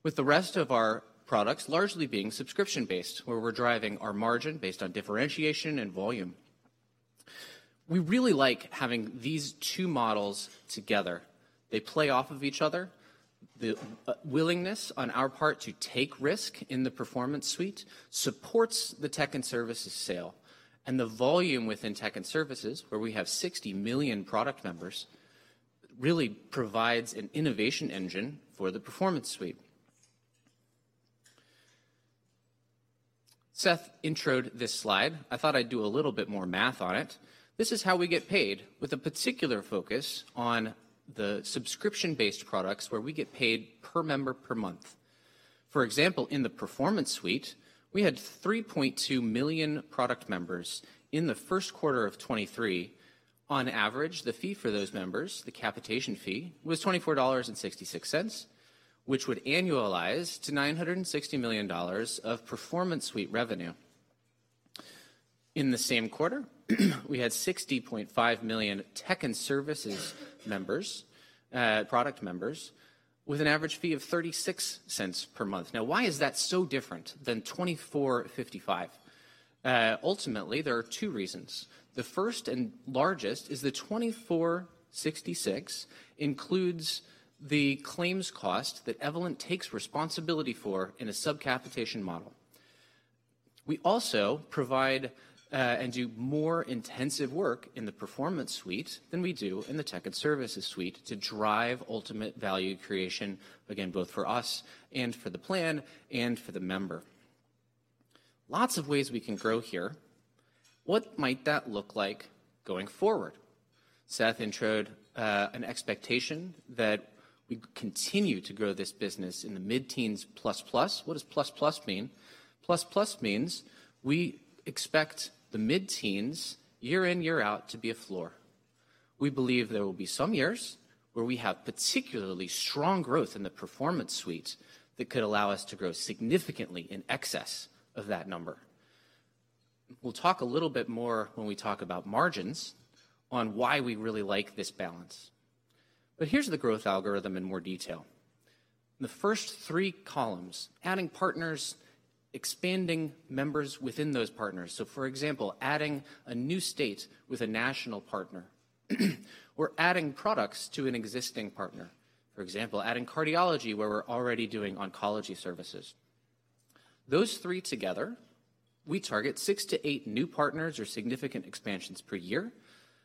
With the rest of our products largely being subscription-based, where we're driving our margin based on differentiation and volume. We really like having these two models together. They play off of each other. The willingness on our part to take risk in the Performance Suite supports the tech and services sale, and the volume within tech and services, where we have 60 million product members, really provides an innovation engine for the Performance Suite. Seth introed this slide. I thought I'd do a little bit more math on it. This is how we get paid with a particular focus on the subscription-based products where we get paid per member per month. For example, in the Performance Suite, we had 3.2 million product members in the first quarter of 2023. On average, the fee for those members, the capitation fee, was $24.66, which would annualize to $960 million of Performance Suite revenue. In the same quarter, we had 60.5 million tech and services members, product members, with an average fee of $0.36 per month. Why is that so different than $24.55? Ultimately, there are two reasons. The first and largest is the $24.66 includes the claims cost that Evolent takes responsibility for in a subcapitation model. We also provide and do more intensive work in the Performance Suite than we do in the tech and services suite to drive ultimate value creation, again, both for us and for the plan and for the member. Lots of ways we can grow here. What might that look like going forward? Seth introed an expectation that we continue to grow this business in the mid-teens plus plus. What does plus plus mean? Plus plus means we expect the mid-teens year in, year out to be a floor. We believe there will be some years where we have particularly strong growth in the Performance Suite that could allow us to grow significantly in excess of that number. We'll talk a little bit more when we talk about margins on why we really like this balance. Here's the growth algorithm in more detail. The first three columns, adding partners, expanding members within those partners. For example, adding a new state with a national partner, or adding products to an existing partner. For example, adding cardiology where we're already doing oncology services. Those three together, we target 6-8 new partners or significant expansions per year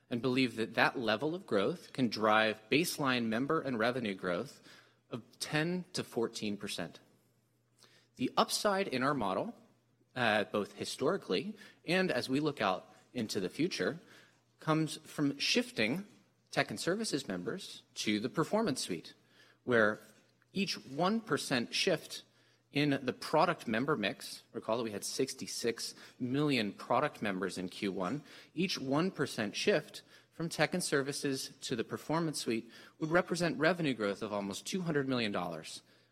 and believe that that level of growth can drive baseline member and revenue growth of 10%-14%. The upside in our model, both historically and as we look out into the future, comes from shifting Tech and Services members to the Performance Suite, where each 1% shift in the product member mix, recall that we had $66 million product members in Q1, each 1% shift from Tech and Services to the Performance Suite would represent revenue growth of almost $200 million,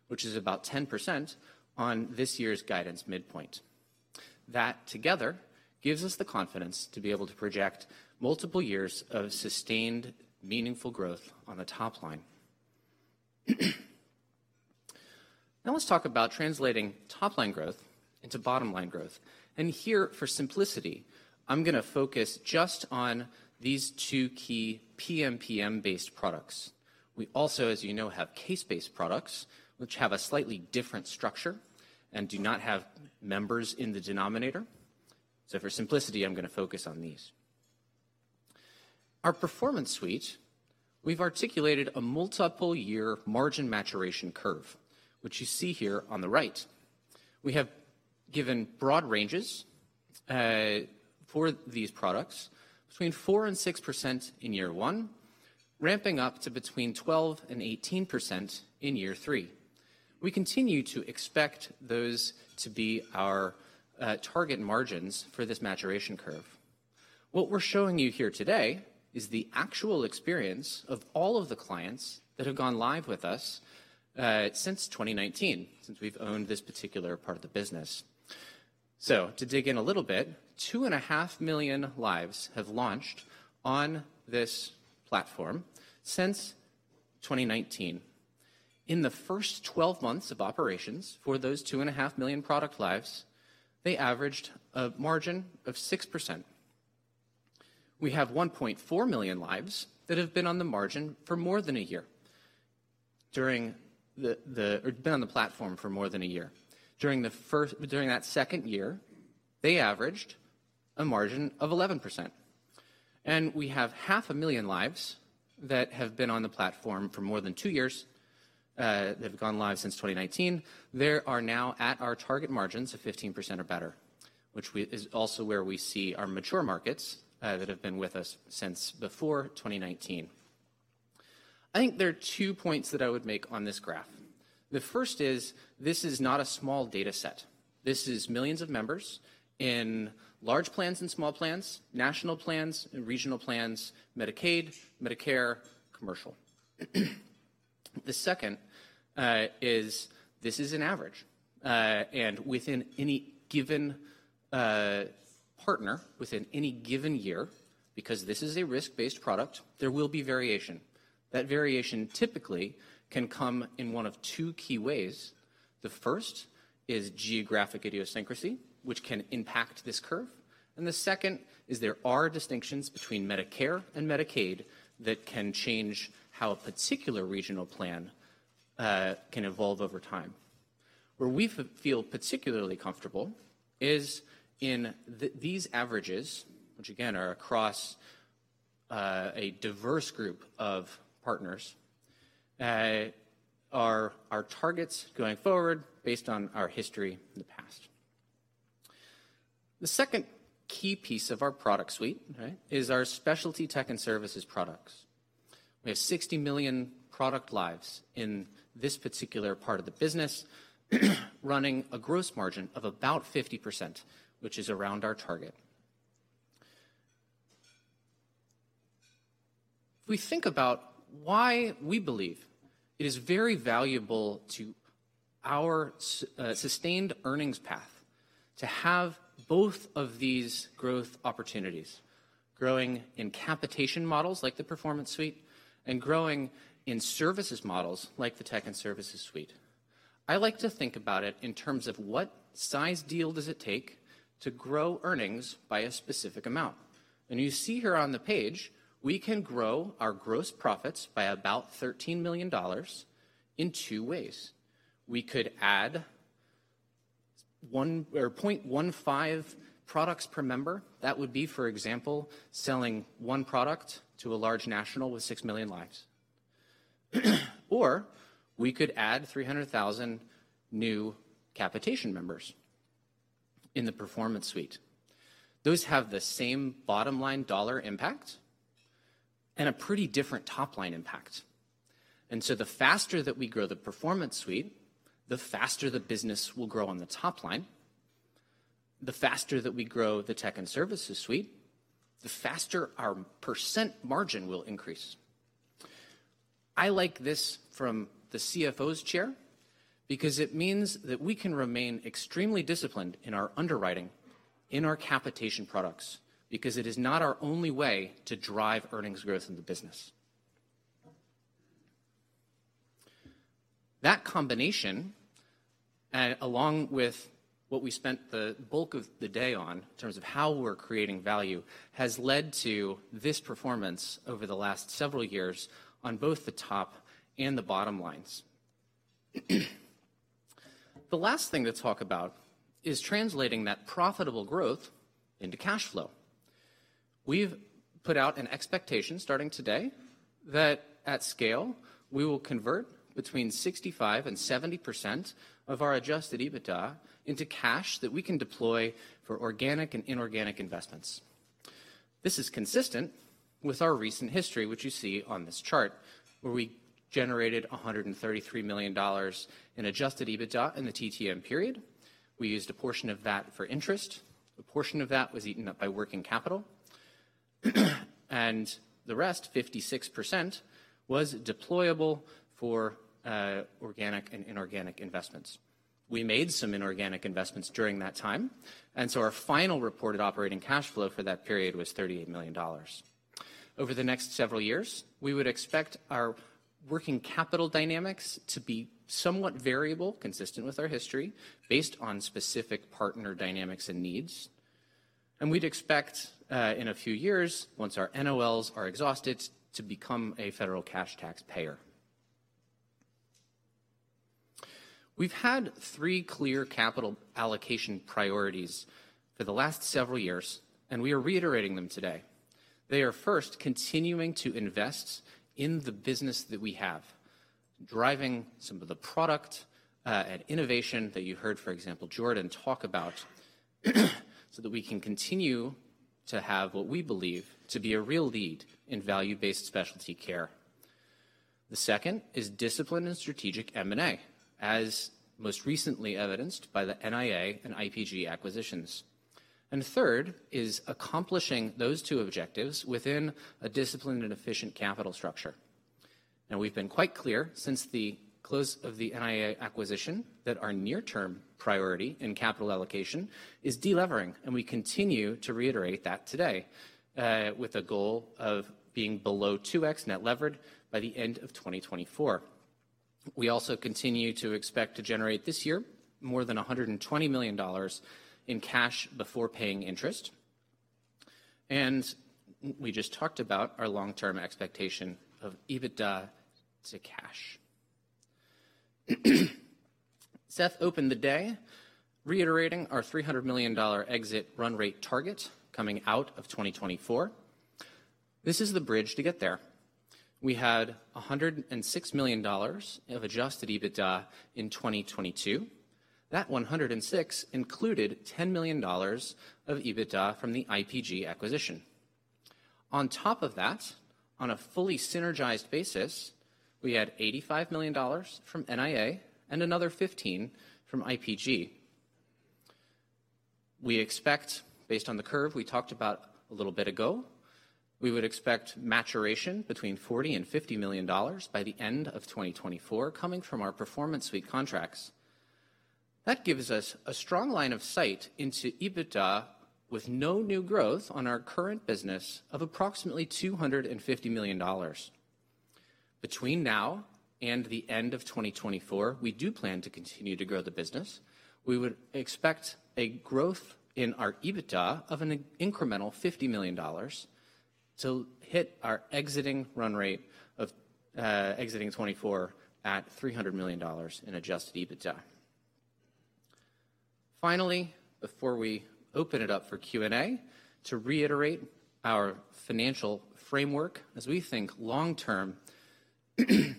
which is about 10% on this year's guidance midpoint. That together gives us the confidence to be able to project multiple years of sustained, meaningful growth on the top line. Now let's talk about translating top line growth into bottom line growth. Here for simplicity, I'm gonna focus just on these two key PMPM-based products. We also, as you know, have case-based products which have a slightly different structure and do not have members in the denominator. For simplicity, I'm gonna focus on these. Our Performance Suite, we've articulated a multiple year margin maturation curve, which you see here on the right. We have given broad ranges for these products between 4% and 6% in year 1, ramping up to between 12% and 18% in year 3. We continue to expect those to be our target margins for this maturation curve. What we're showing you here today is the actual experience of all of the clients that have gone live with us since 2019, since we've owned this particular part of the business. To dig in a little bit, 2.5 million lives have launched on this platform since 2019. In the first 12 months of operations for those 2.5 million product lives, they averaged a margin of 6%. We have 1.4 million lives that have been on the margin for more than a year or been on the platform for more than a year. During that second year, they averaged a margin of 11%. We have half a million lives that have been on the platform for more than two years that have gone live since 2019. They are now at our target margins of 15% or better, which is also where we see our mature markets that have been with us since before 2019. I think there are two points that I would make on this graph. The first is this is not a small data set. This is millions of members in large plans and small plans, national plans and regional plans, Medicaid, Medicare, commercial. The second is this is an average. Within any given partner within any given year, because this is a risk-based product, there will be variation. That variation typically can come in one of 2 key ways. The first is geographic idiosyncrasy, which can impact this curve, and the second is there are distinctions between Medicare and Medicaid that can change how a particular regional plan can evolve over time. Where we feel particularly comfortable is in these averages, which again are across a diverse group of partners are our targets going forward based on our history in the past. The second key piece of our product suite, right, is our specialty tech and services products. We have 60 million product lives in this particular part of the business, running a gross margin of about 50%, which is around our target. If we think about why we believe it is very valuable to our sustained earnings path to have both of these growth opportunities, growing in capitation models like the Performance Suite and growing in services models like the tech and services suite. I like to think about it in terms of what size deal does it take to grow earnings by a specific amount. You see here on the page, we can grow our gross profits by about $13 million in two ways. We could add 1 or 0.15 products per member. That would be, for example, selling 1 product to a large national with 6 million lives. We could add 300,000 new capitation members in the Performance Suite. Those have the same bottom-line dollar impact and a pretty different top-line impact. The faster that we grow the Performance Suite, the faster the business will grow on the top line. The faster that we grow the tech and services suite, the faster our % margin will increase. I like this from the CFO's chair because it means that we can remain extremely disciplined in our underwriting, in our capitation products, because it is not our only way to drive earnings growth in the business. That combination, along with what we spent the bulk of the day on in terms of how we're creating value, has led to this performance over the last several years on both the top and the bottom lines. The last thing to talk about is translating that profitable growth into cash flow. We've put out an expectation starting today that at scale, we will convert between 65% and 70% of our Adjusted EBITDA into cash that we can deploy for organic and inorganic investments. This is consistent with our recent history, which you see on this chart, where we generated $133 million in Adjusted EBITDA in the TTM period. We used a portion of that for interest. A portion of that was eaten up by working capital. The rest, 56%, was deployable for organic and inorganic investments. We made some inorganic investments during that time, our final reported operating cash flow for that period was $38 million. Over the next several years, we would expect our working capital dynamics to be somewhat variable, consistent with our history, based on specific partner dynamics and needs. We'd expect in a few years, once our NOLs are exhausted, to become a federal cash taxpayer. We've had three clear capital allocation priorities for the last several years, and we are reiterating them today. They are, first, continuing to invest in the business that we have, driving some of the product and innovation that you heard, for example, Jordan talk about, so that we can continue to have what we believe to be a real lead in value-based specialty care. The second is discipline and strategic M&A, as most recently evidenced by the NIA and IPG acquisitions. Third is accomplishing those two objectives within a disciplined and efficient capital structure. Now, we've been quite clear since the close of the NIA acquisition that our near-term priority in capital allocation is de-levering, and we continue to reiterate that today, with a goal of being below 2x net levered by the end of 2024. We also continue to expect to generate this year more than $120 million in cash before paying interest. We just talked about our long-term expectation of EBITDA to cash. Seth opened the day reiterating our $300 million exit run rate target coming out of 2024. This is the bridge to get there. We had $106 million of Adjusted EBITDA in 2022. That 106 included $10 million of EBITDA from the IPG acquisition. On top of that, on a fully synergized basis, we had $85 million from NIA and another $15 million from IPG. We expect, based on the curve we talked about a little bit ago, we would expect maturation between $40 million and $50 million by the end of 2024 coming from our Performance Suite contracts. That gives us a strong line of sight into EBITDA with no new growth on our current business of approximately $250 million. Between now and the end of 2024, we do plan to continue to grow the business. We would expect a growth in our EBITDA of an incremental $50 million to hit our exiting run rate of exiting 2024 at $300 million in Adjusted EBITDA. Finally, before we open it up for Q&A, to reiterate our financial framework, as we think long term, we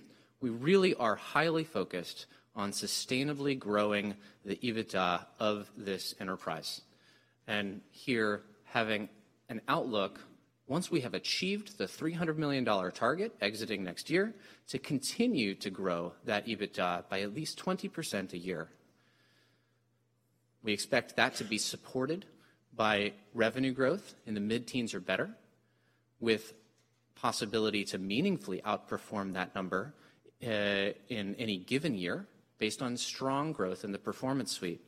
really are highly focused on sustainably growing the EBITDA of this enterprise. Here, having an outlook once we have achieved the $300 million target exiting next year to continue to grow that EBITDA by at least 20% a year. We expect that to be supported by revenue growth in the mid-teens or better, with possibility to meaningfully outperform that number in any given year based on strong growth in the Performance Suite.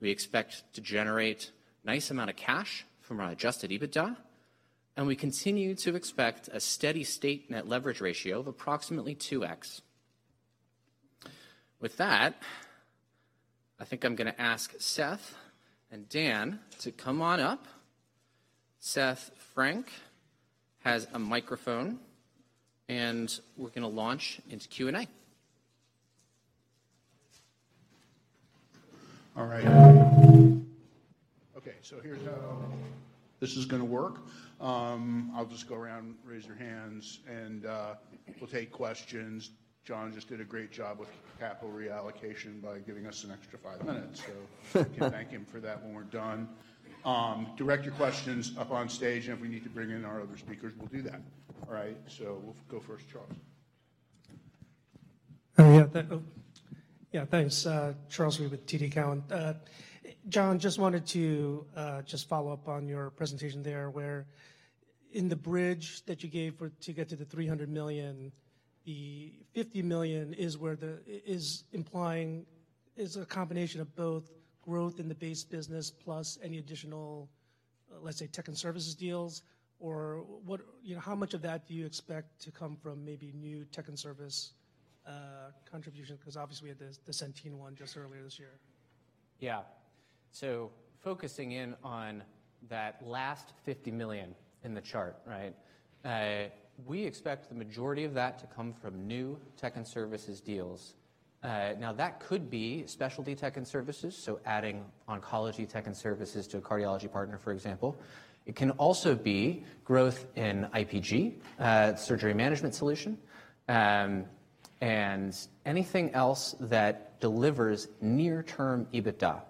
We expect to generate nice amount of cash from our Adjusted EBITDA, and we continue to expect a steady state Net Leverage Ratio of approximately 2x. With that, I think I'm gonna ask Seth and Dan to come on up. Seth Frank has a microphone, and we're gonna launch into Q&A.
All right. Okay, here's how this is gonna work. I'll just go around, raise your hands, and we'll take questions. John just did a great job with capital reallocation by giving us an extra five minutes, can thank him for that when we're done. Direct your questions up on stage, and if we need to bring in our other speakers, we'll do that. All right? We'll go first, Charles.
Yeah. Thanks, Charles Rhyee with TD Cowen. John, just wanted to just follow up on your presentation there, where in the bridge that you gave to get to the $300 million, the $50 million is where the... is implying... Is a combination of both growth in the base business plus any additional, let's say, tech and services deals, or what... You know, how much of that do you expect to come from maybe new tech and service contribution? Cause obviously we had the Centene one just earlier this year?
Focusing in on that last $50 million in the chart, right? We expect the majority of that to come from new tech and services deals. Now that could be specialty tech and services, so adding oncology tech and services to a cardiology partner, for example. It can also be growth in IPG, surgery management solution, and anything else that delivers near-term EBITDA.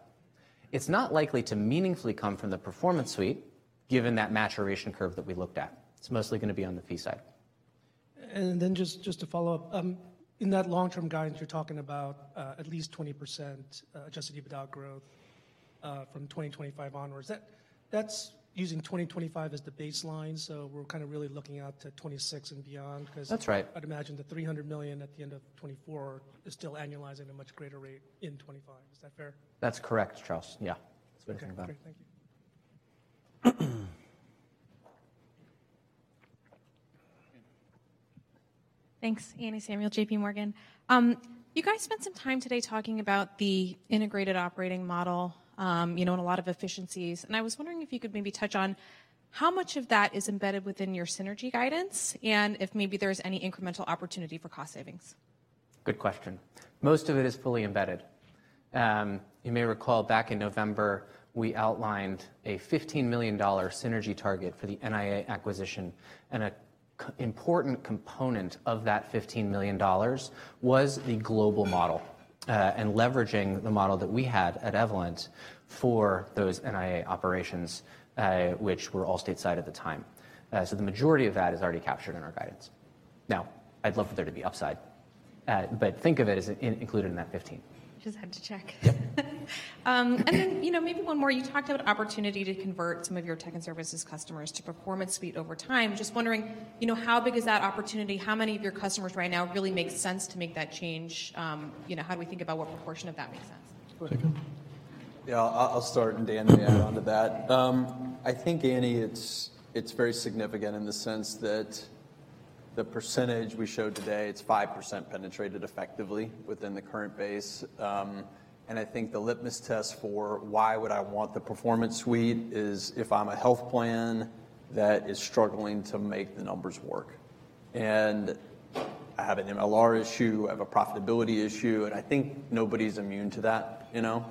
It's not likely to meaningfully come from the Performance Suite, given that maturation curve that we looked at. It's mostly gonna be on the fee side.
just to follow up, in that long-term guidance, you're talking about at least 20% Adjusted EBITDA growth from 2025 onwards. That's using 2025 as the baseline, so we're kinda really looking out to 2026 and beyond.
That's right.
I'd imagine the $300 million at the end of 2024 is still annualizing a much greater rate in 2025. Is that fair?
That's correct, Charles. Yeah. That's a good point.
Okay. Great. Thank you.
Thanks. Anne Samuel, J.P. Morgan. You guys spent some time today talking about the integrated operating model, you know, and a lot of efficiencies, and I was wondering if you could maybe touch on how much of that is embedded within your synergy guidance and if maybe there's any incremental opportunity for cost savings?
Good question. Most of it is fully embedded. You may recall back in November, we outlined a $15 million synergy target for the NIA acquisition, and an important component of that $15 million was the global model, and leveraging the model that we had at Evolent for those NIA operations, which were all state-side at the time. The majority of that is already captured in our guidance. Now, I'd love for there to be upside, but think of it as in-included in that 15.
Just had to check.
Yep.
You know, maybe one more. You talked about opportunity to convert some of your tech and services customers to Performance Suite over time. Just wondering, you know, how big is that opportunity? How many of your customers right now really make sense to make that change? You know, how do we think about what proportion of that makes sense?
Go ahead, Dan.
Yeah. I'll start, and Dan can add onto that. I think, Annie, it's very significant in the sense that the percentage we showed today, it's 5% penetrated effectively within the current base. I think the litmus test for why would I want the Performance Suite is if I'm a health plan that is struggling to make the numbers work. I have an MLR issue, I have a profitability issue, and I think nobody's immune to that, you know.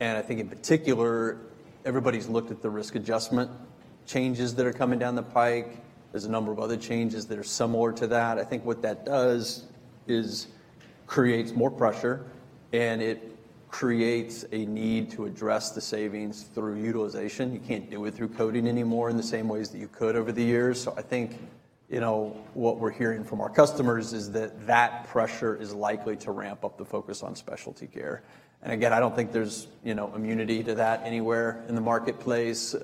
I think in particular, everybody's looked at the risk adjustment changes that are coming down the pike. There's a number of other changes that are similar to that. I think what that does is creates more pressure, and it creates a need to address the savings through utilization. You can't do it through coding anymore in the same ways that you could over the years. I think, you know, what we're hearing from our customers is that that pressure is likely to ramp up the focus on specialty care. Again, I don't think there's, you know, immunity to that anywhere in the marketplace. You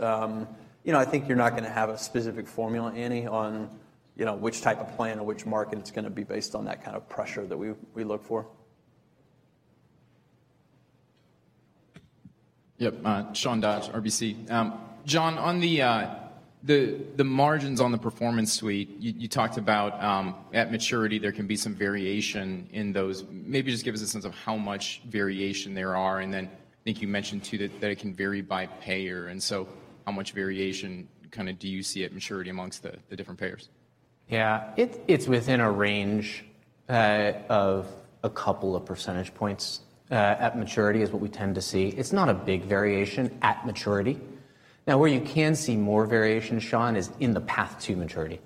know, I think you're not gonna have a specific formula, Anne, on.
You know, which type of plan or which market it's gonna be based on that kind of pressure that we look for.
Yep, Sean Dodge, RBC. John, on the margins on the Performance Suite, you talked about, at maturity, there can be some variation in those. Maybe just give us a sense of how much variation there are. Then I think you mentioned too that it can vary by payer. How much variation kinda do you see at maturity amongst the different payers?
Yeah. It's within a range, of a couple of percentage points, at maturity, is what we tend to see. It's not a big variation at maturity. Where you can see more variation, Sean, is in the path to maturity.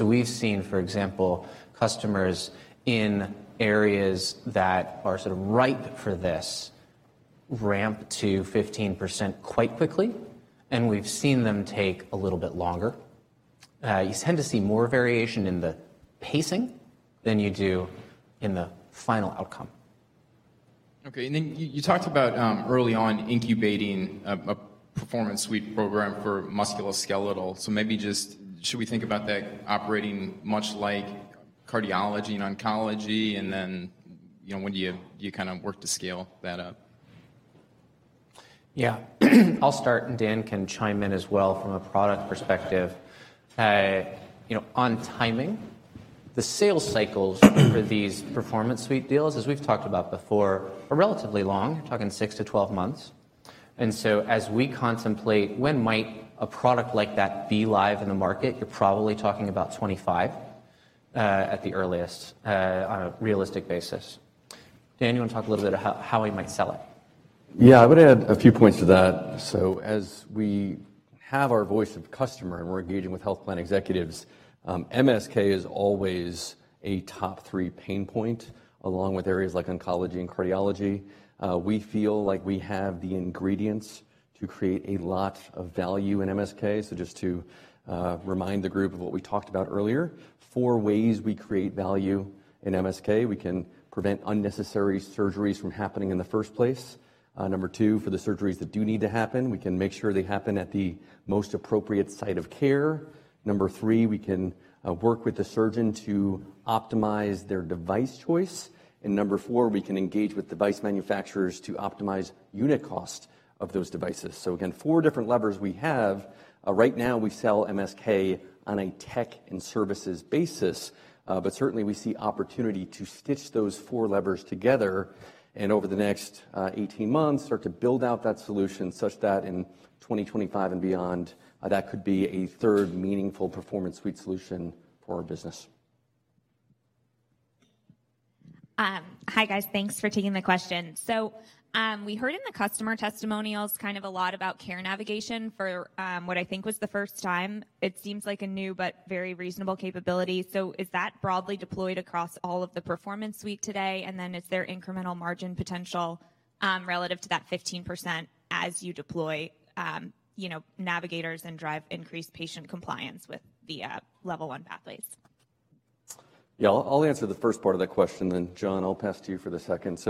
We've seen, for example, customers in areas that are sort of ripe for this ramp to 15% quite quickly, and we've seen them take a little bit longer. You tend to see more variation in the pacing than you do in the final outcome.
Okay. Then you talked about early on incubating a Performance Suite program for musculoskeletal. Maybe just should we think about that operating much like cardiology and oncology, and then, you know, when do you kind of work to scale that up?
Yeah. I'll start, and Dan can chime in as well from a product perspective. you know, on timing, the sales cycles for these Performance Suite deals, as we've talked about before, are relatively long. Talking 6-12 months. As we contemplate when might a product like that be live in the market, you're probably talking about 2025 at the earliest on a realistic basis. Dan, you wanna talk a little bit how we might sell it?
Yeah. I would add a few points to that. As we have our voice of customer and we're engaging with health plan executives, MSK is always a top three pain point, along with areas like oncology and cardiology. We feel like we have the ingredients to create a lot of value in MSK. Just to remind the group of what we talked about earlier, 4 ways we create value in MSK, we can prevent unnecessary surgeries from happening in the first place. Number 2, for the surgeries that do need to happen, we can make sure they happen at the most appropriate site of care. Number 3, we can work with the surgeon to optimize their device choice. Number 4, we can engage with device manufacturers to optimize unit cost of those devices. Again, 4 different levers we have. Right now, we sell MSK on a tech and services basis, but certainly we see opportunity to stitch those four levers together and over the next 18 months start to build out that solution such that in 2025 and beyond, that could be a third meaningful Performance Suite solution for our business.
Hi, guys. Thanks for taking the question. We heard in the customer testimonials kind of a lot about care navigation for, what I think was the first time. It seems like a new but very reasonable capability. Is that broadly deployed across all of the Performance Suite today? Is there incremental margin potential, relative to that 15% as you deploy, navigators and drive increased patient compliance with the, Level 1 Pathways?
I'll answer the first part of that question, John, I'll pass to you for the second.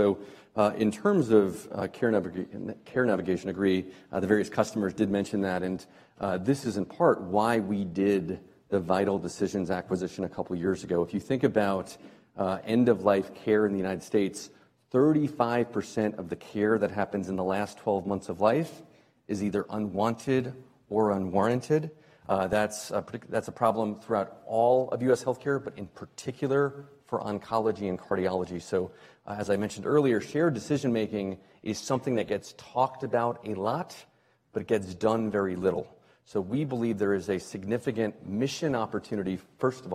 In terms of care navigation, agree, the various customers did mention that, this is in part why we did the Vital Decisions acquisition a couple years ago. If you think about end of life care in the United States, 35% of the care that happens in the last 12 months of life is either unwanted or unwarranted. That's a problem throughout all of U.S. healthcare, in particular for oncology and cardiology. As I mentioned earlier, shared decision-making is something that gets talked about a lot but gets done very little. We believe there is a significant mission opportunity, first of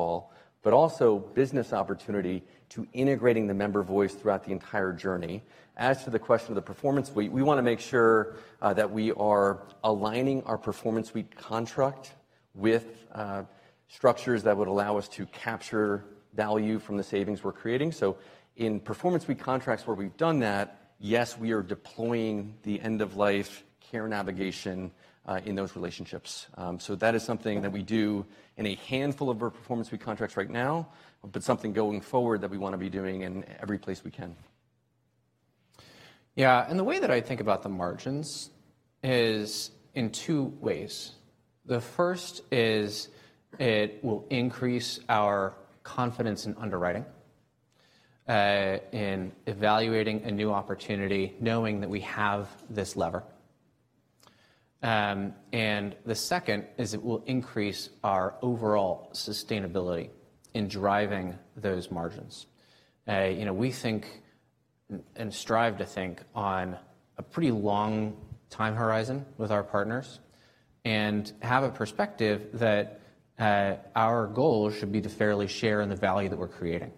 all, but also business opportunity to integrating the member voice throughout the entire journey. As to the question of the Performance Suite, we wanna make sure that we are aligning our Performance Suite contract with structures that would allow us to capture value from the savings we're creating. In Performance Suite contracts where we've done that, yes, we are deploying the end of life care navigation in those relationships. That is something that we do in a handful of our Performance Suite contracts right now, but something going forward that we wanna be doing in every place we can.
Yeah. The way that I think about the margins is in 2 ways. The first is it will increase our confidence in underwriting, in evaluating a new opportunity, knowing that we have this lever. The second is it will increase our overall sustainability in driving those margins. You know, we think and strive to think on a pretty long time horizon with our partners and have a perspective that our goal should be to fairly share in the value that we're creating.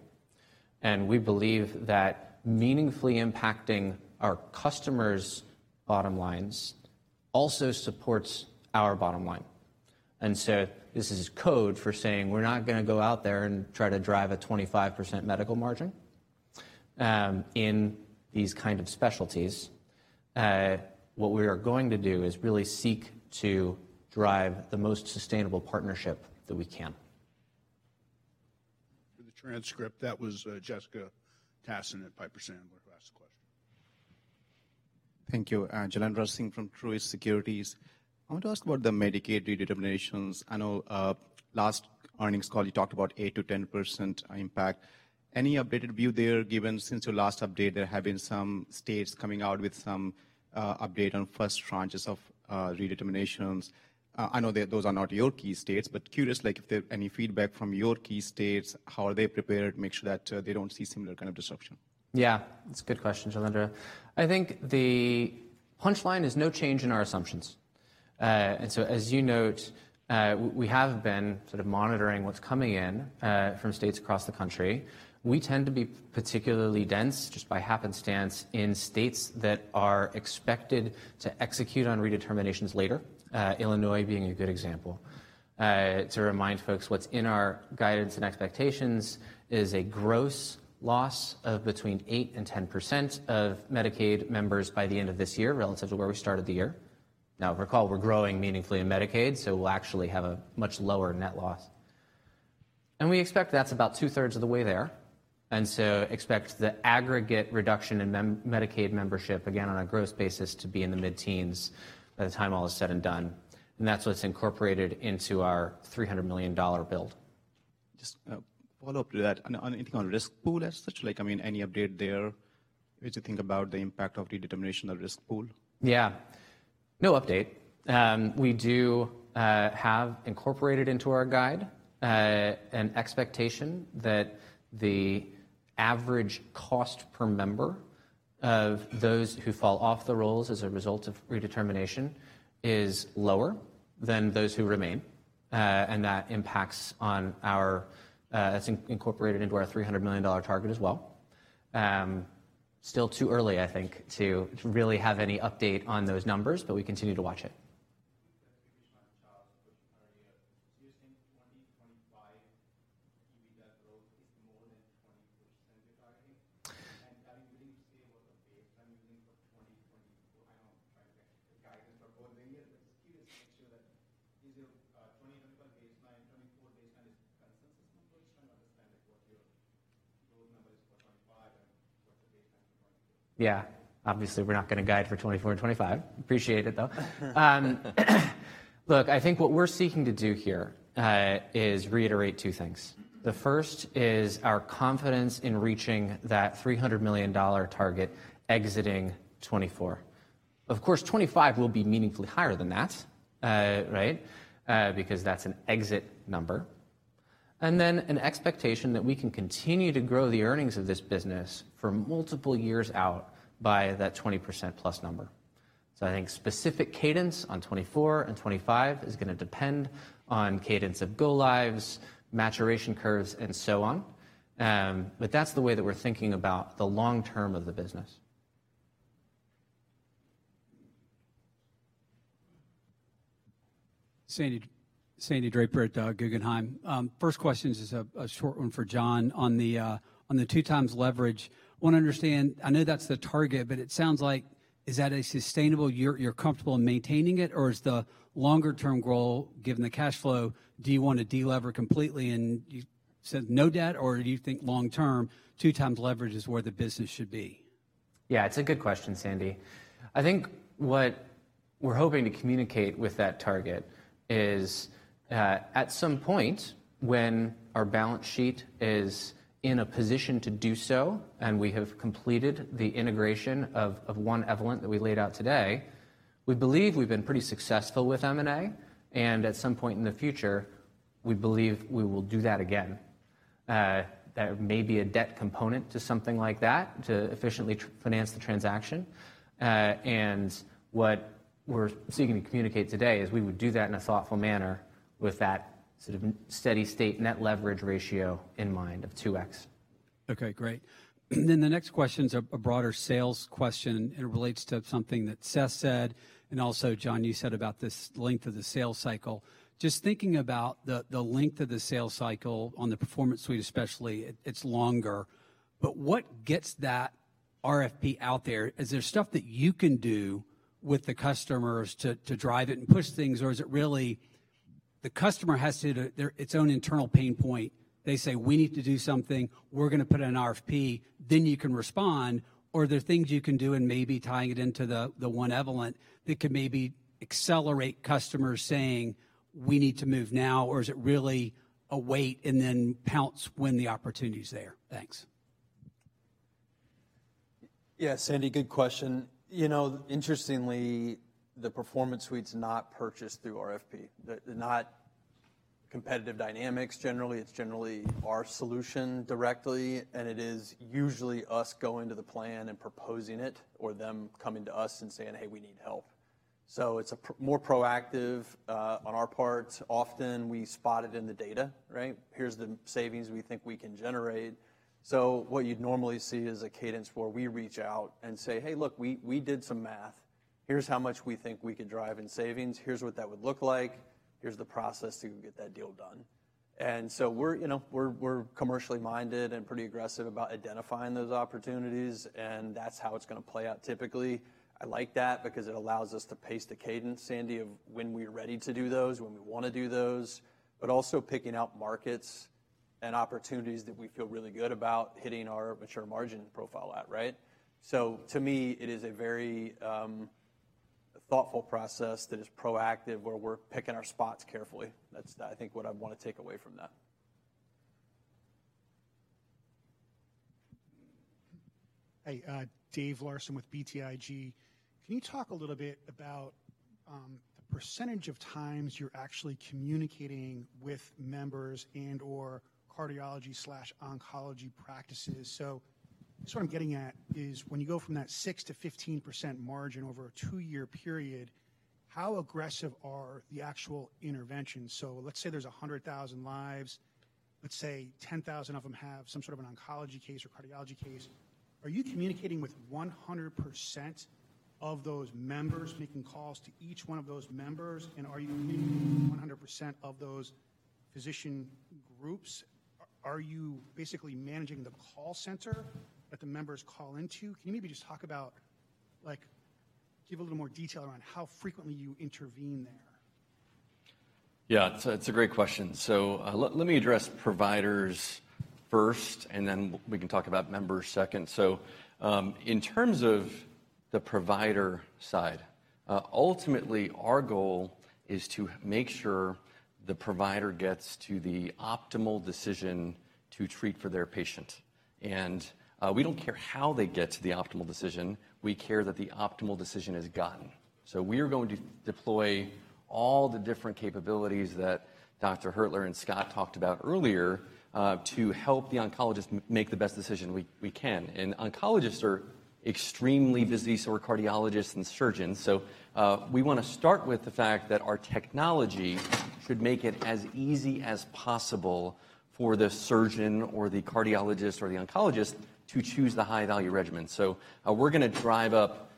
We believe that meaningfully impacting our customers' bottom lines also supports our bottom line. This is code for saying we're not gonna go out there and try to drive a 25% medical margin in these kind of specialties. What we are going to do is really seek to drive the most sustainable partnership that we can.
For the transcript, that was, Jessica Tassan at Piper Sandler who asked the question.
Thank you. Jailendra Singh from Truist Securities. I want to ask about the Medicaid redeterminations. I know, last earnings call you talked about 8% to 10% impact. Any updated view there given since your last update, there have been some states coming out with some update on first tranches of redeterminations. I know that those are not your key states, but curious, like if there any feedback from your key states, how are they prepared, make sure that they don't see similar kind of disruption?
Yeah, that's a good question, Jailendra. I think the punchline is no change in our assumptions. as you note, we have been sort of monitoring what's coming in, from states across the country. We tend to be particularly dense just by happenstance in states that are expected to execute on redeterminations later, Illinois being a good example. To remind folks, what's in our guidance and expectations is a gross loss of between 8% and 10% of Medicaid members by the end of this year relative to where we started the year. Now recall, we're growing meaningfully in Medicaid, so we'll actually have a much lower net loss. We expect that's about 2/3 of the way there, expect the aggregate reduction in Medicaid membership, again, on a gross basis to be in the mid-teens by the time all is said and done, that's what's incorporated into our $300 million build.
Just follow up to that. On anything on risk pool as such, like, I mean, any update there as you think about the impact of redetermination on risk pool?
Yeah. No update. We do have incorporated into our guide an expectation that the average cost per member of those who fall off the rolls as a result of redetermination is lower than those who remain. That impacts on our. It's incorporated into our $300 million target as well. Still too early, I think, to really have any update on those numbers, we continue to watch it. Yeah. Obviously, we're not gonna guide for 2024 and 2025. Appreciate it, though. Look, I think what we're seeking to do here is reiterate two things. The first is our confidence in reaching that $300 million target exiting 2024. Of course, 2025 will be meaningfully higher than that, right? That's an exit number. An expectation that we can continue to grow the earnings of this business for multiple years out by that 20%+ number. I think specific cadence on 2024 and 2025 is gonna depend on cadence of go lives, maturation curves, and so on. That's the way that we're thinking about the long term of the business.
Sandy Draper at Guggenheim. First question is a short one for John on the 2x leverage. Wanna understand, I know that's the target, but it sounds like, is that a sustainable... You're comfortable in maintaining it, or is the longer term goal, given the cash flow, do you wanna delever completely and you said no debt, or do you think long term 2x leverage is where the business should be?
Yeah, it's a good question, Sandy. I think what we're hoping to communicate with that target is at some point when our balance sheet is in a position to do so, and we have completed the integration of One Evolent that we laid out today, we believe we've been pretty successful with M&A, and at some point in the future, we believe we will do that again. There may be a debt component to something like that to efficiently finance the transaction. And what we're seeking to communicate today is we would do that in a thoughtful manner with that sort of steady state Net Leverage Ratio in mind of 2x.
Okay, great. The next question's a broader sales question. It relates to something that Seth said, and also, John, you said about this length of the sales cycle. Just thinking about the length of the sales cycle on the Performance Suite especially, it's longer, but what gets that RFP out there? Is there stuff that you can do with the customers to drive it and push things, or is it really the customer has to. Its own internal pain point. They say, "We need to do something. We're gonna put in an RFP," then you can respond. Are there things you can do, and maybe tying it into the One Evolent, that could maybe accelerate customers saying, "We need to move now," or is it really a wait and then pounce when the opportunity is there? Thanks.
Yeah, Sandy, good question. You know, interestingly, the Performance Suite's not purchased through RFP. They're not competitive dynamics generally. It's generally our solution directly, and it is usually us going to the plan and proposing it, or them coming to us and saying, "Hey, we need help." It's a more proactive on our part. Often we spot it in the data, right? Here's the savings we think we can generate. What you'd normally see is a cadence where we reach out and say, "Hey, look, we did some math. Here's how much we think we could drive in savings. Here's what that would look like. Here's the process to get that deal done." We're, you know, we're commercially minded and pretty aggressive about identifying those opportunities, and that's how it's gonna play out typically. I like that because it allows us to pace the cadence, Sandy, of when we're ready to do those, when we wanna do those, but also picking out markets.
Opportunities that we feel really good about hitting our mature margin profile at, right? To me, it is a very thoughtful process that is proactive, where we're picking our spots carefully. That's, I think what I wanna take away from that.
Hey, David Larsen with BTIG. Can you talk a little bit about the percentage of times you're actually communicating with members and/or cardiology/oncology practices? Just what I'm getting at is when you go from that 6%-15% margin over a 2-year period, how aggressive are the actual interventions? Let's say there's 100,000 lives. Let's say 10,000 of them have some sort of an oncology case or cardiology case. Are you communicating with 100% of those members, making calls to each one of those members? Are you communicating with 100% of those physician groups? Are you basically managing the call center that the members call into? Can you maybe just talk about, like, give a little more detail around how frequently you intervene there?
It's a great question. Let me address providers first. Then we can talk about members second. In terms of the provider side, ultimately our goal is to make sure the provider gets to the optimal decision to treat for their patient. We don't care how they get to the optimal decision, we care that the optimal decision is gotten. We are going to deploy all the different capabilities that Dr. Hertler and Scott talked about earlier to help the oncologist make the best decision we can. Oncologists are extremely busy, so are cardiologists and surgeons. We wanna start with the fact that our technology should make it as easy as possible for the surgeon or the cardiologist or the oncologist to choose the high-value regimen. We're gonna drive up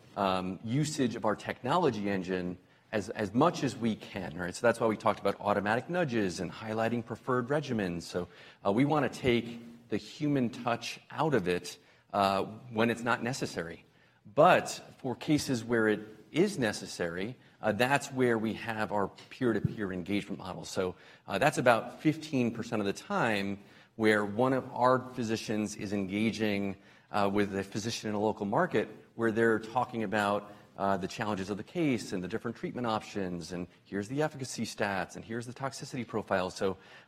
usage of our technology engine as much as we can, right? That's why we talked about automatic nudges and highlighting preferred regimens. We wanna take the human touch out of it when it's not necessary. For cases where it is necessary, that's where we have our peer-to-peer engagement model. That's about 15% of the time where one of our physicians is engaging with a physician in a local market, where they're talking about the challenges of the case and the different treatment options, and here's the efficacy stats, and here's the toxicity profile.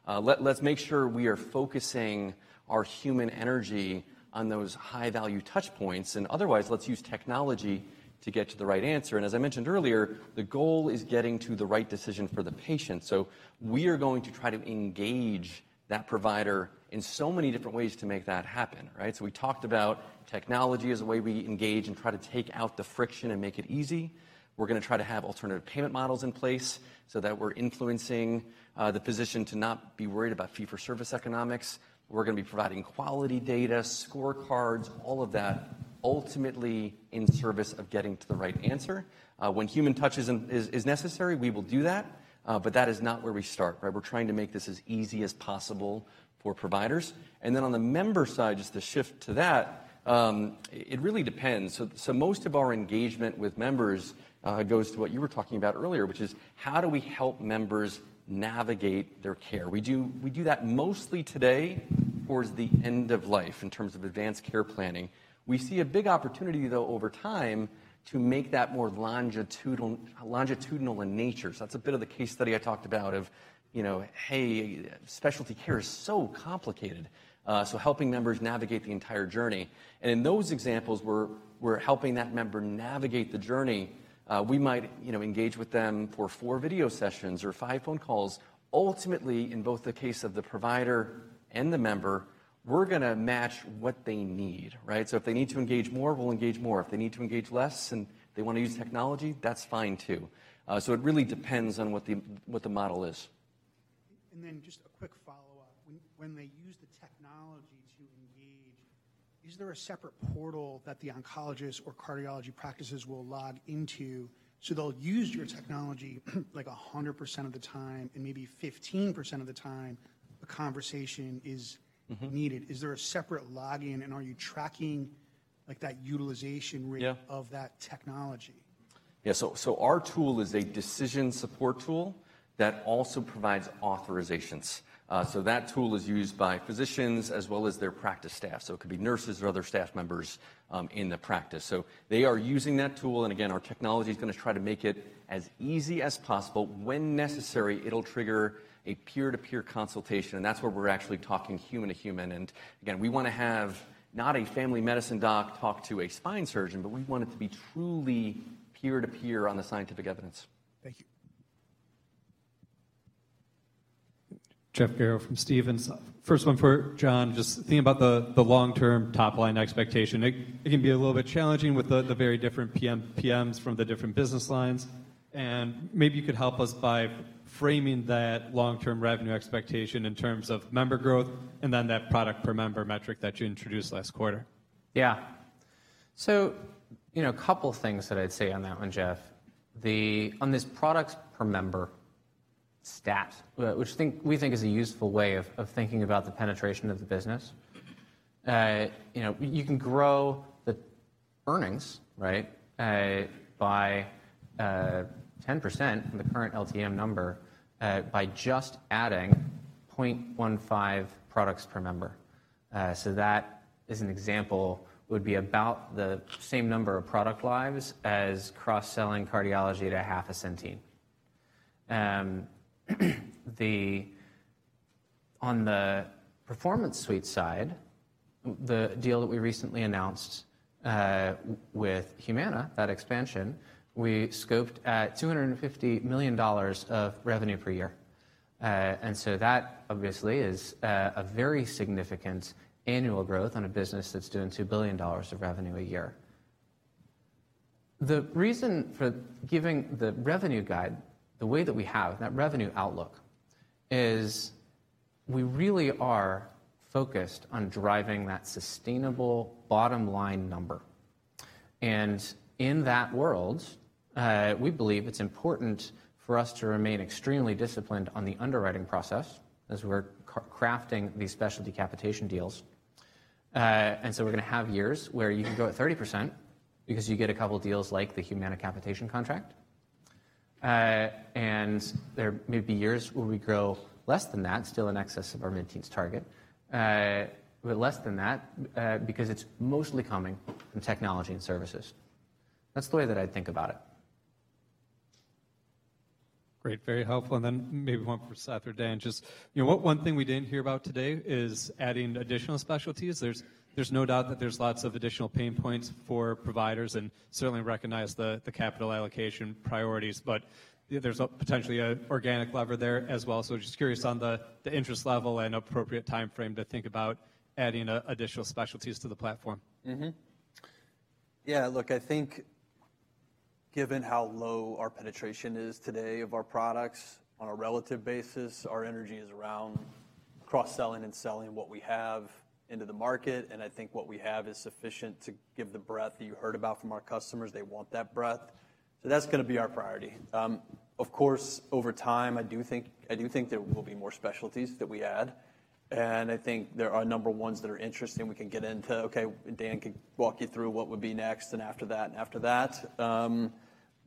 Let's make sure we are focusing our human energy on those high-value touchpoints, and otherwise, let's use technology to get to the right answer. As I mentioned earlier, the goal is getting to the right decision for the patient. We are going to try to engage that provider in so many different ways to make that happen, right? We talked about technology as a way we engage and try to take out the friction and make it easy. We're gonna try to have alternative payment models in place so that we're influencing the physician to not be worried about fee-for-service economics. We're gonna be providing quality data, scorecards, all of that, ultimately in service of getting to the right answer. When human touch is necessary, we will do that, but that is not where we start, right? We're trying to make this as easy as possible for providers. On the member side, just to shift to that, it really depends. Most of our engagement with members goes to what you were talking about earlier, which is: How do we help members navigate their care? We do that mostly today towards the end of life, in terms of advanced care planning. We see a big opportunity, though, over time to make that more longitudinal in nature. That's a bit of the case study I talked about of, you know, hey, specialty care is so complicated, helping members navigate the entire journey. In those examples, we're helping that member navigate the journey. We might, you know, engage with them for 4 video sessions or 5 phone calls. Ultimately, in both the case of the provider and the member, we're gonna match what they need, right? If they need to engage more, we'll engage more. If they need to engage less and they wanna use technology, that's fine too. It really depends on what the model is.
Just a quick follow-up. When they use the technology to engage, is there a separate portal that the oncologists or cardiology practices will log into? They'll use your technology like 100% of the time, and maybe 15% of the time a conversation is.
Mm-hmm.
-needed. Is there a separate login, and are you tracking, like, that utilization rate?
Yeah.
of that technology?
Our tool is a decision support tool that also provides authorizations. That tool is used by physicians as well as their practice staff. It could be nurses or other staff members in the practice. They are using that tool, and again, our technology's gonna try to make it as easy as possible. When necessary, it'll trigger a peer-to-peer consultation, and that's where we're actually talking human to human. Again, we wanna have not a family medicine doc talk to a spine surgeon, but we want it to be truly peer to peer on the scientific evidence.
Thank you.
Jeff Garro from Stephens. First one for John. Just thinking about the long-term top-line expectation. It can be a little bit challenging with the very different PMPs from the different business lines. Maybe you could help us by framing that long-term revenue expectation in terms of member growth and then that product per member metric that you introduced last quarter.
Yeah. you know, a couple things that I'd say on that one, Jeff. On this products per member stat, we think is a useful way of thinking about the penetration of the business.
You know, you can grow the earnings, right, by 10% from the current LTM number, by just adding 0.15 products per member. That as an example, would be about the same number of product lives as cross-selling cardiology to half a Centene. On the Performance Suite side, the deal that we recently announced with Humana, that expansion, we scoped at $250 million of revenue per year. That obviously is a very significant annual growth on a business that's doing $2 billion of revenue a year. The reason for giving the revenue guide the way that we have, that revenue outlook, is we really are focused on driving that sustainable bottom-line number. In that world, we believe it's important for us to remain extremely disciplined on the underwriting process as we're crafting these specialty capitation deals. So we're gonna have years where you can grow at 30% because you get a couple deals like the Humana capitation contract. But there may be years where we grow less than that, still in excess of our mid-teens target. But less than that, because it's mostly coming from technology and services. That's the way that I'd think about it.
Great, very helpful. Then maybe one for Seth or Dan. Just, you know, one thing we didn't hear about today is adding additional specialties. There's no doubt that there's lots of additional pain points for providers, and certainly recognize the capital allocation priorities. There's a potentially organic lever there as well. Just curious on the interest level and appropriate timeframe to think about adding additional specialties to the platform.
Mm-hmm.
Yeah. Look, I think given how low our penetration is today of our products on a relative basis, our energy is around cross-selling and selling what we have into the market, and I think what we have is sufficient to give the breadth that you heard about from our customers. They want that breadth. That's gonna be our priority. Of course, over time, I do think there will be more specialties that we add, and I think there are a number of ones that are interesting we can get into. Okay, Dan can walk you through what would be next and after that, and after that.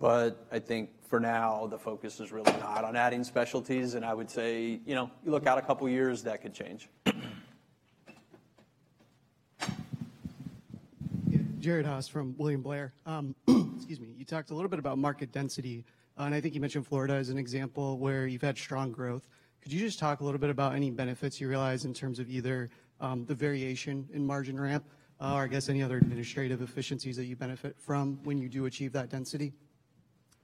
I think for now, the focus is really not on adding specialties. I would say, you know, you look out a couple of years, that could change.
Jared Haase from William Blair. Excuse me. You talked a little bit about market density, and I think you mentioned Florida as an example where you've had strong growth. Could you just talk a little bit about any benefits you realize in terms of either, the variation in margin ramp, or I guess any other administrative efficiencies that you benefit from when you do achieve that density?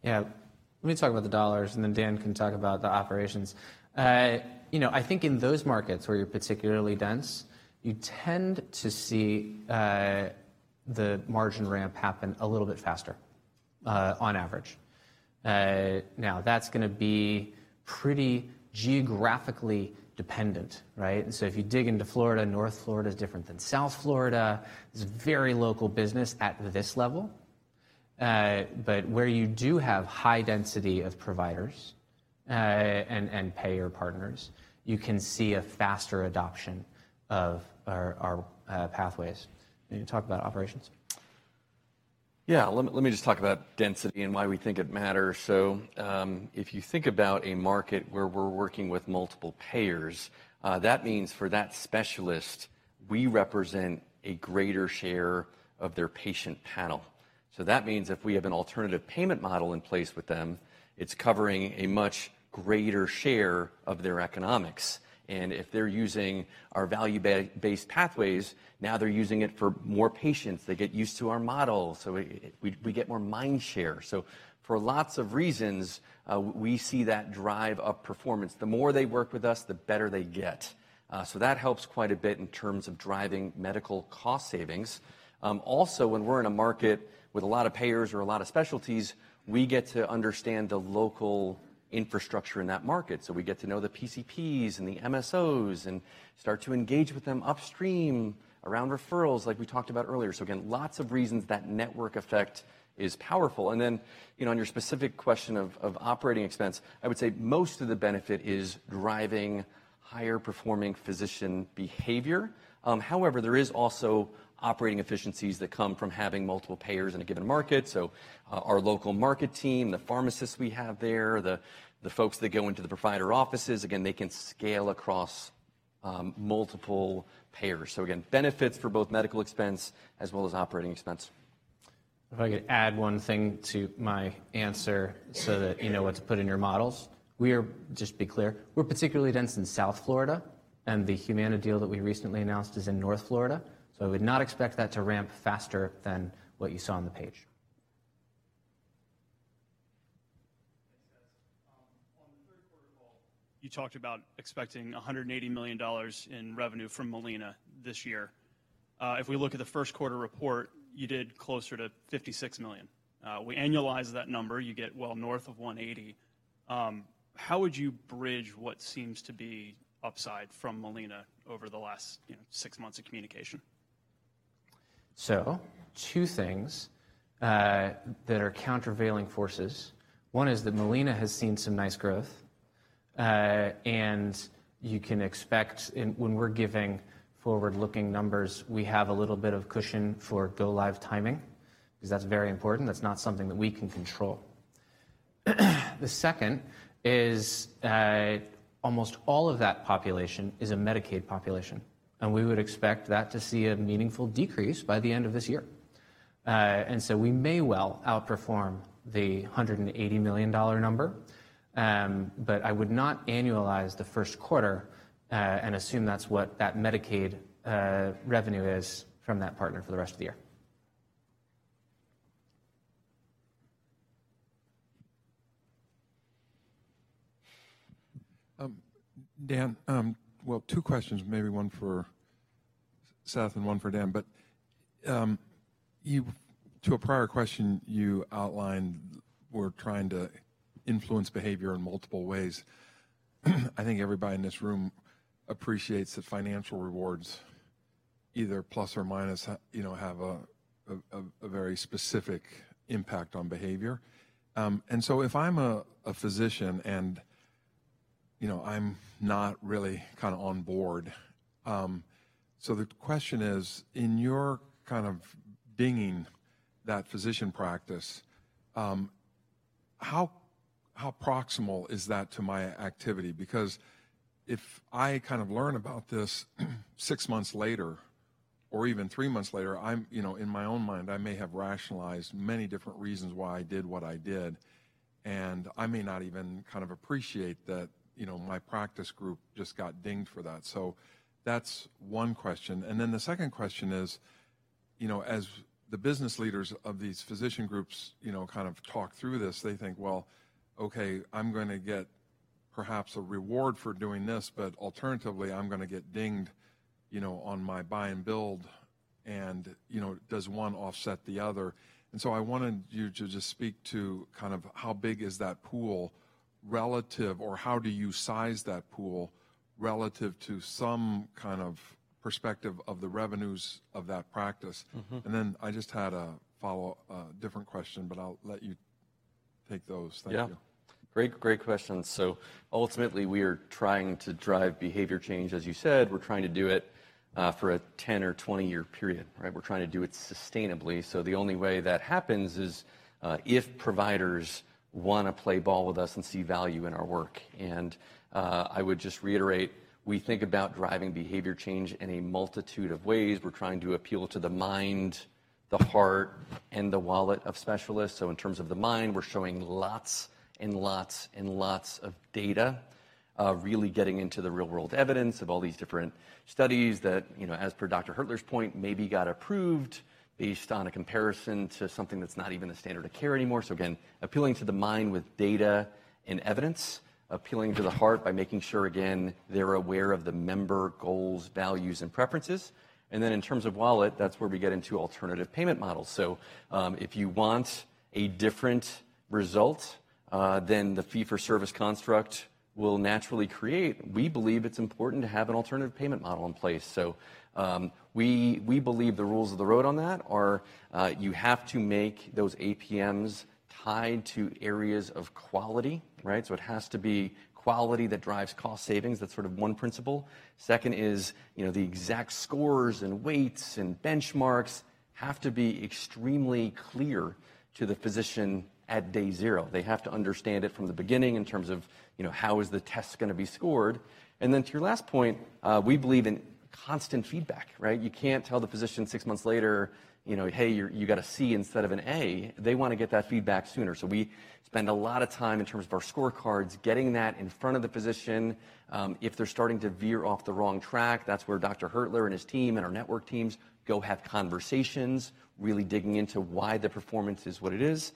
Yeah. Let me talk about the dollars, and then Dan can talk about the operations. You know, I think in those markets where you're particularly dense, you tend to see, the margin ramp happen a little bit faster, on average. Now that's gonna be pretty geographically dependent, right? If you dig into Florida, North Florida is different than South Florida. It's a very local business at this level. Where you do have high density of providers, and payer partners, you can see a faster adoption of our pathways. You want to talk about operations?
Yeah. Let me just talk about density and why we think it matters. If you think about a market where we're working with multiple payers, that means for that specialist, we represent a greater share of their patient panel. That means if we have an alternative payment model in place with them, it's covering a much greater share of their economics. If they're using our value-based pathways, now they're using it for more patients. They get used to our model, so we get more mind share. For lots of reasons, we see that drive up performance. The more they work with us, the better they get. That helps quite a bit in terms of driving medical cost savings. Also, when we're in a market with a lot of payers or a lot of specialties, we get to understand the local infrastructure in that market. We get to know the PCPs and the MSOs and start to engage with them upstream around referrals like we talked about earlier. Again, lots of reasons that network effect is powerful. Then, you know, on your specific question of operating expense, I would say most of the benefit is driving higher performing physician behavior. However, there is also operating efficiencies that come from having multiple payers in a given market. Our local market team, the pharmacists we have there, the folks that go into the provider offices, again, they can scale across multiple payers. Again, benefits for both medical expense as well as operating expense.
If I could add one thing to my answer so that you know what to put in your models. We are, just to be clear, we're particularly dense in South Florida, and the Humana deal that we recently announced is in North Florida, so I would not expect that to ramp faster than what you saw on the page.
Thanks, guys. On the 3rd quarter call, you talked about expecting $180 million in revenue from Molina this year. If we look at the 1st quarter report, you did closer to $56 million. We annualize that number, you get well north of $180. How would you bridge what seems to be upside from Molina over the last, you know, six months of communication?
Two things that are countervailing forces. One is that Molina has seen some nice growth, and you can expect when we're giving forward-looking numbers, we have a little bit of cushion for go-live timing, because that's very important. That's not something that we can control. The second is, almost all of that population is a Medicaid population, and we would expect that to see a meaningful decrease by the end of this year. We may well outperform the $180 million number, but I would not annualize the first quarter, and assume that's what that Medicaid revenue is from that partner for the rest of the year.
Dan, well, two questions, maybe one for Seth and one for Dan. To a prior question you outlined, we're trying to influence behavior in multiple ways. I think everybody in this room appreciates that financial rewards either plus or minus you know, have a, a very specific impact on behavior. If I'm a physician and, you know, I'm not really kinda on board, the question is: In your kind of dinging that physician practice, how proximal is that to my activity? Because if I kind of learn about this six months later or even three months later, you know, in my own mind, I may have rationalized many different reasons why I did what I did, and I may not even kind of appreciate that, you know, my practice group just got dinged for that. That's one question. The second question is, you know, as the business leaders of these physician groups, you know, kind of talk through this, they think, "Well, okay, I'm gonna get perhaps a reward for doing this, but alternatively, I'm gonna get dinged, you know, on my buy-and-bill," and, you know, does one offset the other? I wanted you to just speak to kind of how big is that pool relative or how do you size that pool relative to some kind of perspective of the revenues of that practice.
Mm-hmm.
I just had a different question, but I'll let you take those. Thank you.
Yeah. Great, great questions. Ultimately, we are trying to drive behavior change, as you said. We're trying to do it for a 10 or 20-year period, right? We're trying to do it sustainably, the only way that happens is if providers wanna play ball with us and see value in our work. I would just reiterate, we think about driving behavior change in a multitude of ways. We're trying to appeal to the mind, the heart, and the wallet of specialists. In terms of the mind, we're showing lots and lots and lots of data, really getting into the real-world evidence of all these different studies that, you know, as per Dr. Hertler's point, maybe got approved based on a comparison to something that's not even a standard of care anymore. Again, appealing to the mind with data and evidence, appealing to the heart by making sure, again, they're aware of the member goals, values, and preferences. In terms of wallet, that's where we get into alternative payment models. If you want a different result than the fee-for-service construct will naturally create, we believe it's important to have an alternative payment model in place. We believe the rules of the road on that are, you have to make those APMs tied to areas of quality, right? It has to be quality that drives cost savings. That's sort of one principle. Second is, you know, the exact scores and weights and benchmarks have to be extremely clear to the physician at day zero. They have to understand it from the beginning in terms of, you know, how is the test gonna be scored. To your last point, we believe in constant feedback, right? You can't tell the physician 6 months later, you know, "Hey, you're, you got a C instead of an A." They wanna get that feedback sooner. We spend a lot of time in terms of our scorecards, getting that in front of the physician. If they're starting to veer off the wrong track, that's where Dr. Hertler and his team and our network teams go have conversations, really digging into why the performance is what it is.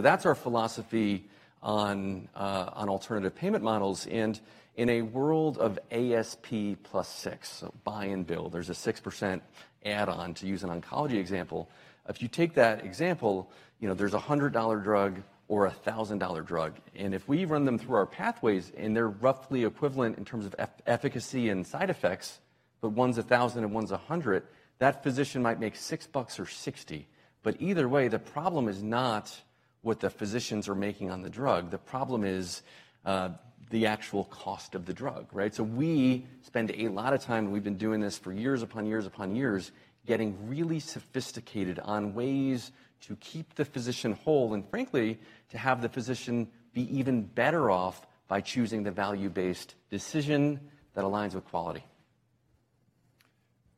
That's our philosophy on alternative payment models. In a world of ASP plus 6%, so buy-and-bill, there's a 6% add-on, to use an oncology example. If you take that example, you know, there's a $100 drug or a $1,000 drug, and if we run them through our pathways, and they're roughly equivalent in terms of efficacy and side effects, but one's $1,000 and one's $100, that physician might make $6 or $60. Either way, the problem is not what the physicians are making on the drug. The problem is the actual cost of the drug, right? We spend a lot of time, we've been doing this for years upon years upon years, getting really sophisticated on ways to keep the physician whole, and frankly, to have the physician be even better off by choosing the value-based decision that aligns with quality.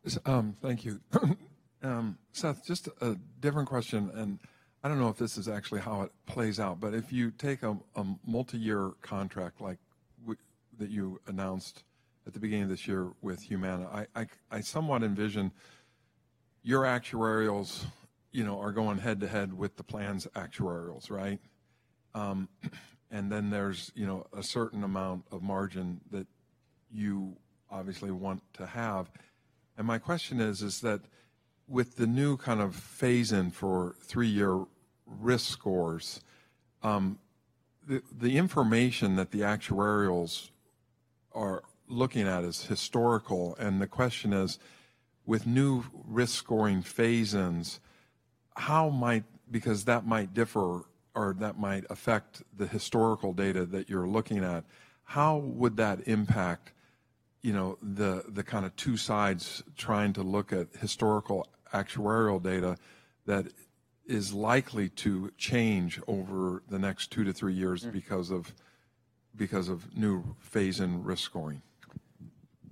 Yes, thank you. Seth, just a different question. I don't know if this is actually how it plays out, but if you take a multi-year contract like that you announced at the beginning of this year with Humana, I somewhat envision your actuarials, you know, are going head-to-head with the plan's actuarials, right? Then there's, you know, a certain amount of margin that you obviously want to have. My question is that with the new kind of phase-in for 3-year risk scores, the information that the actuarials are looking at is historical, and the question is, with new risk scoring phase-ins, how might? That might differ or that might affect the historical data that you're looking at. How would that impact, you know, the kinda two sides trying to look at historical actuarial data that is likely to change over the next two to three years.
Mm.
because of new phase-in risk scoring?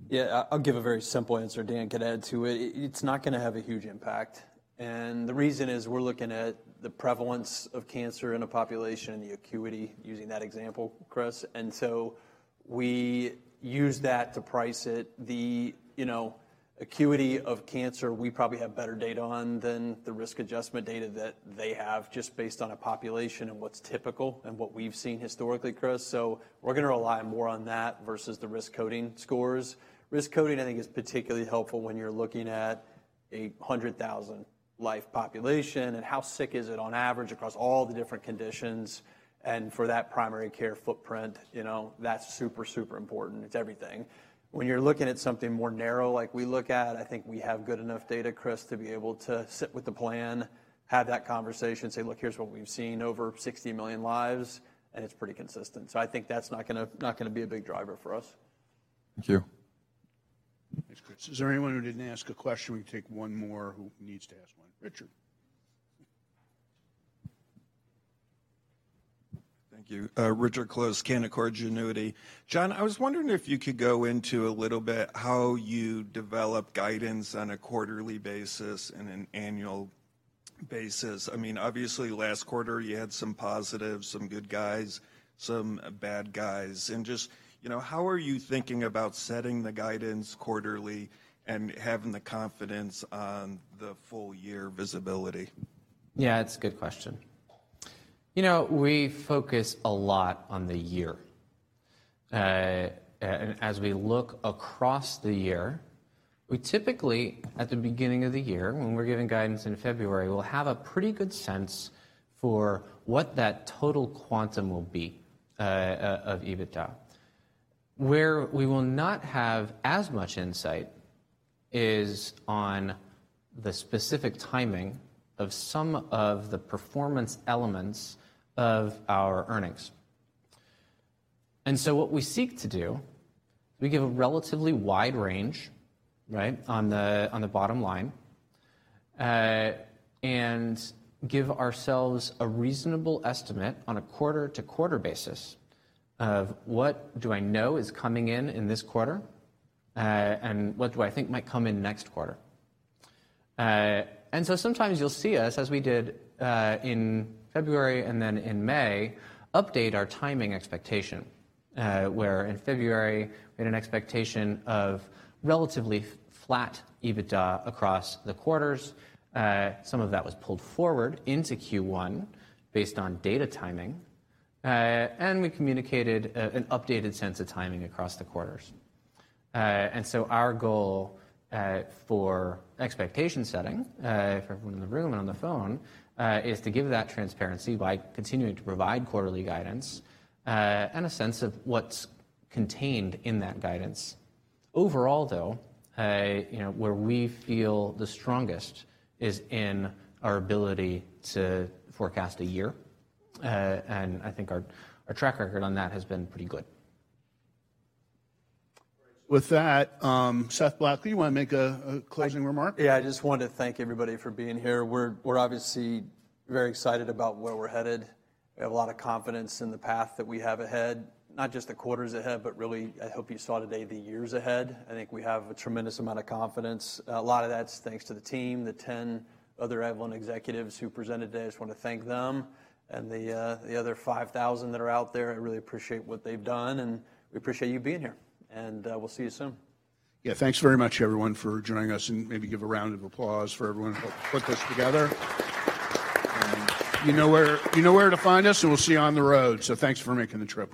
Yeah. I'll give a very simple answer. Dan can add to it. It's not gonna have a huge impact. The reason is we're looking at the prevalence of cancer in a population, the acuity, using that example, Chris. We use that to price it. The, you know, acuity of cancer we probably have better data on than the risk adjustment data that they have just based on a population and what's typical and what we've seen historically, Chris. We're gonna rely more on that versus the risk coding scores. Risk coding I think is particularly helpful when you're looking at a 100,000 life population and how sick is it on average across all the different conditions. For that primary care footprint, you know, that's super important. It's everything. When you're looking at something more narrow like we look at, I think we have good enough data, Chris, to be able to sit with the plan, have that conversation, say, "Look, here's what we've seen over 60 million lives, and it's pretty consistent." I think that's not gonna be a big driver for us.
Thank you.
Thanks, Chris. Is there anyone who didn't ask a question? We can take one more who needs to ask one. Richard.
Thank you. Richard Close, Canaccord Genuity. John, I was wondering if you could go into a little bit how you develop guidance on a quarterly basis and an annual basis? I mean, obviously last quarter you had some positives, some good guys, some bad guys. Just, you know, how are you thinking about setting the guidance quarterly and having the confidence on the full year visibility?
Yeah, it's a good question. You know, we focus a lot on the year. As we look across the year, we typically, at the beginning of the year when we're giving guidance in February, will have a pretty good sense for what that total quantum will be of EBITDA. Where we will not have as much insight is on the specific timing of some of the performance elements of our earnings. What we seek to do, we give a relatively wide range, right? On the, on the bottom line. And give ourselves a reasonable estimate on a quarter-to-quarter basis of what do I know is coming in in this quarter and what do I think might come in next quarter. Sometimes you'll see us, as we did, in February and then in May, update our timing expectation, where in February we had an expectation of relatively flat EBITDA across the quarters. Some of that was pulled forward into Q1 based on data timing, we communicated an updated sense of timing across the quarters. Our goal for expectation setting for everyone in the room and on the phone is to give that transparency by continuing to provide quarterly guidance, and a sense of what's contained in that guidance. Overall, though, you know, where we feel the strongest is in our ability to forecast a year. I think our track record on that has been pretty good.
Seth Blackley, you wanna make a closing remark?
Yeah. I just wanted to thank everybody for being here. We're obviously very excited about where we're headed. We have a lot of confidence in the path that we have ahead. Not just the quarters ahead, but really I hope you saw today the years ahead. I think we have a tremendous amount of confidence. A lot of that's thanks to the team, the 10 other Avalon executives who presented today. I just wanna thank them and the other 5,000 that are out there. I really appreciate what they've done, and we appreciate you being here. We'll see you soon.
Yeah. Thanks very much, everyone, for joining us, and maybe give a round of applause for everyone who helped put this together. You know where to find us, and we'll see you on the road. Thanks for making the trip.